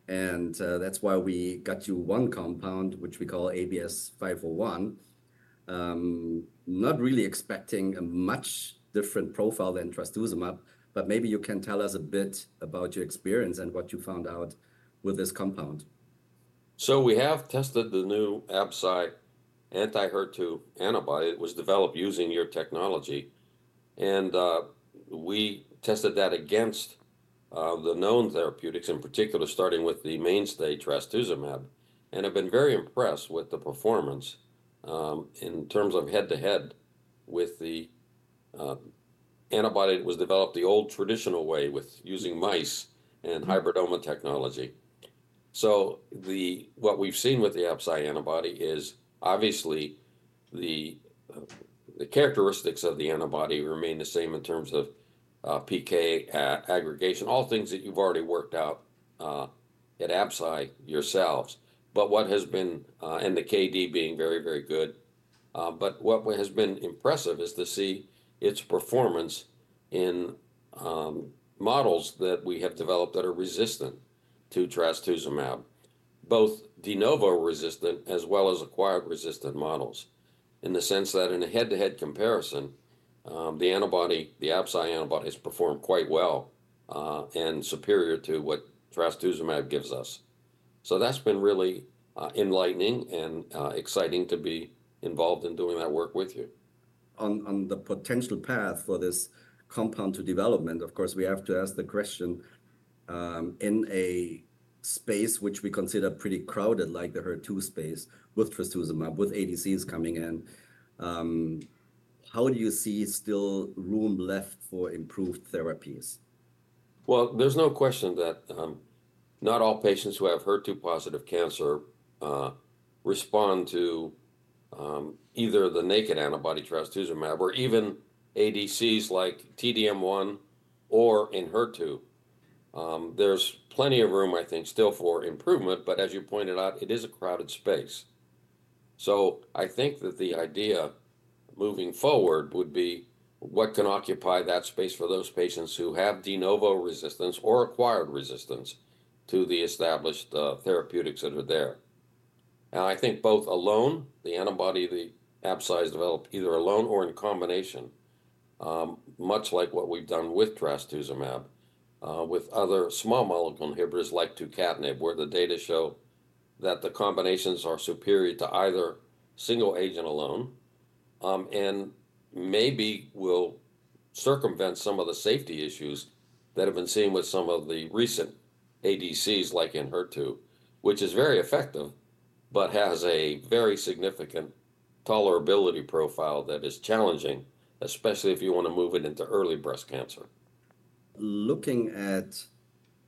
And that's why we got you one compound, which we call ABS-501, not really expecting a much different profile than trastuzumab. But maybe you can tell us a bit about your experience and what you found out with this compound.
We have tested the new Absci anti-HER2 antibody. It was developed using your technology. We tested that against the known therapeutics, in particular, starting with the mainstay trastuzumab, and have been very impressed with the performance in terms of head-to-head with the antibody that was developed the old traditional way with using mice and hybridoma technology. What we've seen with the Absci antibody is, obviously, the characteristics of the antibody remain the same in terms of PK aggregation, all things that you've already worked out at Absci yourselves. But what has been and the KD being very, very good. But what has been impressive is to see its performance in models that we have developed that are resistant to trastuzumab, both de novo resistant as well as acquired resistant models, in the sense that in a head-to-head comparison, the antibody, the Absci antibody, has performed quite well and superior to what trastuzumab gives us. So that's been really enlightening and exciting to be involved in doing that work with you.
On the potential path for this compound to development, of course, we have to ask the question in a space which we consider pretty crowded, like the HER2 space, with trastuzumab, with ADCs coming in. How do you see still room left for improved therapies?
There's no question that not all patients who have HER2-positive cancer respond to either the naked antibody trastuzumab or even ADCs like T-DM1 or Enhertu. There's plenty of room, I think, still for improvement, but as you pointed out, it is a crowded space, so I think that the idea moving forward would be what can occupy that space for those patients who have de novo resistance or acquired resistance to the established therapeutics that are there. I think both alone, the antibody Absci developed either alone or in combination, much like what we've done with trastuzumab, with other small molecule inhibitors like tucatinib, where the data show that the combinations are superior to either single agent alone, and maybe will circumvent some of the safety issues that have been seen with some of the recent ADCs like Enhertu, which is very effective but has a very significant tolerability profile that is challenging, especially if you want to move it into early breast cancer.
Looking at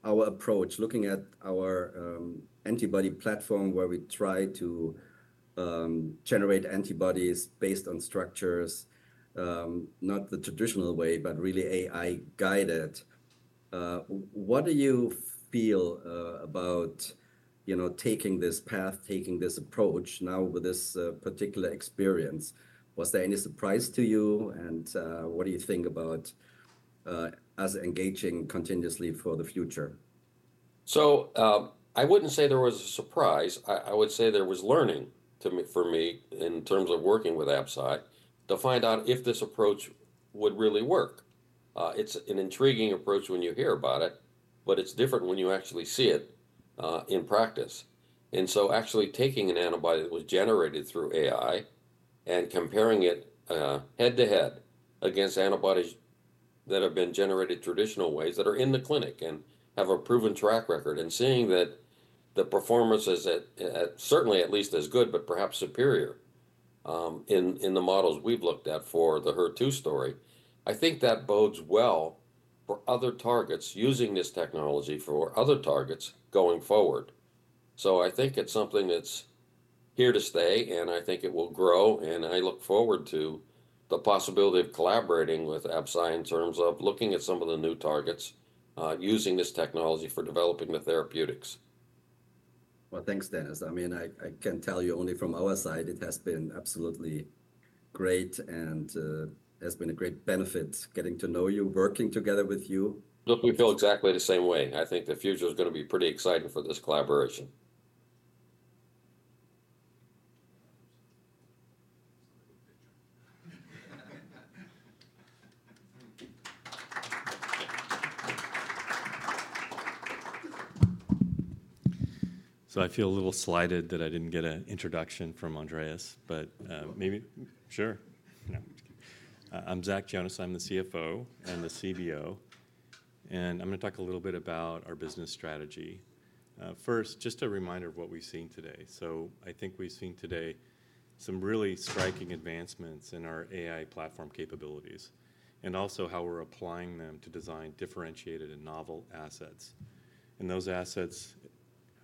our approach, looking at our antibody platform where we try to generate antibodies based on structures, not the traditional way, but really AI-guided, what do you feel about taking this path, taking this approach now with this particular experience? Was there any surprise to you? And what do you think about us engaging continuously for the future?
So I wouldn't say there was a surprise. I would say there was learning for me in terms of working with Absci to find out if this approach would really work. It's an intriguing approach when you hear about it, but it's different when you actually see it in practice. And so actually taking an antibody that was generated through AI and comparing it head-to-head against antibodies that have been generated traditional ways that are in the clinic and have a proven track record and seeing that the performance is certainly at least as good, but perhaps superior in the models we've looked at for the HER2 story, I think that bodes well for other targets using this technology for other targets going forward. So I think it's something that's here to stay, and I think it will grow. I look forward to the possibility of collaborating with Absci in terms of looking at some of the new targets using this technology for developing the therapeutics.
Thanks, Dennis. I mean, I can tell you only from our side, it has been absolutely great and has been a great benefit getting to know you, working together with you.
We feel exactly the same way. I think the future is going to be pretty exciting for this collaboration.
So, I feel a little slighted that I didn't get an introduction from Andreas. But maybe sure. I'm Zach Jonasson. I'm the CFO and the CBO. And I'm going to talk a little bit about our business strategy. First, just a reminder of what we've seen today. So, I think we've seen today some really striking advancements in our AI platform capabilities and also how we're applying them to design differentiated and novel assets. And those assets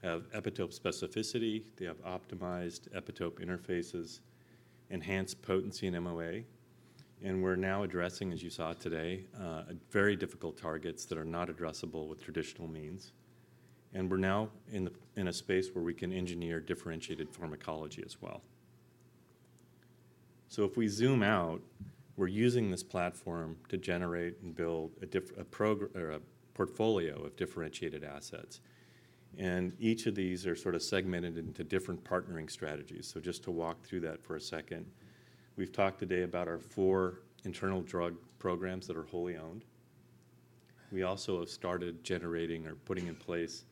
have epitope specificity. They have optimized epitope interfaces, enhanced potency in MOA. And we're now addressing, as you saw today, very difficult targets that are not addressable with traditional means. And we're now in a space where we can engineer differentiated pharmacology as well. So, if we zoom out, we're using this platform to generate and build a portfolio of differentiated assets. Each of these are sort of segmented into different partnering strategies. So just to walk through that for a second, we've talked today about our four internal drug programs that are wholly owned. We also have started generating or putting in place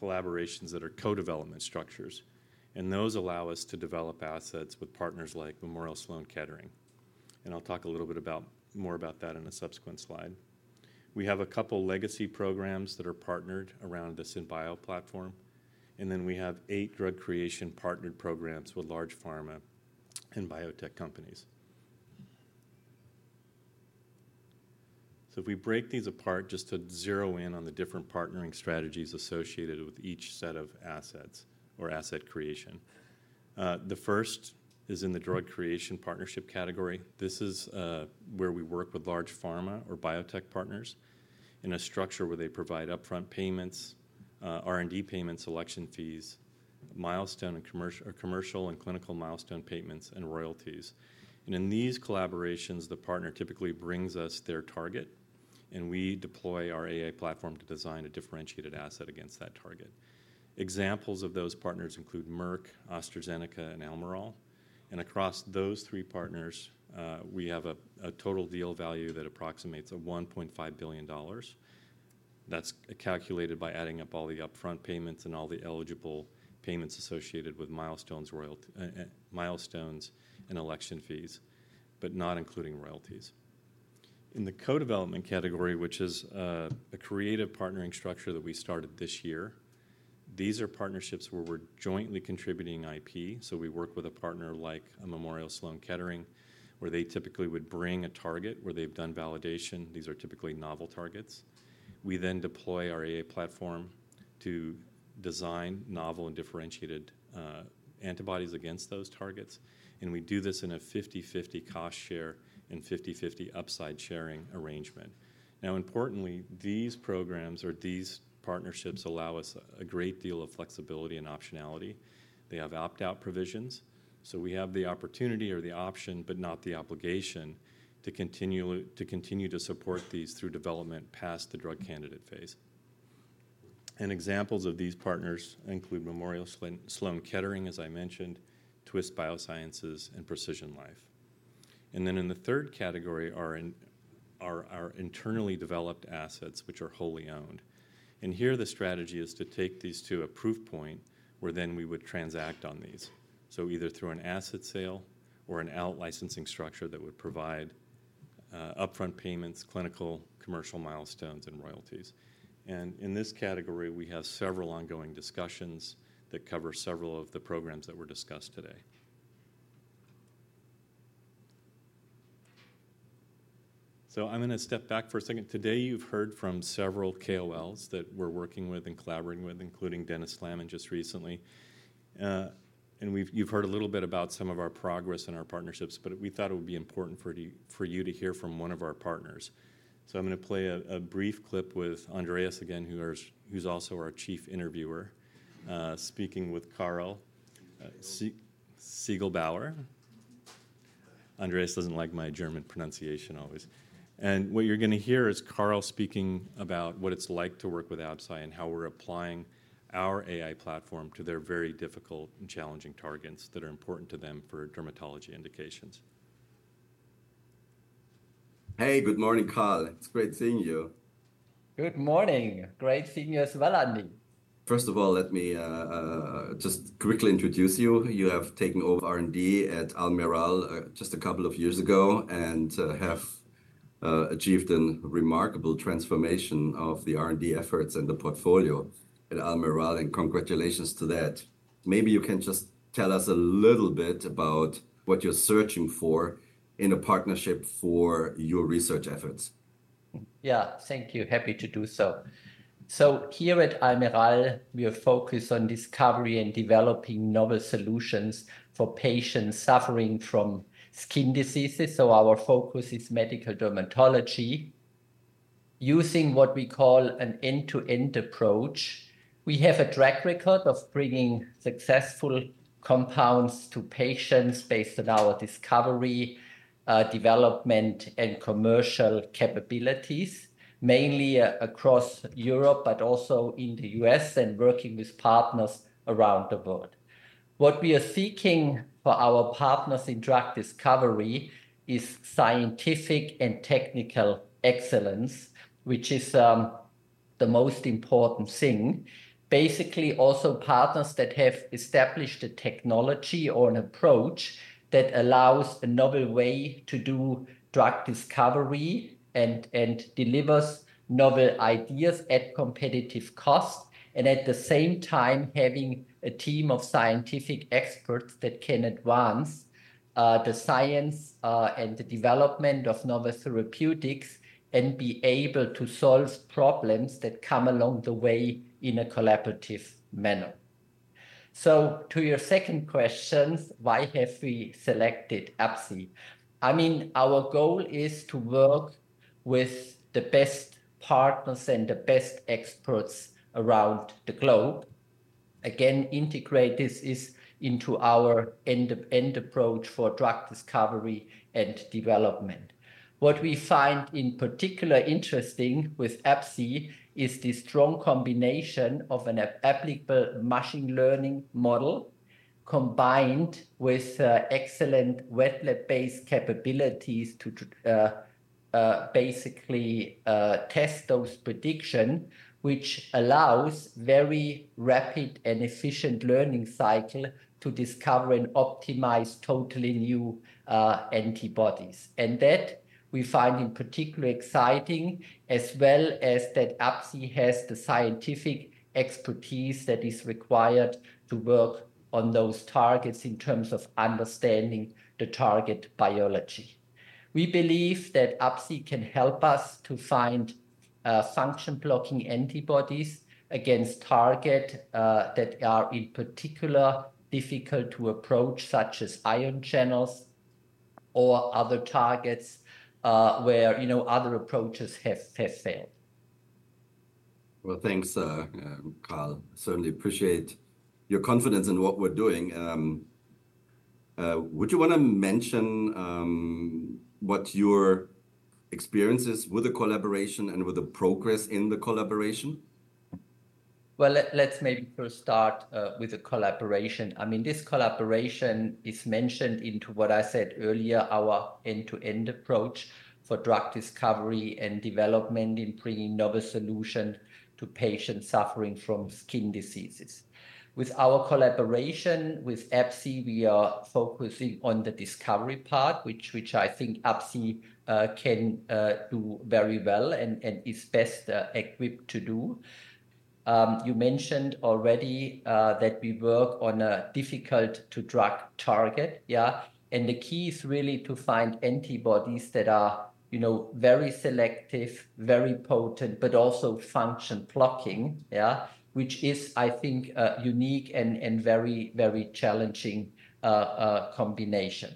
collaborations that are co-development structures. And those allow us to develop assets with partners like Memorial Sloan Kettering. And I'll talk a little bit more about that in a subsequent slide. We have a couple of legacy programs that are partnered around the SynBio platform. And then we have eight drug creation partnered programs with large pharma and biotech companies. So if we break these apart just to zero in on the different partnering strategies associated with each set of assets or asset creation, the first is in the drug creation partnership category. This is where we work with large pharma or biotech partners in a structure where they provide upfront payments, R&D payments, selection fees, commercial and clinical milestone payments, and royalties. And in these collaborations, the partner typically brings us their target, and we deploy our AI platform to design a differentiated asset against that target. Examples of those partners include Merck, AstraZeneca, and Almirall. And across those three partners, we have a total deal value that approximates $1.5 billion. That's calculated by adding up all the upfront payments and all the eligible payments associated with milestones and selection fees, but not including royalties. In the co-development category, which is a creative partnering structure that we started this year, these are partnerships where we're jointly contributing IP. So we work with a partner like Memorial Sloan Kettering, where they typically would bring a target where they've done validation. These are typically novel targets. We then deploy our AI platform to design novel and differentiated antibodies against those targets, and we do this in a 50/50 cost share and 50/50 upside sharing arrangement. Now, importantly, these programs or these partnerships allow us a great deal of flexibility and optionality. They have opt-out provisions, so we have the opportunity or the option, but not the obligation, to continue to support these through development past the drug candidate phase, and examples of these partners include Memorial Sloan Kettering, as I mentioned, Twist Bioscience, and PrecisionLife. And then in the third category are our internally developed assets, which are wholly owned, and here, the strategy is to take these to a proof point where then we would transact on these, so either through an asset sale or an out-licensing structure that would provide upfront payments, clinical, commercial milestones, and royalties. In this category, we have several ongoing discussions that cover several of the programs that were discussed today. I'm going to step back for a second. Today, you've heard from several KOLs that we're working with and collaborating with, including Dennis Slamon just recently. You've heard a little bit about some of our progress and our partnerships. We thought it would be important for you to hear from one of our partners. I'm going to play a brief clip with Andreas again, who's also our Chief Interviewer, speaking with Karl Ziegelbauer. Andreas doesn't like my German pronunciation always. What you're going to hear is Karl speaking about what it's like to work with Absci and how we're applying our AI platform to their very difficult and challenging targets that are important to them for dermatology indications.
Hey, good morning, Karl. It's great seeing you.
Good morning. Great seeing you as well, Andy.
First of all, let me just quickly introduce you. You have taken over R&D at Almirall just a couple of years ago and have achieved a remarkable transformation of the R&D efforts and the portfolio at Almirall. And congratulations to that. Maybe you can just tell us a little bit about what you're searching for in a partnership for your research efforts.
Yeah, thank you. Happy to do so. So here at Almirall, we are focused on discovery and developing novel solutions for patients suffering from skin diseases. So our focus is medical dermatology. Using what we call an end-to-end approach, we have a track record of bringing successful compounds to patients based on our discovery, development, and commercial capabilities, mainly across Europe, but also in the U.S. and working with partners around the world. What we are seeking for our partners in drug discovery is scientific and technical excellence, which is the most important thing. Basically, also partners that have established a technology or an approach that allows a novel way to do drug discovery and delivers novel ideas at competitive cost, and at the same time having a team of scientific experts that can advance the science and the development of novel therapeutics and be able to solve problems that come along the way in a collaborative manner. So, to your second question, why have we selected Absci? I mean, our goal is to work with the best partners and the best experts around the globe. Again, integrate this into our end-to-end approach for drug discovery and development. What we find in particular interesting with Absci is the strong combination of an applicable machine learning model combined with excellent wet-based capabilities to basically test those predictions, which allows very rapid and efficient learning cycle to discover and optimize totally new antibodies. And that we find in particular exciting, as well as that Absci has the scientific expertise that is required to work on those targets in terms of understanding the target biology. We believe that Absci can help us to find function-blocking antibodies against targets that are in particular difficult to approach, such as ion channels or other targets where other approaches have failed.
Thanks, Karl. Certainly appreciate your confidence in what we're doing. Would you want to mention what your experience is with the collaboration and with the progress in the collaboration?
Let's maybe first start with the collaboration. I mean, this collaboration is mentioned into what I said earlier, our end-to-end approach for drug discovery and development in bringing novel solutions to patients suffering from skin diseases. With our collaboration with Absci, we are focusing on the discovery part, which I think Absci can do very well and is best equipped to do. You mentioned already that we work on a difficult-to-drug target. Yeah. And the key is really to find antibodies that are very selective, very potent, but also function-blocking, which is, I think, unique and very, very challenging combination.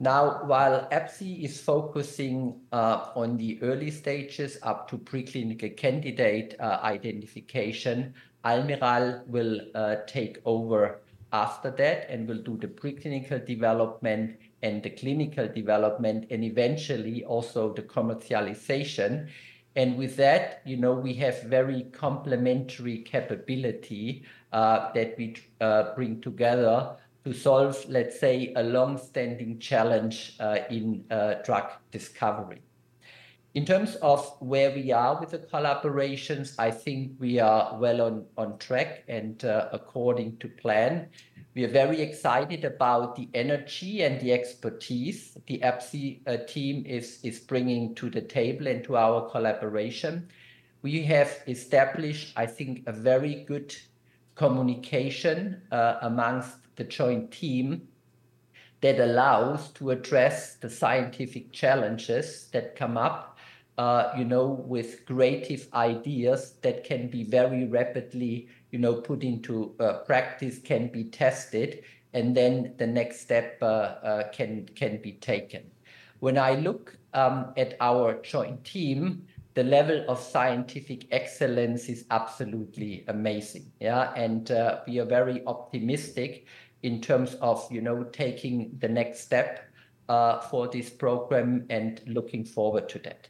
Now, while Absci is focusing on the early stages up to pre-clinical candidate identification, Almirall will take over after that and will do the pre-clinical development and the clinical development, and eventually also the commercialization. With that, we have very complementary capability that we bring together to solve, let's say, a long-standing challenge in drug discovery. In terms of where we are with the collaborations, I think we are well on track and according to plan. We are very excited about the energy and the expertise the Absci team is bringing to the table and to our collaboration. We have established, I think, a very good communication amongst the joint team that allows us to address the scientific challenges that come up with creative ideas that can be very rapidly put into practice, can be tested, and then the next step can be taken. When I look at our joint team, the level of scientific excellence is absolutely amazing. We are very optimistic in terms of taking the next step for this program and looking forward to that.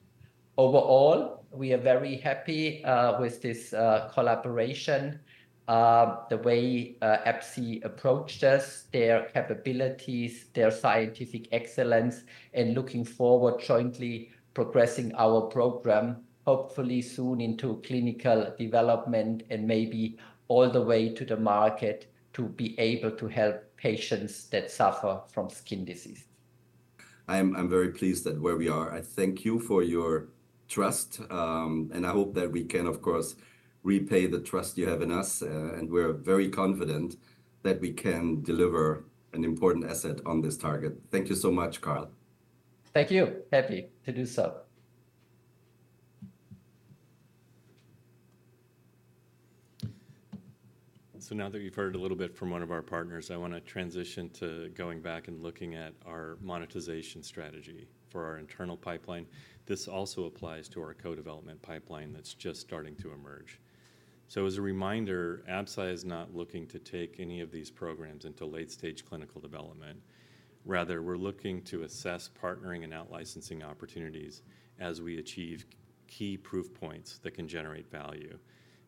Overall, we are very happy with this collaboration. The way Absci approached us, their capabilities, their scientific excellence, and looking forward jointly progressing our program, hopefully soon into clinical development and maybe all the way to the market to be able to help patients that suffer from skin disease.
I'm very pleased at where we are. I thank you for your trust. And I hope that we can, of course, repay the trust you have in us. And we're very confident that we can deliver an important asset on this target. Thank you so much, Karl.
Thank you. Happy to do so.
Now that you've heard a little bit from one of our partners, I want to transition to going back and looking at our monetization strategy for our internal pipeline. This also applies to our co-development pipeline that's just starting to emerge. As a reminder, Absci is not looking to take any of these programs into late-stage clinical development. Rather, we're looking to assess partnering and out-licensing opportunities as we achieve key proof points that can generate value.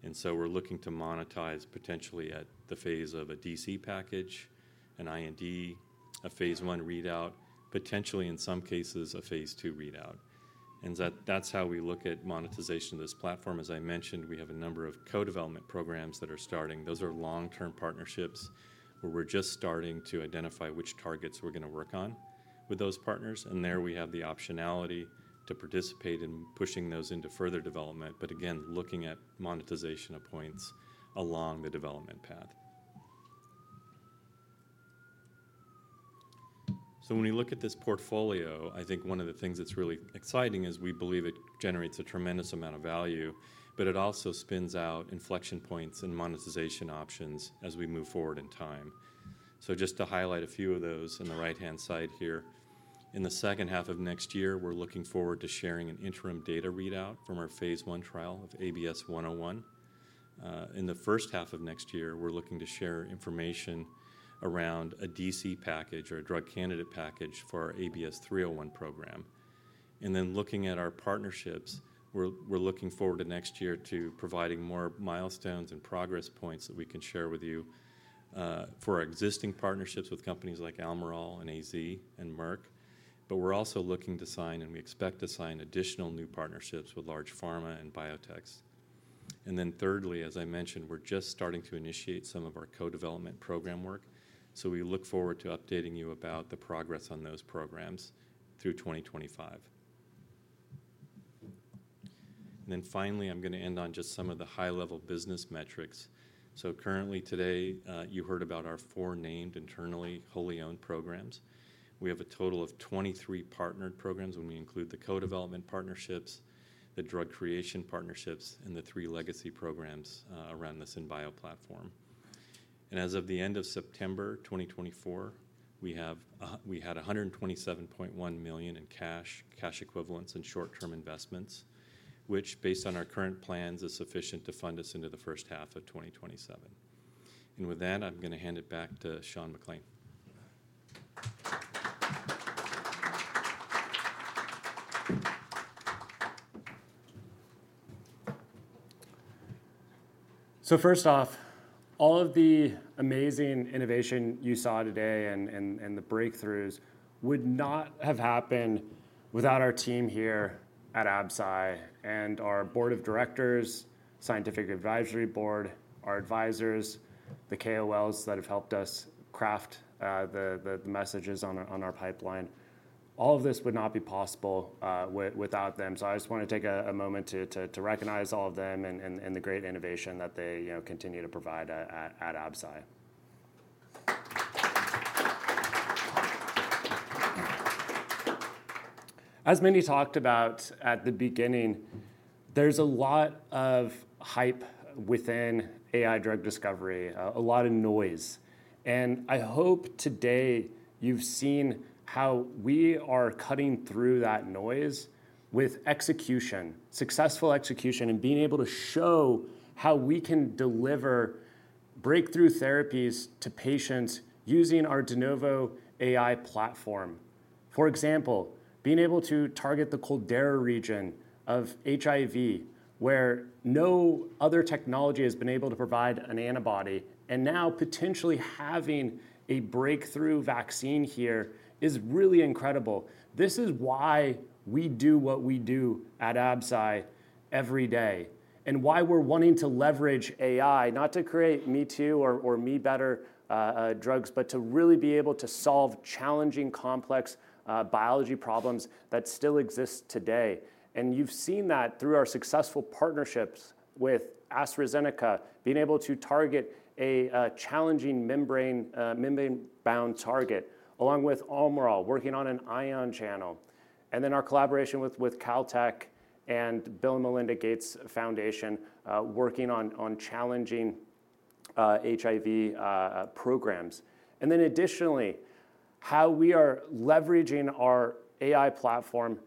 And so we're looking to monetize potentially at the phase of a DC package, an IND, a phase I readout, potentially in some cases a phase II readout. And that's how we look at monetization of this platform. As I mentioned, we have a number of co-development programs that are starting. Those are long-term partnerships where we're just starting to identify which targets we're going to work on with those partners. And there we have the optionality to participate in pushing those into further development, but again, looking at monetization points along the development path. So when we look at this portfolio, I think one of the things that's really exciting is we believe it generates a tremendous amount of value, but it also spins out inflection points and monetization options as we move forward in time. So just to highlight a few of those on the right-hand side here. In the second half of next year, we're looking forward to sharing an interim data readout from our phase I trial of ABS-101. In the first half of next year, we're looking to share information around a DC package or a drug candidate package for our ABS-301 program. And then looking at our partnerships, we're looking forward to next year to providing more milestones and progress points that we can share with you for our existing partnerships with companies like Almirall and AZ and Merck. But we're also looking to sign, and we expect to sign, additional new partnerships with large pharma and biotechs. And then thirdly, as I mentioned, we're just starting to initiate some of our co-development program work. So we look forward to updating you about the progress on those programs through 2025. And then finally, I'm going to end on just some of the high-level business metrics. So currently today, you heard about our four named internally wholly owned programs. We have a total of 23 partnered programs when we include the co-development partnerships, the drug creation partnerships, and the three legacy programs around SynBio platform. As of the end of September 2024, we had $127.1 million in cash, cash equivalents, and short-term investments, which based on our current plans is sufficient to fund us into the first half of 2027. With that, I'm going to hand it back to Sean McClain.
So first off, all of the amazing innovation you saw today and the breakthroughs would not have happened without our team here at Absci and our board of directors, scientific advisory board, our advisors, the KOLs that have helped us craft the messages on our pipeline. All of this would not be possible without them. So I just want to take a moment to recognize all of them and the great innovation that they continue to provide at Absci. As Mene talked about at the beginning, there's a lot of hype within AI drug discovery, a lot of noise, and I hope today you've seen how we are cutting through that noise with execution, successful execution, and being able to show how we can deliver breakthrough therapies to patients using our de novo AI platform. For example, being able to target the Caldera region of HIV, where no other technology has been able to provide an antibody, and now potentially having a breakthrough vaccine here is really incredible. This is why we do what we do at Absci every day and why we're wanting to leverage AI, not to create me-too or me-better drugs, but to really be able to solve challenging, complex biology problems that still exist today. And you've seen that through our successful partnerships with AstraZeneca, being able to target a challenging membrane-bound target, along with Almirall working on an ion channel. And then our collaboration with Caltech and Bill and Melinda Gates Foundation working on challenging HIV programs. And then additionally, how we are leveraging our AI platform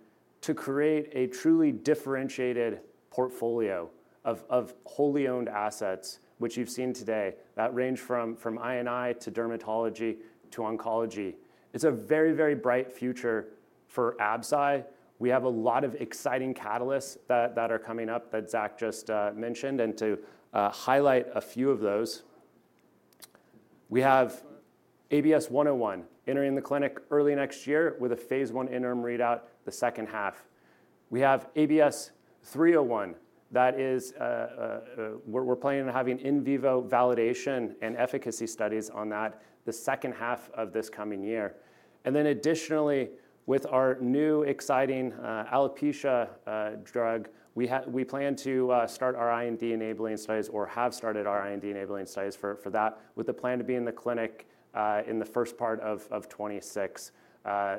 to create a truly differentiated portfolio of wholly owned assets, which you've seen today, that range from IBD to dermatology to oncology. It's a very, very bright future for Absci. We have a lot of exciting catalysts that are coming up that Zach just mentioned. And to highlight a few of those, we have ABS-101 entering the clinic early next year with a phase I interim readout the second half. We have ABS-301 that is we're planning on having in vivo validation and efficacy studies on that the second half of this coming year. And then additionally, with our new exciting alopecia drug, we plan to start our IND-enabling studies or have started our IND-enabling studies for that, with the plan to be in the clinic in the first part of 2026.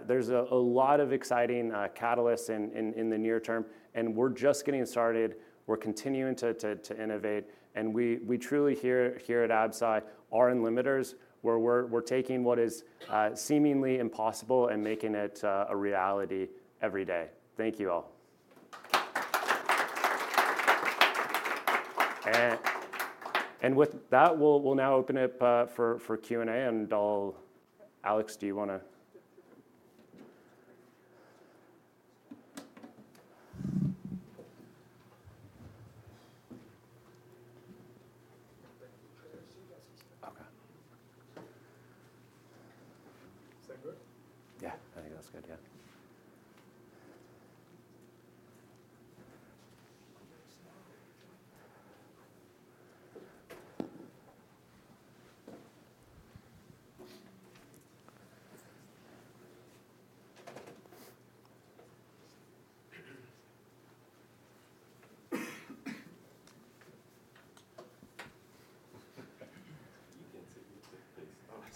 There's a lot of exciting catalysts in the near term, and we're just getting started. We're continuing to innovate, and we truly here at Absci are innovators where we're taking what is seemingly impossible and making it a reality every day. Thank you all. With that, we'll now open it up for Q&A. Alex, do you want to?
Okay. Is that good?
Yeah, I think that's good, yeah. You can sit here, please. Yeah.
It's nice for you.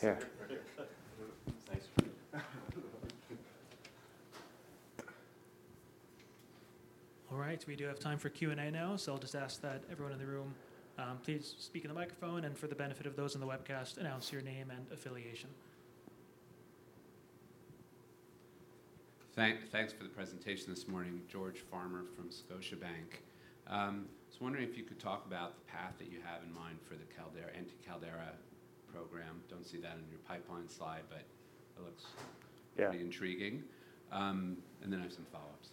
All right, we do have time for Q&A now. So I'll just ask that everyone in the room please speak in the microphone and for the benefit of those in the webcast, announce your name and affiliation.
Thanks for the presentation this morning, George Farmer from Scotiabank. I was wondering if you could talk about the path that you have in mind for the anti-Caldera program. Don't see that in your pipeline slide, but it looks pretty intriguing, and then I have some follow-ups.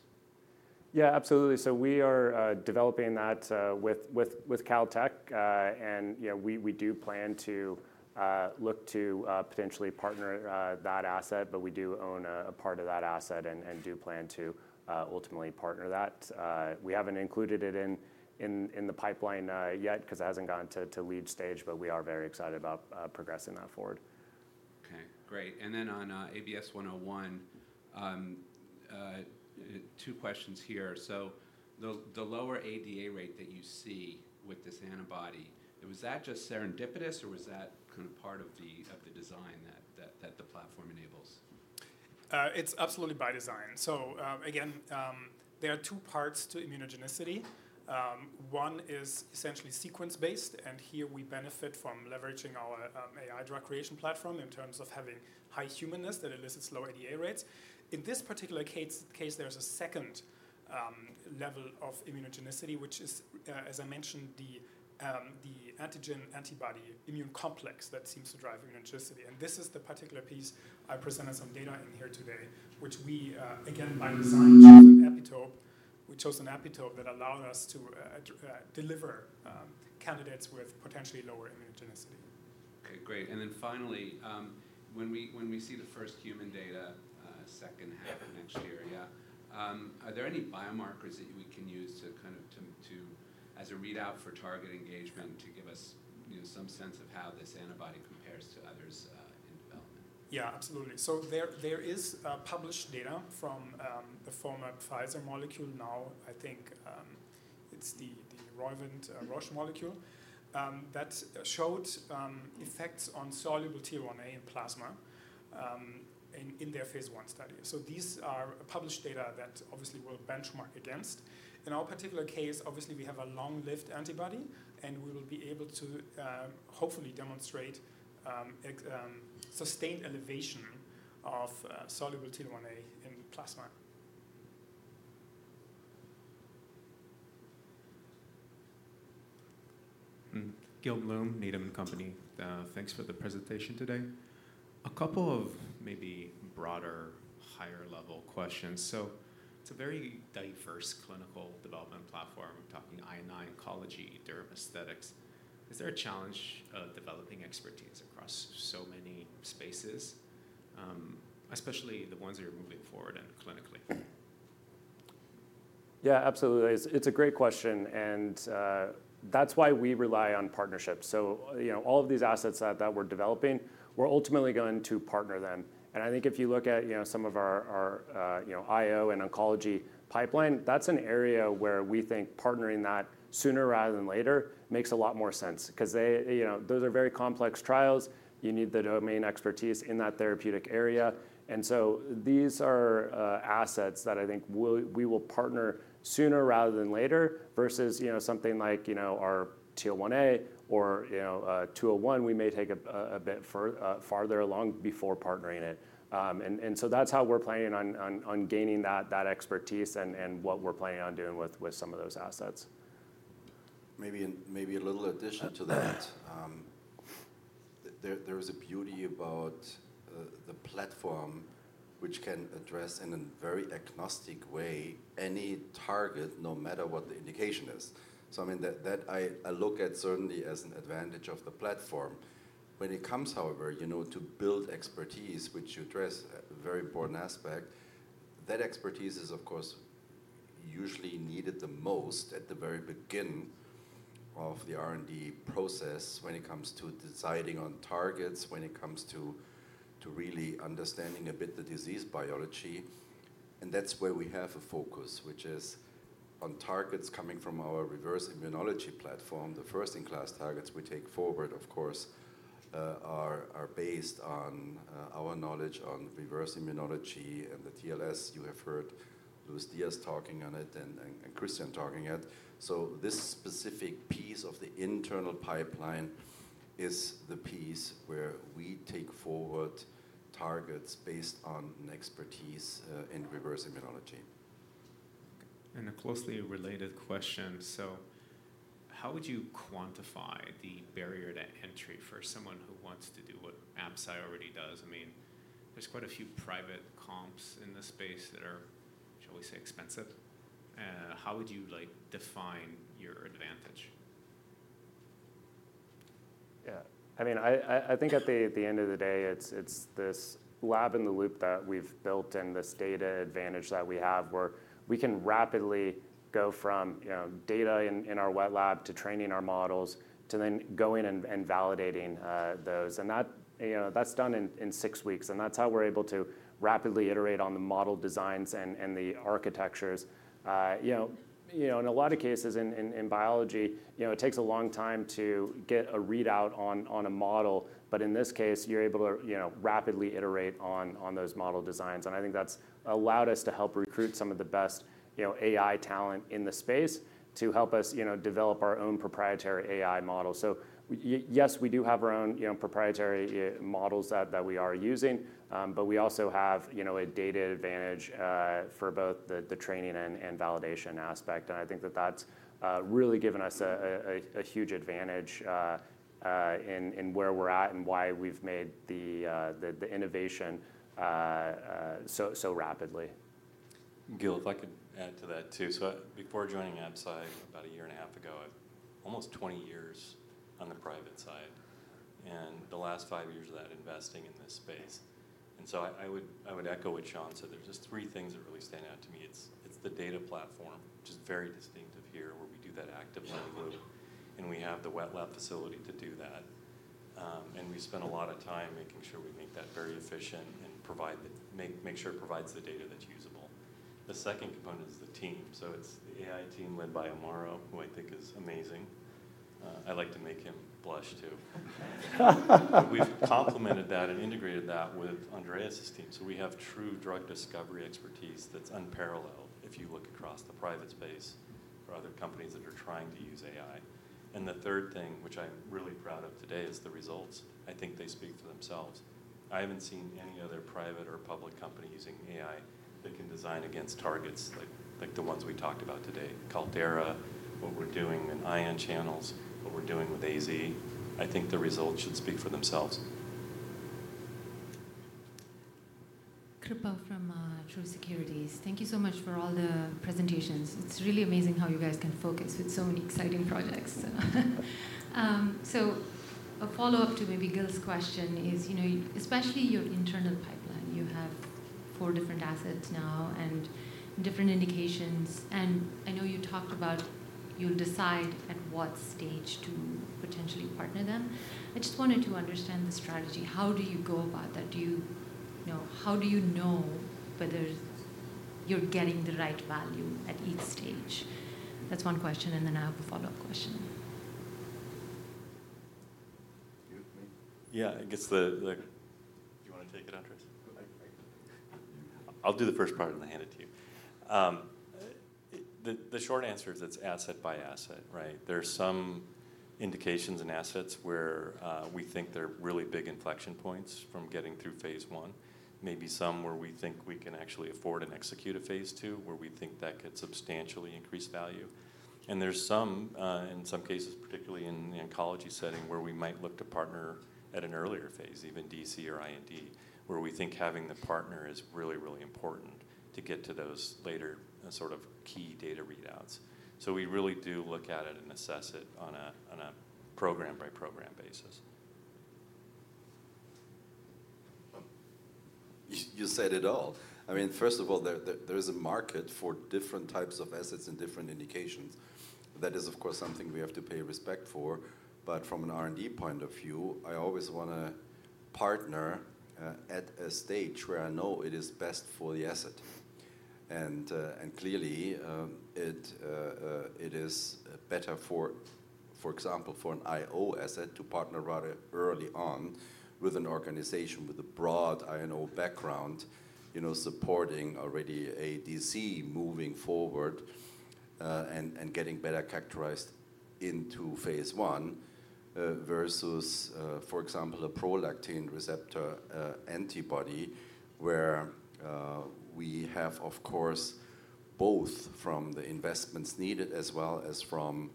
Yeah, absolutely. So we are developing that with Caltech. And we do plan to look to potentially partner that asset, but we do own a part of that asset and do plan to ultimately partner that. We haven't included it in the pipeline yet because it hasn't gone to lead stage, but we are very excited about progressing that forward.
Okay, great. And then on ABS-101, two questions here. So the lower ADA rate that you see with this antibody, was that just serendipitous or was that kind of part of the design that the platform enables?
It's absolutely by design, so again, there are two parts to immunogenicity. One is essentially sequence-based, and here we benefit from leveraging our AI drug creation platform in terms of having high humanness that elicits low ADA rates. In this particular case, there's a second level of immunogenicity, which is, as I mentioned, the antigen-antibody immune complex that seems to drive immunogenicity, and this is the particular piece I presented some data in here today, which we, again, by design, chose an epitope. We chose an epitope that allowed us to deliver candidates with potentially lower immunogenicity.
Okay, great. And then finally, when we see the first human data second half of next year, yeah, are there any biomarkers that we can use as a readout for target engagement to give us some sense of how this antibody compares to others in development?
Yeah, absolutely. So there is published data from the former Pfizer molecule. Now, I think it's the Roivant-Roche molecule that showed effects on soluble TL1A in plasma in their phase I study. So these are published data that obviously we'll benchmark against. In our particular case, obviously, we have a long-lived antibody, and we will be able to hopefully demonstrate sustained elevation of soluble TL1A in plasma.
Gil Blum, Needham & Company, thanks for the presentation today. A couple of maybe broader, higher-level questions. So it's a very diverse clinical development platform, talking immuno, oncology, dermaesthetics. Is there a challenge of developing expertise across so many spaces, especially the ones that are moving forward and clinically?
Yeah, absolutely. It's a great question. And that's why we rely on partnerships. So all of these assets that we're developing, we're ultimately going to partner them. And I think if you look at some of our IO and oncology pipeline, that's an area where we think partnering that sooner rather than later makes a lot more sense because those are very complex trials. You need the domain expertise in that therapeutic area. And so these are assets that I think we will partner sooner rather than later versus something like our TL1A or TL1A, we may take a bit farther along before partnering it. And so that's how we're planning on gaining that expertise and what we're planning on doing with some of those assets.
Maybe a little addition to that. There is a beauty about the platform, which can address in a very agnostic way any target, no matter what the indication is. So I mean, that I look at certainly as an advantage of the platform. When it comes, however, to build expertise, which addresses a very important aspect, that expertise is, of course, usually needed the most at the very beginning of the R&D process when it comes to deciding on targets, when it comes to really understanding a bit the disease biology. And that's where we have a focus, which is on targets coming from our Reverse Immunology platform. The first-in-class targets we take forward, of course, are based on our knowledge on Reverse Immunology and the TLS. You have heard Luis Diaz talking on it and Christian talking on it. So this specific piece of the internal pipeline is the piece where we take forward targets based on expertise in Reverse Immunology.
A closely related question. How would you quantify the barrier to entry for someone who wants to do what Absci already does? I mean, there's quite a few private comps in this space that are, shall we say, expensive. How would you define your advantage?
Yeah. I mean, I think at the end of the day, it's this Lab-in-the-Loop that we've built and this data advantage that we have where we can rapidly go from data in our wet lab to training our models to then going and validating those. And that's done in six weeks. And that's how we're able to rapidly iterate on the model designs and the architectures. In a lot of cases in biology, it takes a long time to get a readout on a model, but in this case, you're able to rapidly iterate on those model designs. And I think that's allowed us to help recruit some of the best AI talent in the space to help us develop our own proprietary AI model. So yes, we do have our own proprietary models that we are using, but we also have a data advantage for both the training and validation aspect. And I think that that's really given us a huge advantage in where we're at and why we've made the innovation so rapidly.
Gil, if I could add to that too. So before joining Absci about a year and a half ago, I had almost 20 years on the private side and the last five years of that investing in this space. And so I would echo what Sean said. There's just three things that really stand out to me. It's the data platform, which is very distinctive here where we do that lab-in-the-loop. And we have the wet lab facility to do that. And we spend a lot of time making sure we make that very efficient and make sure it provides the data that's usable. The second component is the team. So it's the AI team led by Amaro, who I think is amazing. I like to make him blush too. We've complemented that and integrated that with Andreas' team. So we have true drug discovery expertise that's unparalleled if you look across the private space for other companies that are trying to use AI. And the third thing, which I'm really proud of today, is the results. I think they speak for themselves. I haven't seen any other private or public company using AI that can design against targets like the ones we talked about today, Caldera, what we're doing in ion channels, what we're doing with AZ. I think the results should speak for themselves.
Kripa from Truist Securities. Thank you so much for all the presentations. It's really amazing how you guys can focus with so many exciting projects. So a follow-up to maybe Gil's question is, especially your internal pipeline, you have four different assets now and different indications. And I know you talked about you'll decide at what stage to potentially partner them. I just wanted to understand the strategy. How do you go about that? How do you know whether you're getting the right value at each stage? That's one question, and then I have a follow-up question.
Yeah, I guess the.
Do you want to take it, Andreas?
I'll do the first part and then hand it to you. The short answer is it's asset by asset, right? There are some indications and assets where we think there are really big inflection points from getting through phase I, maybe some where we think we can actually afford and execute a phase II where we think that could substantially increase value. And there's some, in some cases, particularly in the oncology setting, where we might look to partner at an earlier phase, even DC or IND, where we think having the partner is really, really important to get to those later sort of key data readouts. So we really do look at it and assess it on a program-by-program basis.
You said it all. I mean, first of all, there is a market for different types of assets and different indications. That is, of course, something we have to pay respect for. But from an R&D point of view, I always want to partner at a stage where I know it is best for the asset. And clearly, it is better for, for example, for an IO asset to partner rather early on with an organization with a broad I-O background, supporting already a DC moving forward and getting better characterized into phase I versus, for example, a prolactin receptor antibody where we have, of course, both from the investments needed as well as from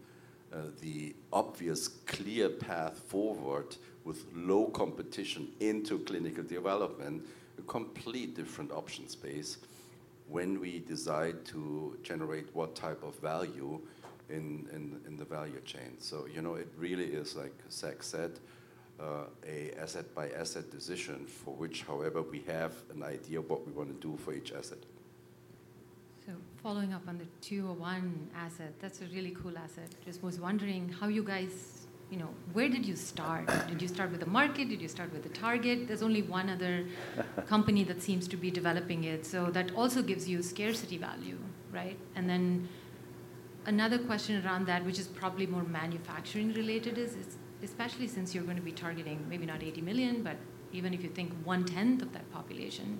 the obvious clear path forward with low competition into clinical development, a complete different option space when we decide to generate what type of value in the value chain.
So it really is, like Zach said, an asset-by-asset decision for which, however, we have an idea of what we want to do for each asset.
So following up on the tier one asset, that's a really cool asset. Just was wondering how you guys, where did you start? Did you start with the market? Did you start with the target? There's only one other company that seems to be developing it. So that also gives you scarcity value, right? And then another question around that, which is probably more manufacturing related, is especially since you're going to be targeting maybe not 80 million, but even if you think one-tenth of that population,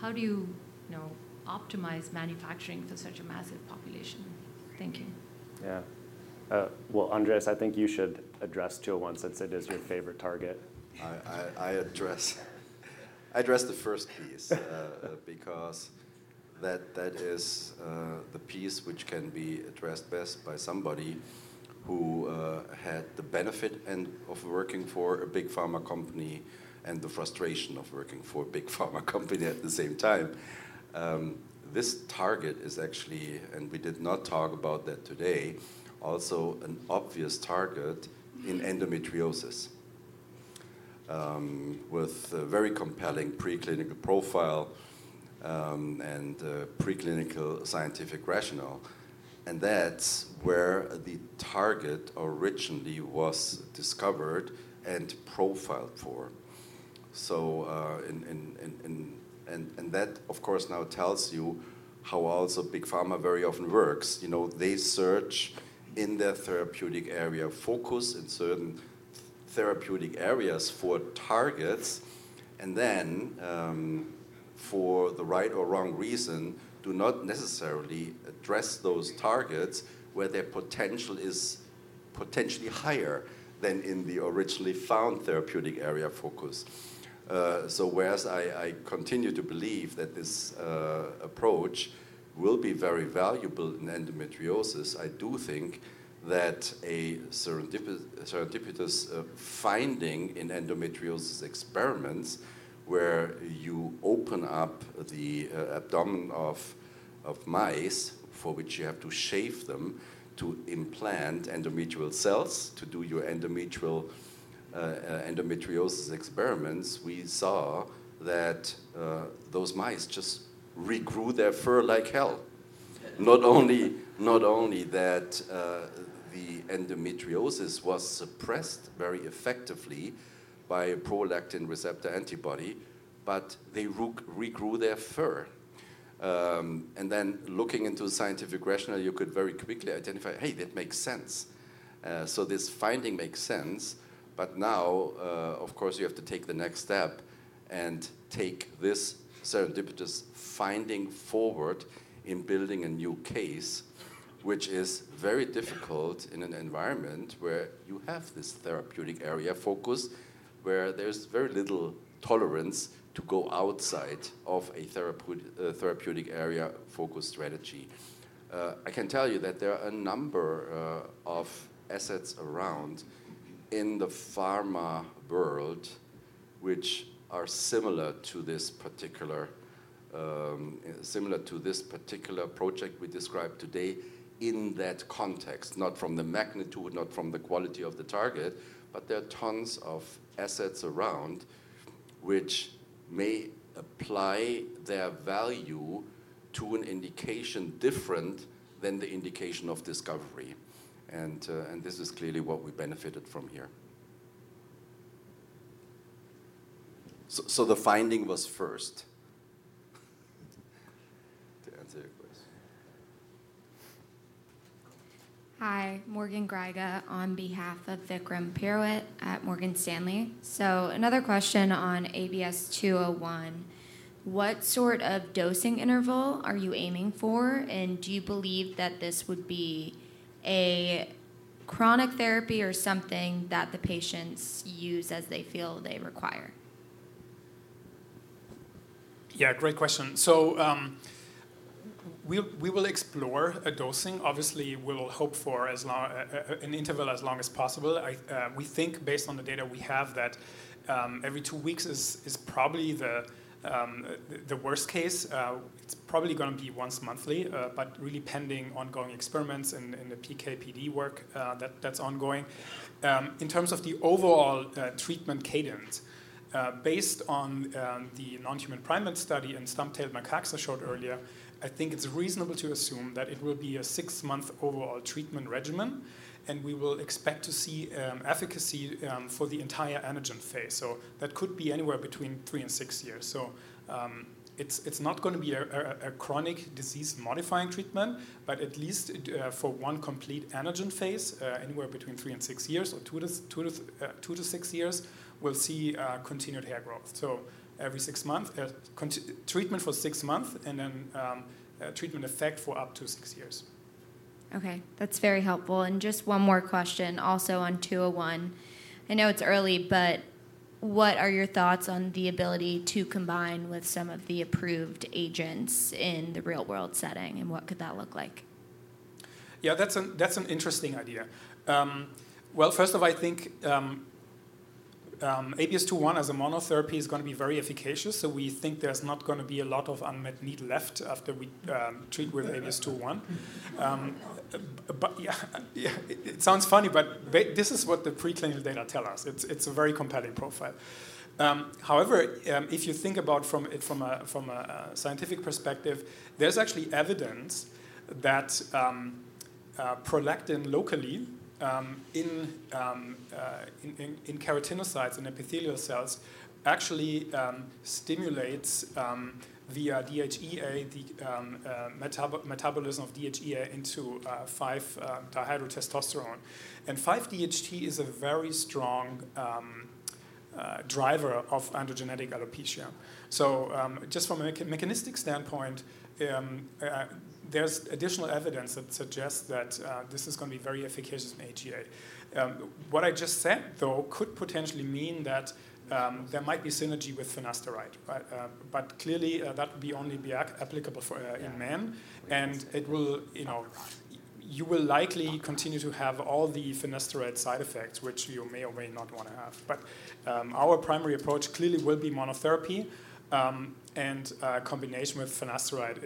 how do you optimize manufacturing for such a massive population? Thank you.
Yeah. Well, Andreas, I think you should address TL1A since it is your favorite target.
I address the first piece because that is the piece which can be addressed best by somebody who had the benefit of working for a big pharma company and the frustration of working for a big pharma company at the same time. This target is actually, and we did not talk about that today, also an obvious target in endometriosis with a very compelling preclinical profile and preclinical scientific rationale. And that's where the target originally was discovered and profiled for. And that, of course, now tells you how also big pharma very often works. They search in their therapeutic area, focus in certain therapeutic areas for targets, and then for the right or wrong reason do not necessarily address those targets where their potential is potentially higher than in the originally found therapeutic area focus. Whereas I continue to believe that this approach will be very valuable in endometriosis, I do think that a serendipitous finding in endometriosis experiments, where you open up the abdomen of mice for which you have to shave them to implant endometrial cells to do your endometriosis experiments, we saw that those mice just regrew their fur like hell. Not only that the endometriosis was suppressed very effectively by a prolactin receptor antibody, but they regrew their fur. And then looking into scientific rationale, you could very quickly identify, hey, that makes sense. So this finding makes sense. But now, of course, you have to take the next step and take this serendipitous finding forward in building a new case, which is very difficult in an environment where you have this therapeutic area focus where there's very little tolerance to go outside of a therapeutic area focus strategy. I can tell you that there are a number of assets around in the pharma world which are similar to this particular project we described today in that context, not from the magnitude, not from the quality of the target, but there are tons of assets around which may apply their value to an indication different than the indication of discovery. And this is clearly what we benefited from here. So the finding was first to answer your question.
Hi, Morgan Gryga on behalf of Vikram Purohit at Morgan Stanley. So another question on ABS-201. What sort of dosing interval are you aiming for? And do you believe that this would be a chronic therapy or something that the patients use as they feel they require?
Yeah, great question. So we will explore a dosing. Obviously, we'll hope for an interval as long as possible. We think based on the data we have that every two weeks is probably the worst case. It's probably going to be once monthly, but really pending ongoing experiments in the PKPD work that's ongoing. In terms of the overall treatment cadence, based on the non-human primate study and stump-tailed macaque I showed earlier, I think it's reasonable to assume that it will be a six-month overall treatment regimen, and we will expect to see efficacy for the entire anagen phase. So that could be anywhere between three and six years. So it's not going to be a chronic disease-modifying treatment, but at least for one complete anagen phase, anywhere between three and six years or two to six years, we'll see continued hair growth. Every six months, treatment for six months, and then treatment effect for up to six years.
Okay. That's very helpful. And just one more question also on 201. I know it's early, but what are your thoughts on the ability to combine with some of the approved agents in the real-world setting? And what could that look like?
Yeah, that's an interesting idea. Well, first of all, I think ABS-201 as a monotherapy is going to be very efficacious. So we think there's not going to be a lot of unmet need left after we treat with ABS-201. It sounds funny, but this is what the preclinical data tell us. It's a very compelling profile. However, if you think about it from a scientific perspective, there's actually evidence that prolactin locally in keratinocytes and epithelial cells actually stimulates, via DHEA, the metabolism of DHEA into 5-dihydrotestosterone. And 5-DHT is a very strong driver of androgenetic alopecia. So just from a mechanistic standpoint, there's additional evidence that suggests that this is going to be very efficacious in AGA. What I just said, though, could potentially mean that there might be synergy with finasteride. But clearly, that would only be applicable in men. You will likely continue to have all the finasteride side effects, which you may or may not want to have. Our primary approach clearly will be monotherapy, and combination with finasteride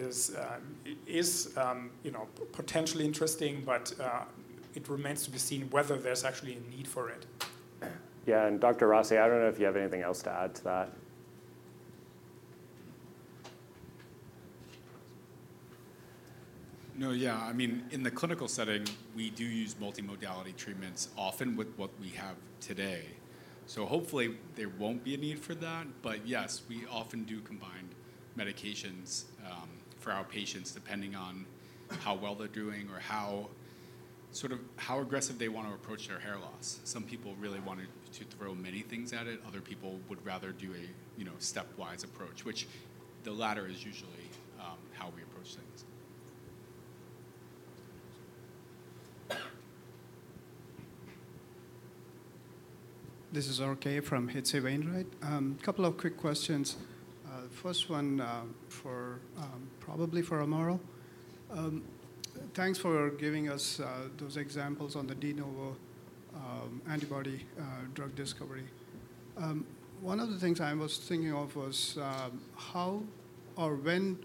is potentially interesting, but it remains to be seen whether there's actually a need for it.
Yeah, and Dr. Rossi, I don't know if you have anything else to add to that.
No, yeah. I mean, in the clinical setting, we do use multimodality treatments often with what we have today. So hopefully, there won't be a need for that. But yes, we often do combined medications for our patients depending on how well they're doing or sort of how aggressive they want to approach their hair loss. Some people really want to throw many things at it. Other people would rather do a stepwise approach, which the latter is usually how we approach things.
This is RK from H.C. Wainwright. A couple of quick questions. The first one probably for Amaro. Thanks for giving us those examples on the de novo antibody drug discovery. One of the things I was thinking of was how or when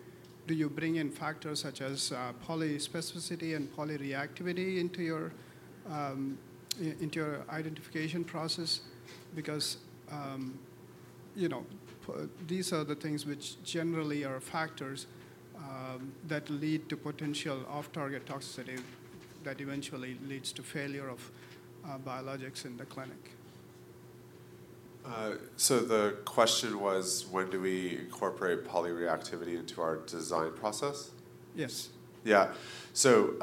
do you bring in factors such as polyspecificity and polyreactivity into your identification process? Because these are the things which generally are factors that lead to potential off-target toxicity that eventually leads to failure of biologics in the clinic.
So the question was, when do we incorporate polyreactivity into our design process?
Yes.
Yeah. So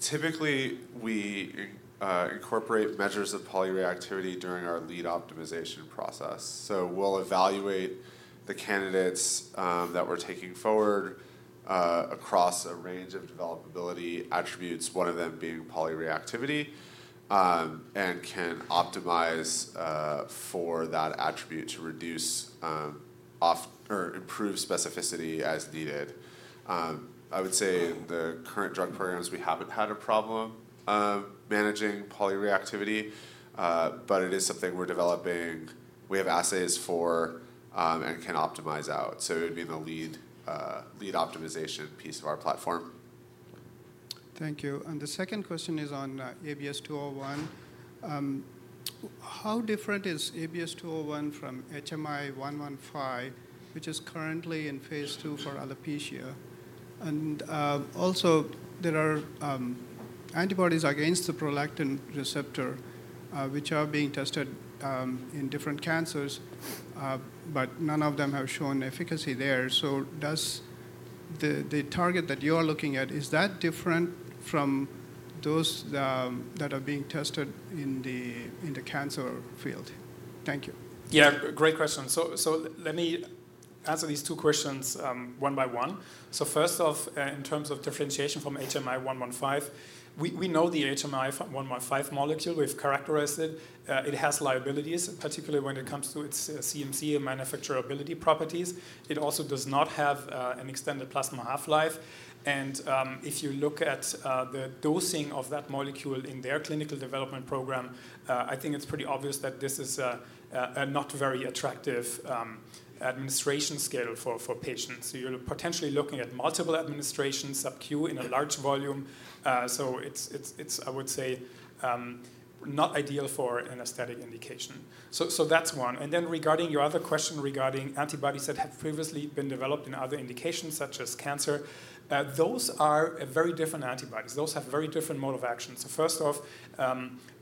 typically, we incorporate measures of polyreactivity during our lead optimization process. So we'll evaluate the candidates that we're taking forward across a range of developability attributes, one of them being polyreactivity, and can optimize for that attribute to improve specificity as needed. I would say in the current drug programs, we haven't had a problem managing polyreactivity, but it is something we're developing. We have assays for and can optimize out. So it would be the lead optimization piece of our platform.
Thank you. And the second question is on ABS-201. How different is ABS-201 from HMI-115, which is currently in phase II for alopecia? And also, there are antibodies against the prolactin receptor, which are being tested in different cancers, but none of them have shown efficacy there. So the target that you are looking at, is that different from those that are being tested in the cancer field? Thank you.
Yeah, great question. So let me answer these two questions one by one. So first off, in terms of differentiation from HMI-115, we know the HMI-115 molecule. We've characterized it. It has liabilities, particularly when it comes to its CMC and manufacturability properties. It also does not have an extended plasma half-life. And if you look at the dosing of that molecule in their clinical development program, I think it's pretty obvious that this is a not very attractive administration scale for patients. So you're potentially looking at multiple administrations sub-Q in a large volume. So it's, I would say, not ideal for an aesthetic indication. So that's one. And then regarding your other question regarding antibodies that have previously been developed in other indications, such as cancer, those are very different antibodies. Those have very different mode of action. So first off,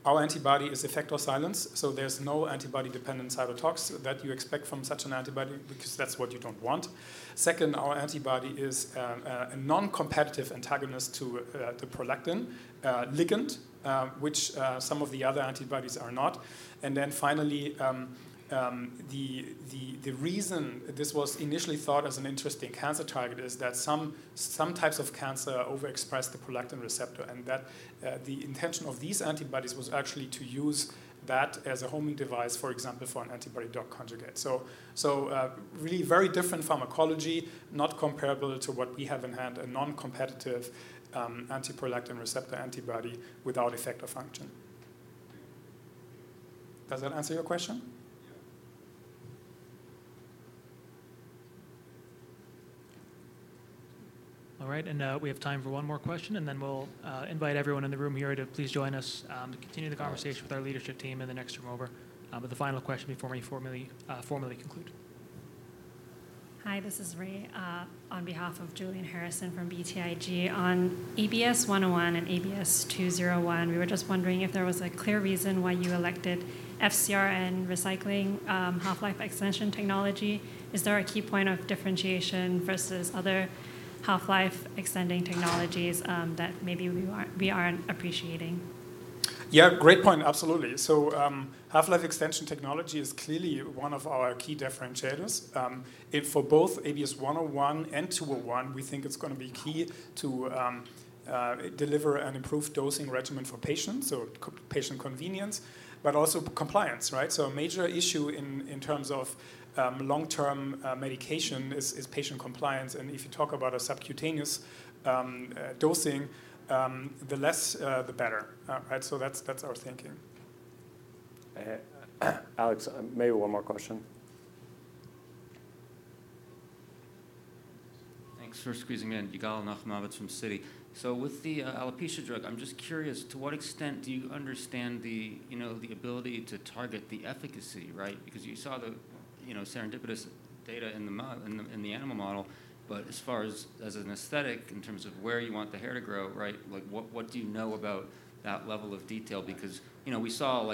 our antibody is effector silent. So there's no antibody-dependent cytotoxicity that you expect from such an antibody because that's what you don't want. Second, our antibody is a non-competitive antagonist to the prolactin ligand, which some of the other antibodies are not. And then finally, the reason this was initially thought as an interesting cancer target is that some types of cancer overexpress the prolactin receptor. And the intention of these antibodies was actually to use that as a homing device, for example, for an antibody-drug conjugate. So really very different pharmacology, not comparable to what we have in hand, a non-competitive anti-prolactin receptor antibody without effector function. Does that answer your question?
All right, and we have time for one more question, and then we'll invite everyone in the room here to please join us to continue the conversation with our leadership team in the next turnover, but the final question before we formally conclude.
Hi, this is Rhea on behalf of Julian Harrison from BTIG. On ABS-101 and ABS-201, we were just wondering if there was a clear reason why you elected FcRn recycling half-life extension technology. Is there a key point of differentiation versus other half-life extending technologies that maybe we aren't appreciating?
Yeah, great point. Absolutely. So half-life extension technology is clearly one of our key differentiators. For both ABS-101 and ABS-201, we think it's going to be key to deliver an improved dosing regimen for patients, so patient convenience, but also compliance. So a major issue in terms of long-term medication is patient compliance. And if you talk about a subcutaneous dosing, the less, the better. So that's our thinking.
Alex, maybe one more question.
Thanks for squeezing in. Yigal Nochomovitz from Citi. So with the alopecia drug, I'm just curious, to what extent do you understand the ability to target the efficacy? Because you saw the serendipitous data in the animal model, but as far as an aesthetic, in terms of where you want the hair to grow, what do you know about that level of detail? Because we saw,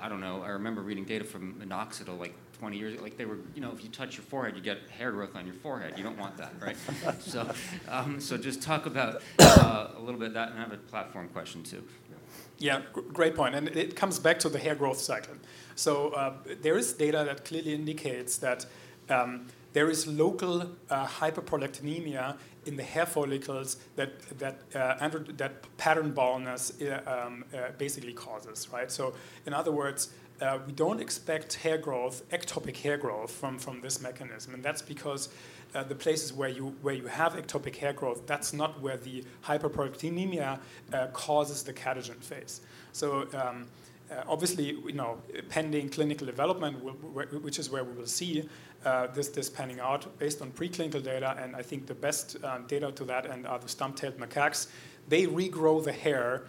I don't know, I remember reading data from minoxidil 20 years ago. If you touch your forehead, you get hair growth on your forehead. You don't want that. So just talk about a little bit of that and have a platform question too.
Yeah, great point. And it comes back to the hair growth cycle. So there is data that clearly indicates that there is local hyperprolactinemia in the hair follicles that pattern baldness basically causes. So in other words, we don't expect ectopic hair growth from this mechanism. And that's because the places where you have ectopic hair growth, that's not where the hyperprolactinemia causes the catagen phase. So obviously, pending clinical development, which is where we will see this panning out based on preclinical data. And I think the best data to that end are the stump-tailed macaques. They regrow the hair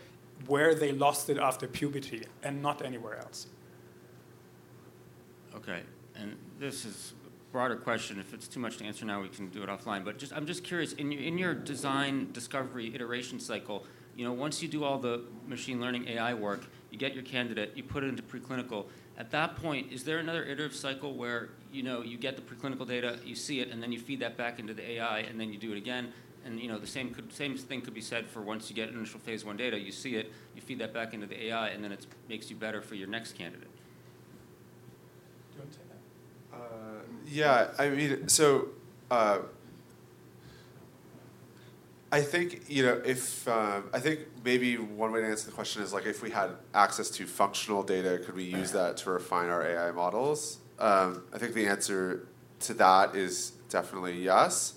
where they lost it after puberty and not anywhere else.
Okay. And this is a broader question. If it's too much to answer now, we can do it offline. But I'm just curious, in your design discovery iteration cycle, once you do all the machine learning AI work, you get your candidate, you put it into preclinical. At that point, is there another iterative cycle where you get the preclinical data, you see it, and then you feed that back into the AI, and then you do it again? And the same thing could be said for once you get initial phase I data, you see it, you feed that back into the AI, and then it makes you better for your next candidate?
Yeah. I mean, so I think maybe one way to answer the question is if we had access to functional data, could we use that to refine our AI models? I think the answer to that is definitely yes.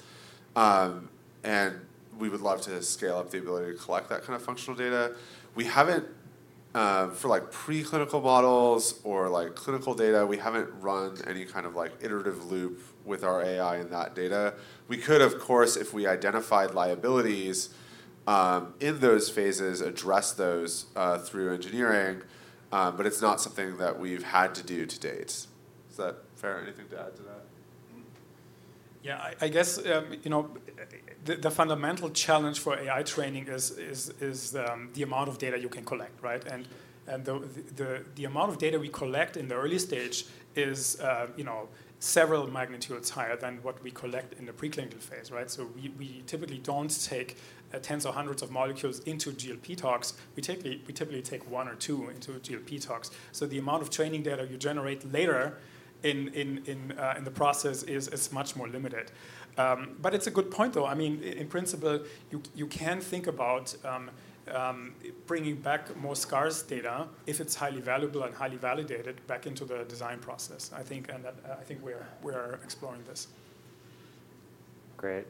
And we would love to scale up the ability to collect that kind of functional data. For preclinical models or clinical data, we haven't run any kind of iterative loop with our AI in that data. We could, of course, if we identified liabilities in those phases, address those through engineering, but it's not something that we've had to do to date. Is that fair? Anything to add to that?
Yeah. I guess the fundamental challenge for AI training is the amount of data you can collect. And the amount of data we collect in the early stage is several magnitudes higher than what we collect in the preclinical phase. So we typically don't take tens or hundreds of molecules into GLP tox. We typically take one or two into GLP tox. So the amount of training data you generate later in the process is much more limited. But it's a good point, though. I mean, in principle, you can think about bringing back more scarce data if it's highly valuable and highly validated back into the design process, I think. And I think we are exploring this.
Great.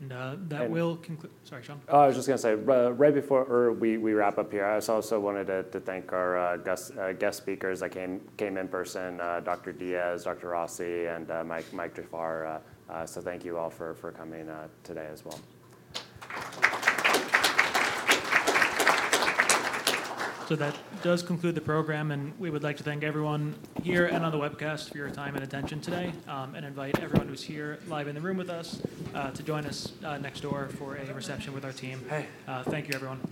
That will conclude. Sorry, Sean.
Oh, I was just going to say right before we wrap up here, I also wanted to thank our guest speakers that came in person, Dr. Diaz, Dr. Rossi, and Mike Jafar. So thank you all for coming today as well.
That does conclude the program. We would like to thank everyone here and on the webcast for your time and attention today and invite everyone who's here live in the room with us to join us next door for a reception with our team. Thank you, everyone.